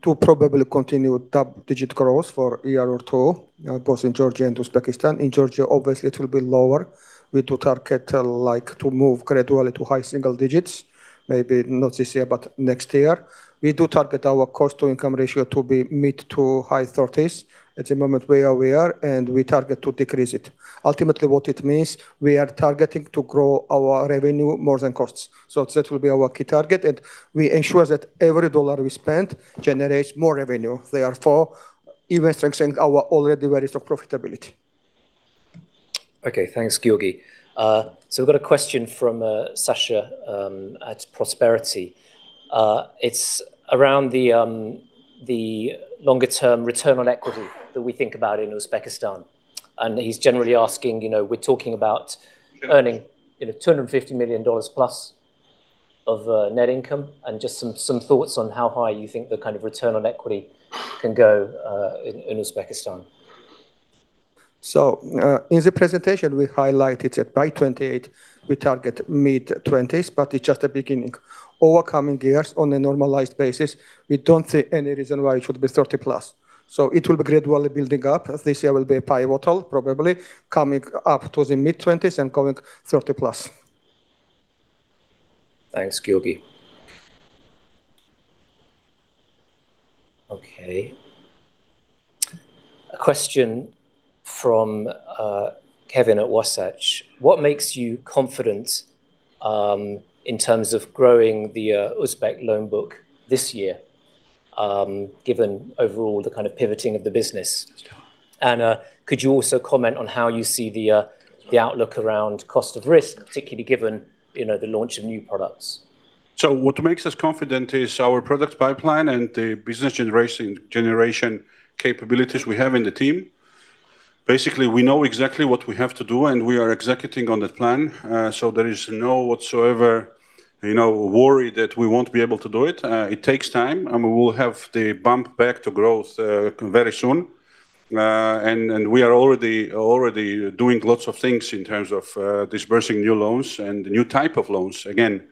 do probably continue double-digit growth for a year or two, both in Georgia and Uzbekistan. In Georgia, obviously, it will be lower. We do target like to move gradually to high single digits, maybe not this year, but next year. We do target our cost-to-income ratio to be mid to high thirties. At the moment, we are where, and we target to decrease it. Ultimately, what it means, we are targeting to grow our revenue more than costs. That will be our key target, and we ensure that every dollar we spend generates more revenue, therefore even strengthening our already varieties of profitability. Okay, thanks, Giorgi. we've got a question from Sasha, at Prosperity. it's around the longer-term return on equity that we think about in Uzbekistan. He's generally asking, you know, we're talking about earning, you know, $250 million plus of net income, and just some thoughts on how high you think the kind of return on equity can go in Uzbekistan. In the presentation, we highlighted that by 2028, we target mid-20s, but it's just the beginning. Over coming years, on a normalized basis, we don't see any reason why it should be 30%+. It will be gradually building up. This year will be a pivotal, probably coming up to the mid-20s and going 30%+. Thanks, Giorgi. Okay. A question from Kevin at Wasatch. What makes you confident in terms of growing the Uzbek loan book this year, given overall the kind of pivoting of the business? Could you also comment on how you see the outlook around cost of risk, particularly given, you know, the launch of new products? What makes us confident is our product pipeline and the business generation capabilities we have in the team. Basically, we know exactly what we have to do, and we are executing on the plan. There is no whatsoever, you know, worry that we won't be able to do it. It takes time, and we will have the bump back to growth very soon. And we are already doing lots of things in terms of disbursing new loans and new type of loans. Again,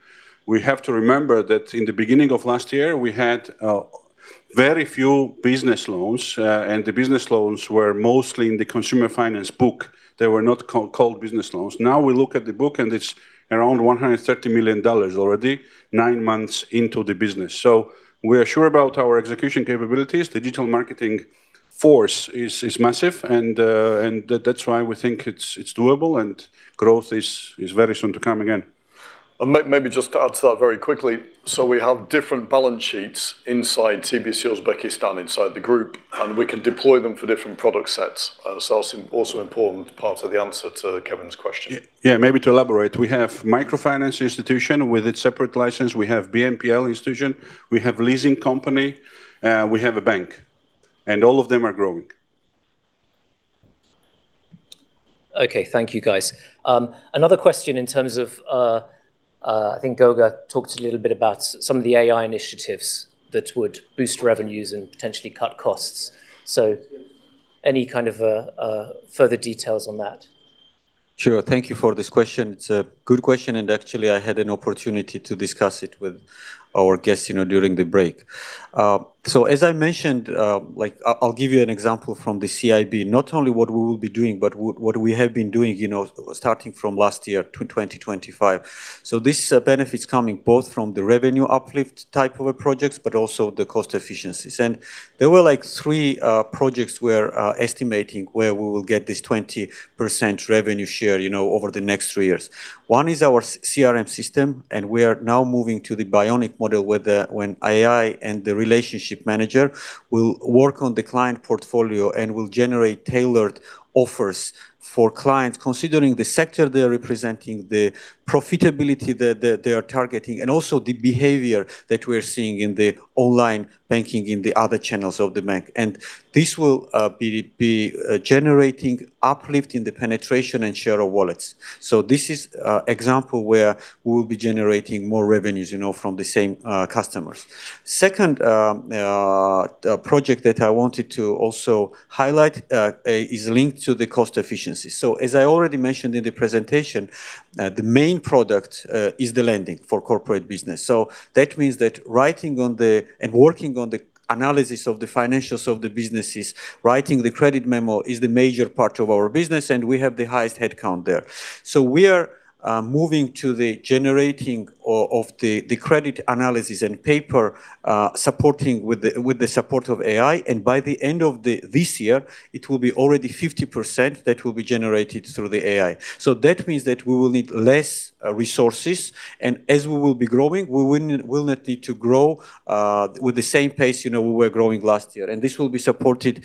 we have to remember that in the beginning of last year, we had very few business loans, and the business loans were mostly in the consumer finance book. They were not called business loans. We look at the book and it's around $130 million already, nine months into the business. We are sure about our execution capabilities. Digital marketing force is massive, and that's why we think it's doable and growth is very soon to come again. Maybe just to add to that very quickly. We have different balance sheets inside TBC Uzbekistan, inside the group, and we can deploy them for different product sets. That's also important part of the answer to Kevin's question. Yeah, maybe to elaborate, we have microfinance institution with its separate license, we have BNPL institution, we have leasing company, we have a bank. All of them are growing. Okay, thank you, guys. Another question in terms of, I think Goga talked a little bit about some of the AI initiatives that would boost revenues and potentially cut costs. Any kind of further details on that? Sure. Thank you for this question. It's a good question. Actually, I had an opportunity to discuss it with our guests, you know, during the break. As I mentioned, like, I'll give you an example from the CIB, not only what we will be doing, but what we have been doing, you know, starting from last year, 2025. This benefits coming both from the revenue uplift type of projects, but also the cost efficiencies. There were, like, three projects we're estimating where we will get this 20% revenue share, you know, over the next three years. One is our CRM system, and we are now moving to the bionic model, where AI and the relationship manager will work on the client portfolio and will generate tailored offers for clients, considering the sector they are representing, the profitability that they are targeting, and also the behavior that we're seeing in the online banking in the other channels of the bank. This will be generating uplift in the penetration and share of wallets. This is a example where we will be generating more revenues, you know, from the same customers. Second, project that I wanted to also highlight, is linked to the cost efficiency. As I already mentioned in the presentation, the main product is the lending for corporate business. That means that writing and working on the analysis of the financials of the businesses, writing the credit memo is the major part of our business, and we have the highest headcount there. We are moving to the generating of the credit analysis and paper supporting with the support of AI, and by the end of this year, it will be already 50% that will be generated through the AI. That means that we will need less resources, and as we will be growing, we will not need to grow with the same pace, you know, we were growing last year. This will be supported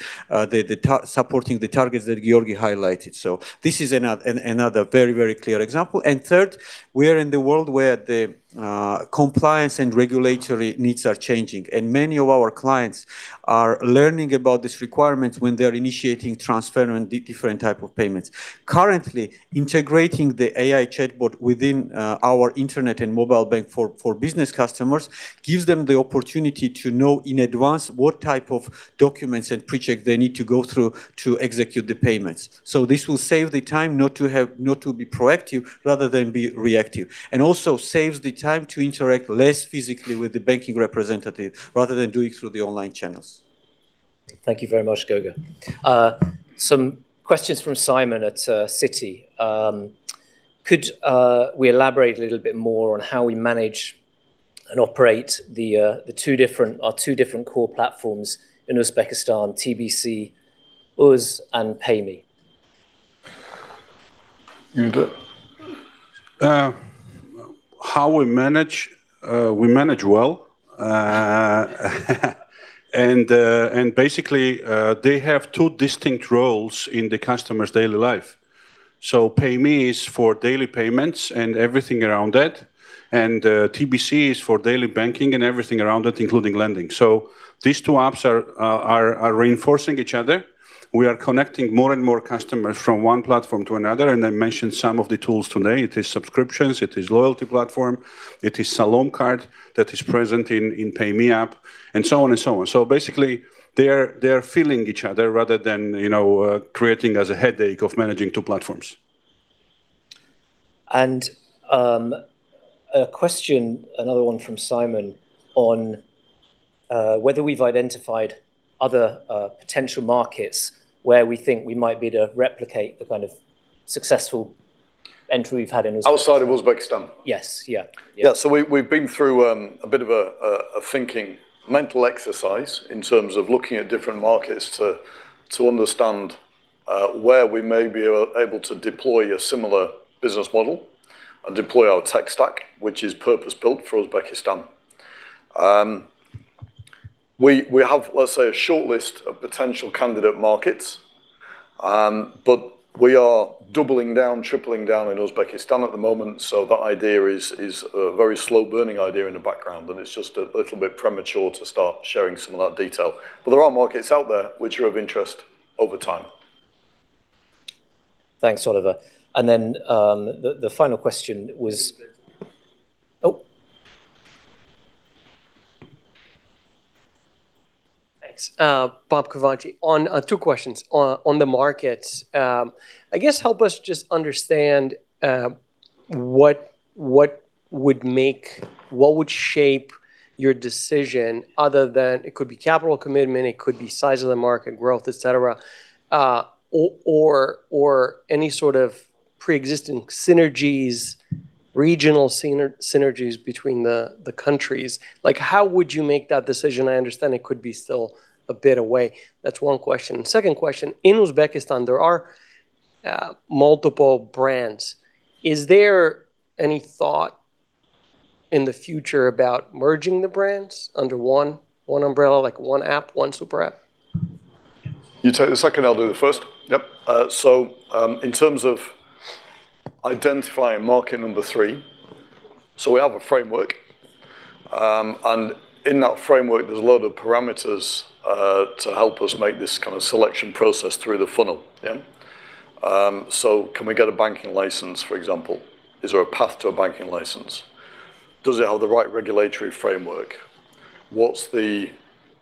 supporting the targets that Georgie highlighted. This is another very, very clear example. Third, we are in the world where the compliance and regulatory needs are changing, and many of our clients are learning about these requirements when they're initiating transfer and different type of payments. Currently, integrating the AI chatbot within our internet and mobile bank for business customers gives them the opportunity to know in advance what type of documents and pre-check they need to go through to execute the payments. This will save the time not to be proactive, rather than be reactive, and also saves the time to interact less physically with the banking representative, rather than doing through the online channels. Thank you very much, Goga. Some questions from Simon at Citi. Could we elaborate a little bit more on how we manage and operate our two different core platforms in Uzbekistan, TBC UZ, and Payme? You go. How we manage? We manage well. Basically, they have two distinct roles in the customer's daily life. Payme is for daily payments and everything around it, and TBC is for daily banking and everything around it, including lending. These two apps are reinforcing each other. We are connecting more and more customers from one platform to another. I mentioned some of the tools today. It is subscriptions, it is loyalty platform, it is Salom Card that is present in Payme app, and so on and so on. Basically, they're filling each other rather than, you know, creating as a headache of managing two platforms. A question, another one from Simon, on, whether we've identified other, potential markets where we think we might be to replicate the kind of successful entry we've had in Uzbekistan. Outside of Uzbekistan? Yes. Yeah, yeah. Yeah, we've been through a thinking mental exercise in terms of looking at different markets to understand where we may be able to deploy a similar business model and deploy our tech stack, which is purpose-built for Uzbekistan. We have, let's say, a shortlist of potential candidate markets, but we are doubling down, tripling down in Uzbekistan at the moment, so that idea is a very slow burning idea in the background, and it's just a little bit premature to start sharing some of that detail. There are markets out there which are of interest over time. Thanks, Oliver. The final question. Oh! Thanks. Bob Kovaci. On two questions. On the markets, I guess help us just understand what would shape your decision other than it could be capital commitment, it could be size of the market, growth, et cetera, or any sort of pre-existing synergies, regional synergies between the countries? Like, how would you make that decision? I understand it could be still a bit away. That's one question. Second question: in Uzbekistan, there are multiple brands. Is there any thought in the future about merging the brands under one umbrella, like one app, one super app? You take the second, I'll do the first. Yep. In terms of identifying market number three, so we have a framework, and in that framework, there's a lot of parameters to help us make this kind of selection process through the funnel. Yeah. Can we get a banking license, for example? Is there a path to a banking license? Does it have the right regulatory framework? What's the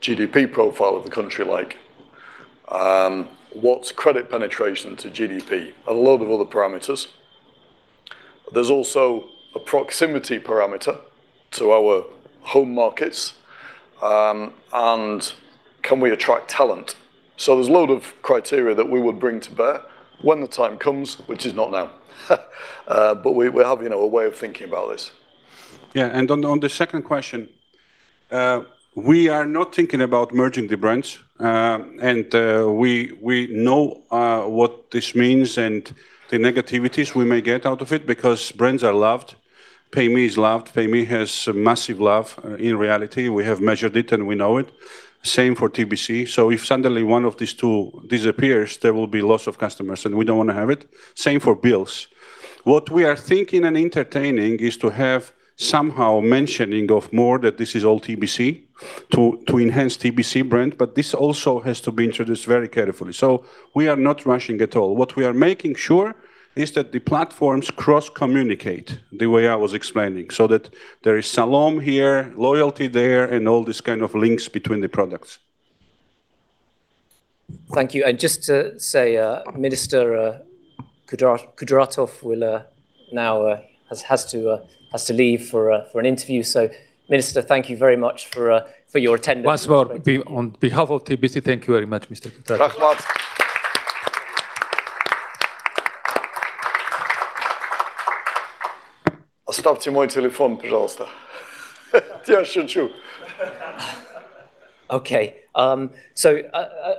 GDP profile of the country like? What's credit penetration to GDP? A lot of other parameters. There's also a proximity parameter to our home markets, and can we attract talent? There's a lot of criteria that we would bring to bear when the time comes, which is not now. We, we have, you know, a way of thinking about this. On the second question, we are not thinking about merging the brands, and we know what this means and the negativities we may get out of it, because brands are loved. Payme is loved. Payme has massive love. In reality, we have measured it, and we know it. Same for TBC. If suddenly one of these two disappears, there will be loss of customers, and we don't want to have it. Same for BILLZ. What we are thinking and entertaining is to have somehow mentioning of more that this is all TBC to enhance TBC brand, but this also has to be introduced very carefully. We are not rushing at all. What we are making sure is that the platforms cross-communicate, the way I was explaining, so that there is Salom here, loyalty there, and all these kind of links between the products. Thank you. Just to say, Minister Kudratov will now has to leave for a for an interview. Minister, thank you very much for for your attendance. Once more, be on behalf of TBC, thank you very much, Minister Kudratov. Okay,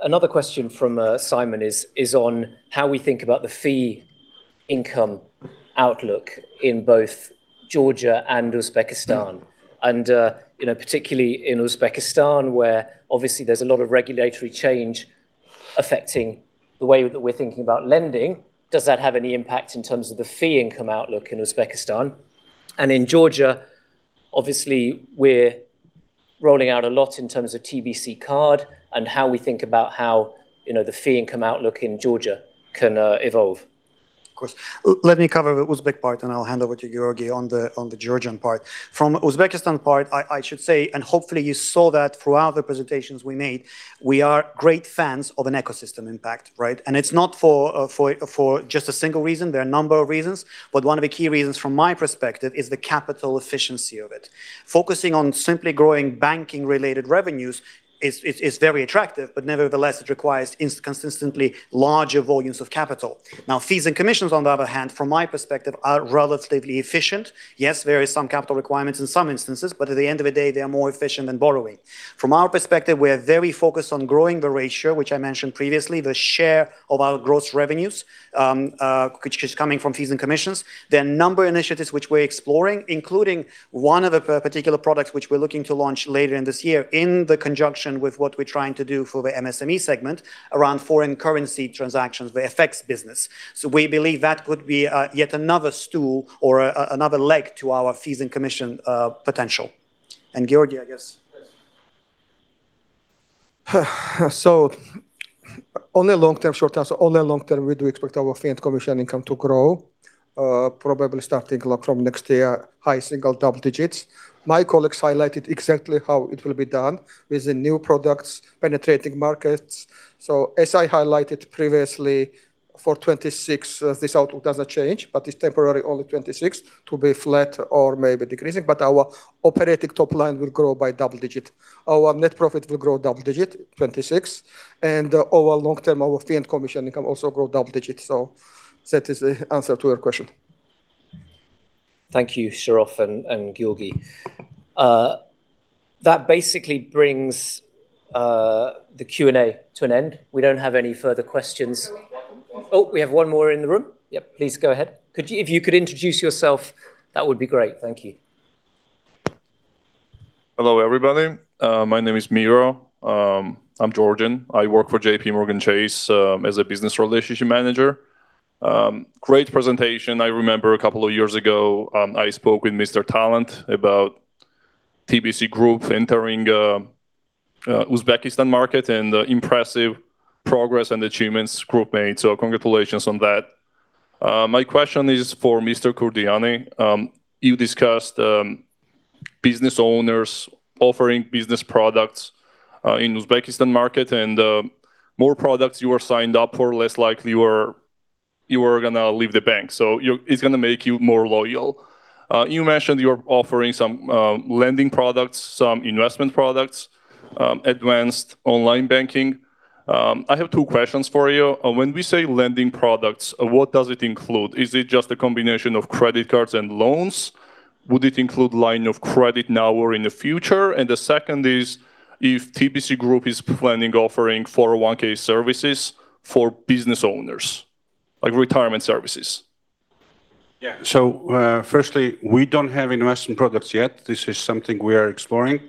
another question from Simon is on how we think about the fee income outlook in both Georgia and Uzbekistan. You know, particularly in Uzbekistan, where obviously there's a lot of regulatory change affecting the way that we're thinking about lending, does that have any impact in terms of the fee income outlook in Uzbekistan? In Georgia, obviously, we're rolling out a lot in terms of TBC Card and how we think about how, you know, the fee income outlook in Georgia can evolve. Of course. Let me cover the Uzbek part, and I'll hand over to Georgi on the Georgian part. Uzbekistan part, I should say, and hopefully you saw that throughout the presentations we made, we are great fans of an ecosystem impact, right? It's not for for just a single reason. There are a number of reasons, one of the key reasons from my perspective is the capital efficiency of it. Focusing on simply growing banking-related revenues is very attractive, nevertheless, it requires consistently larger volumes of capital. Fees and commissions, on the other hand, from my perspective, are relatively efficient. Yes, there is some capital requirements in some instances, at the end of the day, they are more efficient than borrowing. From our perspective, we are very focused on growing the ratio, which I mentioned previously, the share of our gross revenues, which is coming from fees and commissions. There are a number of initiatives which we're exploring, including one of the particular products which we're looking to launch later in this year in the conjunction with what we're trying to do for the MSME segment around foreign currency transactions, the FX business. We believe that could be yet another stool or another leg to our fees and commission potential. Georgie, I guess. On a long term, short term, on a long term, we do expect our fee and commission income to grow, probably starting from next year, high single double digits. My colleagues highlighted exactly how it will be done with the new products penetrating markets. As I highlighted previously, for 2026, this outlook doesn't change, but it's temporarily only 2026 to be flat or maybe decreasing, but our operating top line will grow by double-digit. Our net profit will grow double-digit, 2026, and over long term, our fee and commission income also grow double-digit. That is the answer to your question. Thank you, Sharof and Giorgi. That basically brings the Q&A to an end. We don't have any further questions. We have one more. Oh, we have one more in the room. Yep, please go ahead. If you could introduce yourself, that would be great. Thank you. Hello, everybody. My name is Miro. I'm Georgian. I work for JPMorgan Chase as a business relationship manager. Great presentation. I remember a couple of years ago, I spoke with Mr. Talent about TBC Bank Group entering Uzbekistan market, the impressive progress and achievements group made. Congratulations on that. My question is for Mr. Kurdiani. You discussed business owners offering business products in Uzbekistan market, more products you are signed up for, less likely you are gonna leave the bank, so it's gonna make you more loyal. You mentioned you're offering some lending products, some investment products, advanced online banking. I have two questions for you. When we say lending products, what does it include? Is it just a combination of credit cards and loans? Would it include line of credit now or in the future? The second is, if TBC Bank Group is planning offering 401(k) services for business owners, like retirement services? Yeah. Firstly, we don't have investment products yet. This is something we are exploring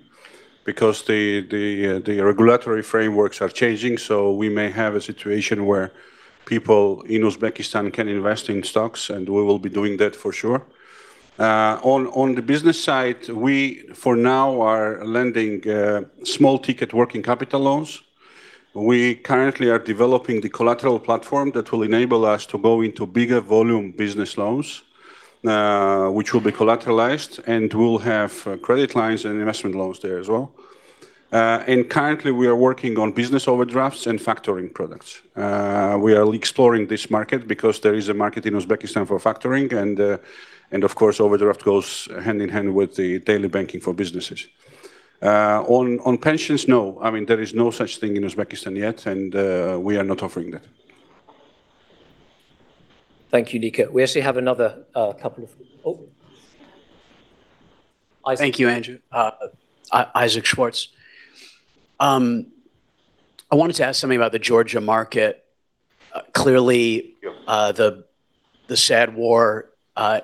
because the regulatory frameworks are changing, so we may have a situation where people in Uzbekistan can invest in stocks, and we will be doing that for sure. On the business side, we, for now, are lending small ticket working capital loans. We currently are developing the collateral platform that will enable us to go into bigger volume business loans, which will be collateralized, and we'll have credit lines and investment loans there as well. Currently, we are working on business overdrafts and factoring products. We are exploring this market because there is a market in Uzbekistan for factoring, and of course, overdraft goes hand in hand with the daily banking for businesses. On pensions, no. I mean, there is no such thing in Uzbekistan yet, and, we are not offering that. Thank you, Nika. We actually have another, couple of... Oh. Thank you, Andrew. Isaac Schwartz. I wanted to ask something about the Georgia market. Clearly, the sad war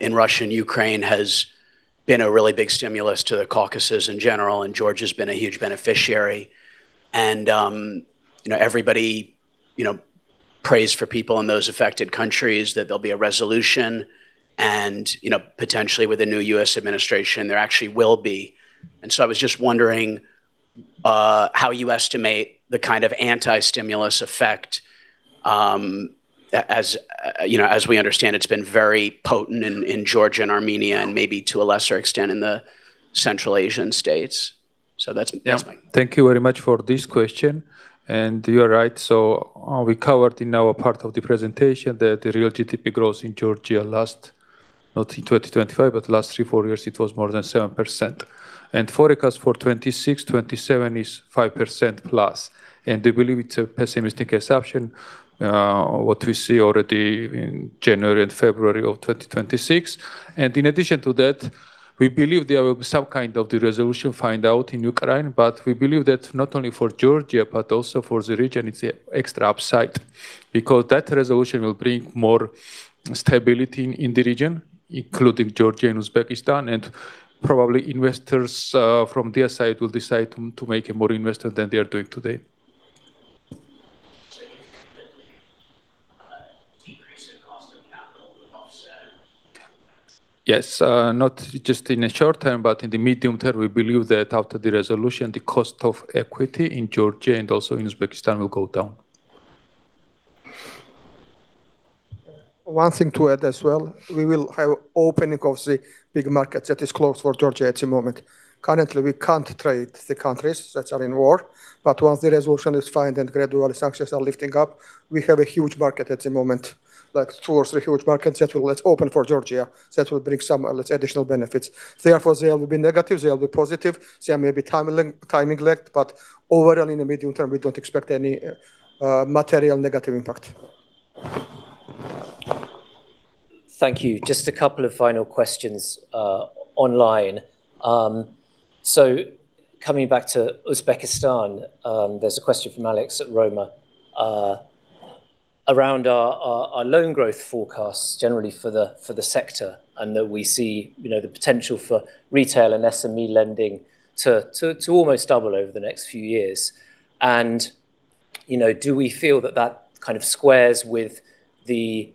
in Russia and Ukraine has been a really big stimulus to the Caucasus in general, and Georgia's been a huge beneficiary. You know, everybody, you know, prays for people in those affected countries that there'll be a resolution and, you know, potentially with a new U.S. administration, there actually will be. I was just wondering how you estimate the kind of anti-stimulus effect as, you know, as we understand, it's been very potent in Georgia and Armenia, and maybe to a lesser extent, in the Central Asian states. That's my. Thank you very much for this question. You are right. We covered in our part of the presentation that the real GDP growth in Georgia last, not in 2025, but last three years-four years, it was more than 7%. Forecast for 2026-2027 is 5%+, and we believe it's a pessimistic assumption, what we see already in January and February of 2026. In addition to that, we believe there will be some kind of the resolution find out in Ukraine. We believe that not only for Georgia, but also for the region, it's an extra upside, because that resolution will bring more stability in the region, including Georgia and Uzbekistan, and probably investors from their side will decide to make a more investment than they are doing today. You believe, a decrease in cost of capital will offset? Not just in the short term, but in the medium term, we believe that after the resolution, the cost of equity in Georgia and also in Uzbekistan will go down. One thing to add as well, we will have opening of the big markets that is closed for Georgia at the moment. Currently, we can't trade the countries that are in war, but once the resolution is found and gradually sanctions are lifting up, we have a huge market at the moment, like two or three huge markets that will open for Georgia, that will bring some additional benefits. Therefore, there will be negatives, there will be positive, there may be timing lag, but overall, in the medium term, we don't expect any material negative impact. Thank you. Just a couple of final questions online. Coming back to Uzbekistan, there's a question from Alexey at Rova around our loan growth forecasts generally for the sector, and that we see, you know, the potential for retail and SME lending to almost double over the next few years. You know, do we feel that that kind of squares with the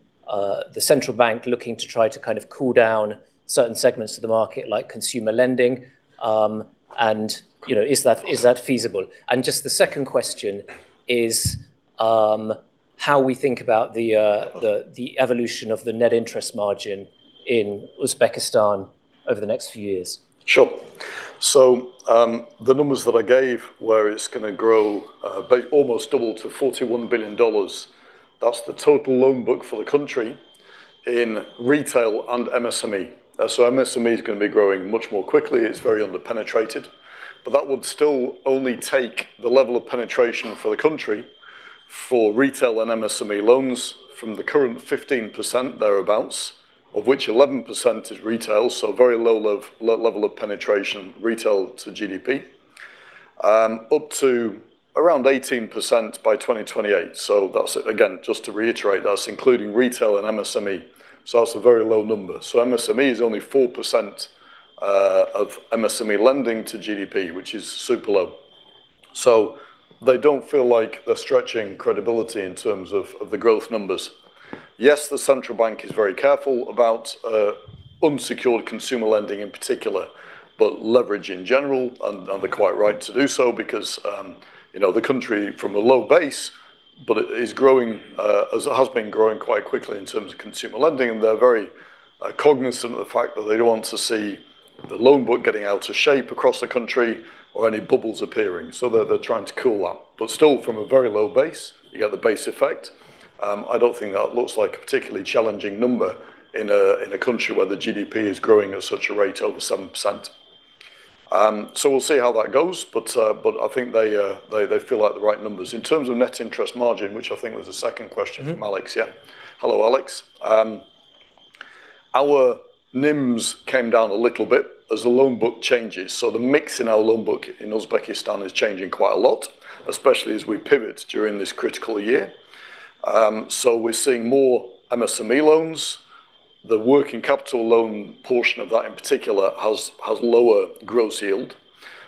Central Bank looking to try to kind of cool down certain segments of the market, like consumer lending? You know, is that feasible? Just the second question is how we think about the evolution of the net interest margin in Uzbekistan over the next few years. Sure. The numbers that I gave, where it's gonna grow, by almost double to $41 billion, that's the total loan book for the country in retail and MSME. MSME is gonna be growing much more quickly. It's very underpenetrated, but that would still only take the level of penetration for the country for retail and MSME loans from the current 15%, thereabouts, of which 11% is retail, very low level of penetration, retail to GDP, up to around 18% by 2028. That's, again, just to reiterate, that's including retail and MSME, that's a very low number. MSME is only 4% of MSME lending to GDP, which is super low. They don't feel like they're stretching credibility in terms of the growth numbers. Yes, the central bank is very careful about unsecured consumer lending in particular, but leverage in general, and they're quite right to do so because, you know, the country from a low base, but it is growing, as it has been growing quite quickly in terms of consumer lending, and they're very cognizant of the fact that they don't want to see the loan book getting out of shape across the country or any bubbles appearing. They're trying to cool that. Still, from a very low base, you get the base effect. I don't think that looks like a particularly challenging number in a country where the GDP is growing at such a rate over 7%. We'll see how that goes, but I think they feel like the right numbers. In terms of net interest margin, which I think was the second question. Mm-hmm. from Alex. Yeah. Hello, Alex. Our NIMs came down a little bit as the loan book changes. The mix in our loan book in Uzbekistan is changing quite a lot, especially as we pivot during this critical year. We're seeing more MSME loans. The working capital loan portion of that, in particular, has lower gross yield,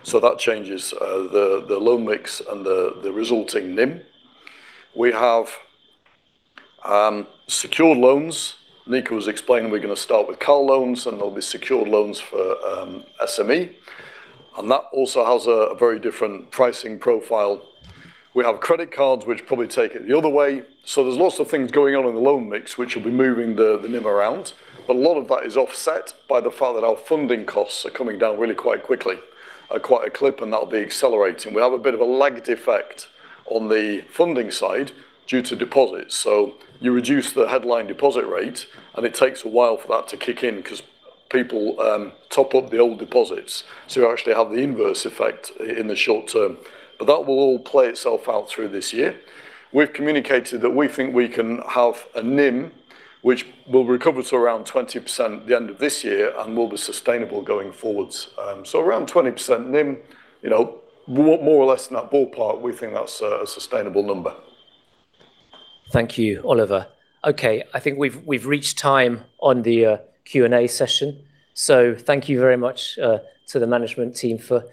so that changes the loan mix and the resulting NIM. We have secured loans. Nika was explaining we're gonna start with car loans, and there'll be secured loans for SME, and that also has a very different pricing profile. We have credit cards, which probably take it the other way. There's lots of things going on in the loan mix, which will be moving the NIM around, but a lot of that is offset by the fact that our funding costs are coming down really quite quickly, at quite a clip, and that'll be accelerating. We have a bit of a lagged effect on the funding side due to deposits. You reduce the headline deposit rate, and it takes a while for that to kick in 'cause people top up the old deposits. You actually have the inverse effect in the short term, but that will all play itself out through this year. We've communicated that we think we can have a NIM, which will recover to around 20% at the end of this year and will be sustainable going forwards. Around 20% NIM, you know, more or less in that ballpark, we think that's a sustainable number. Thank you, Oliver. Okay, I think we've reached time on the Q&A session. Thank you very much to the management team for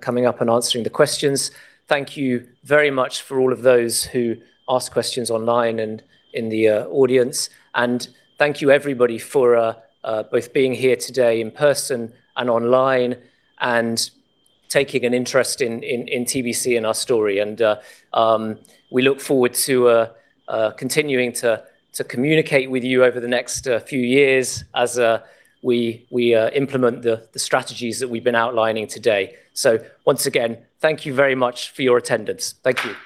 coming up and answering the questions. Thank you very much for all of those who asked questions online and in the audience. Thank you, everybody, for both being here today in person and online and taking an interest in TBC and our story. We look forward to continuing to communicate with you over the next few years as we implement the strategies that we've been outlining today. Once again, thank you very much for your attendance. Thank you.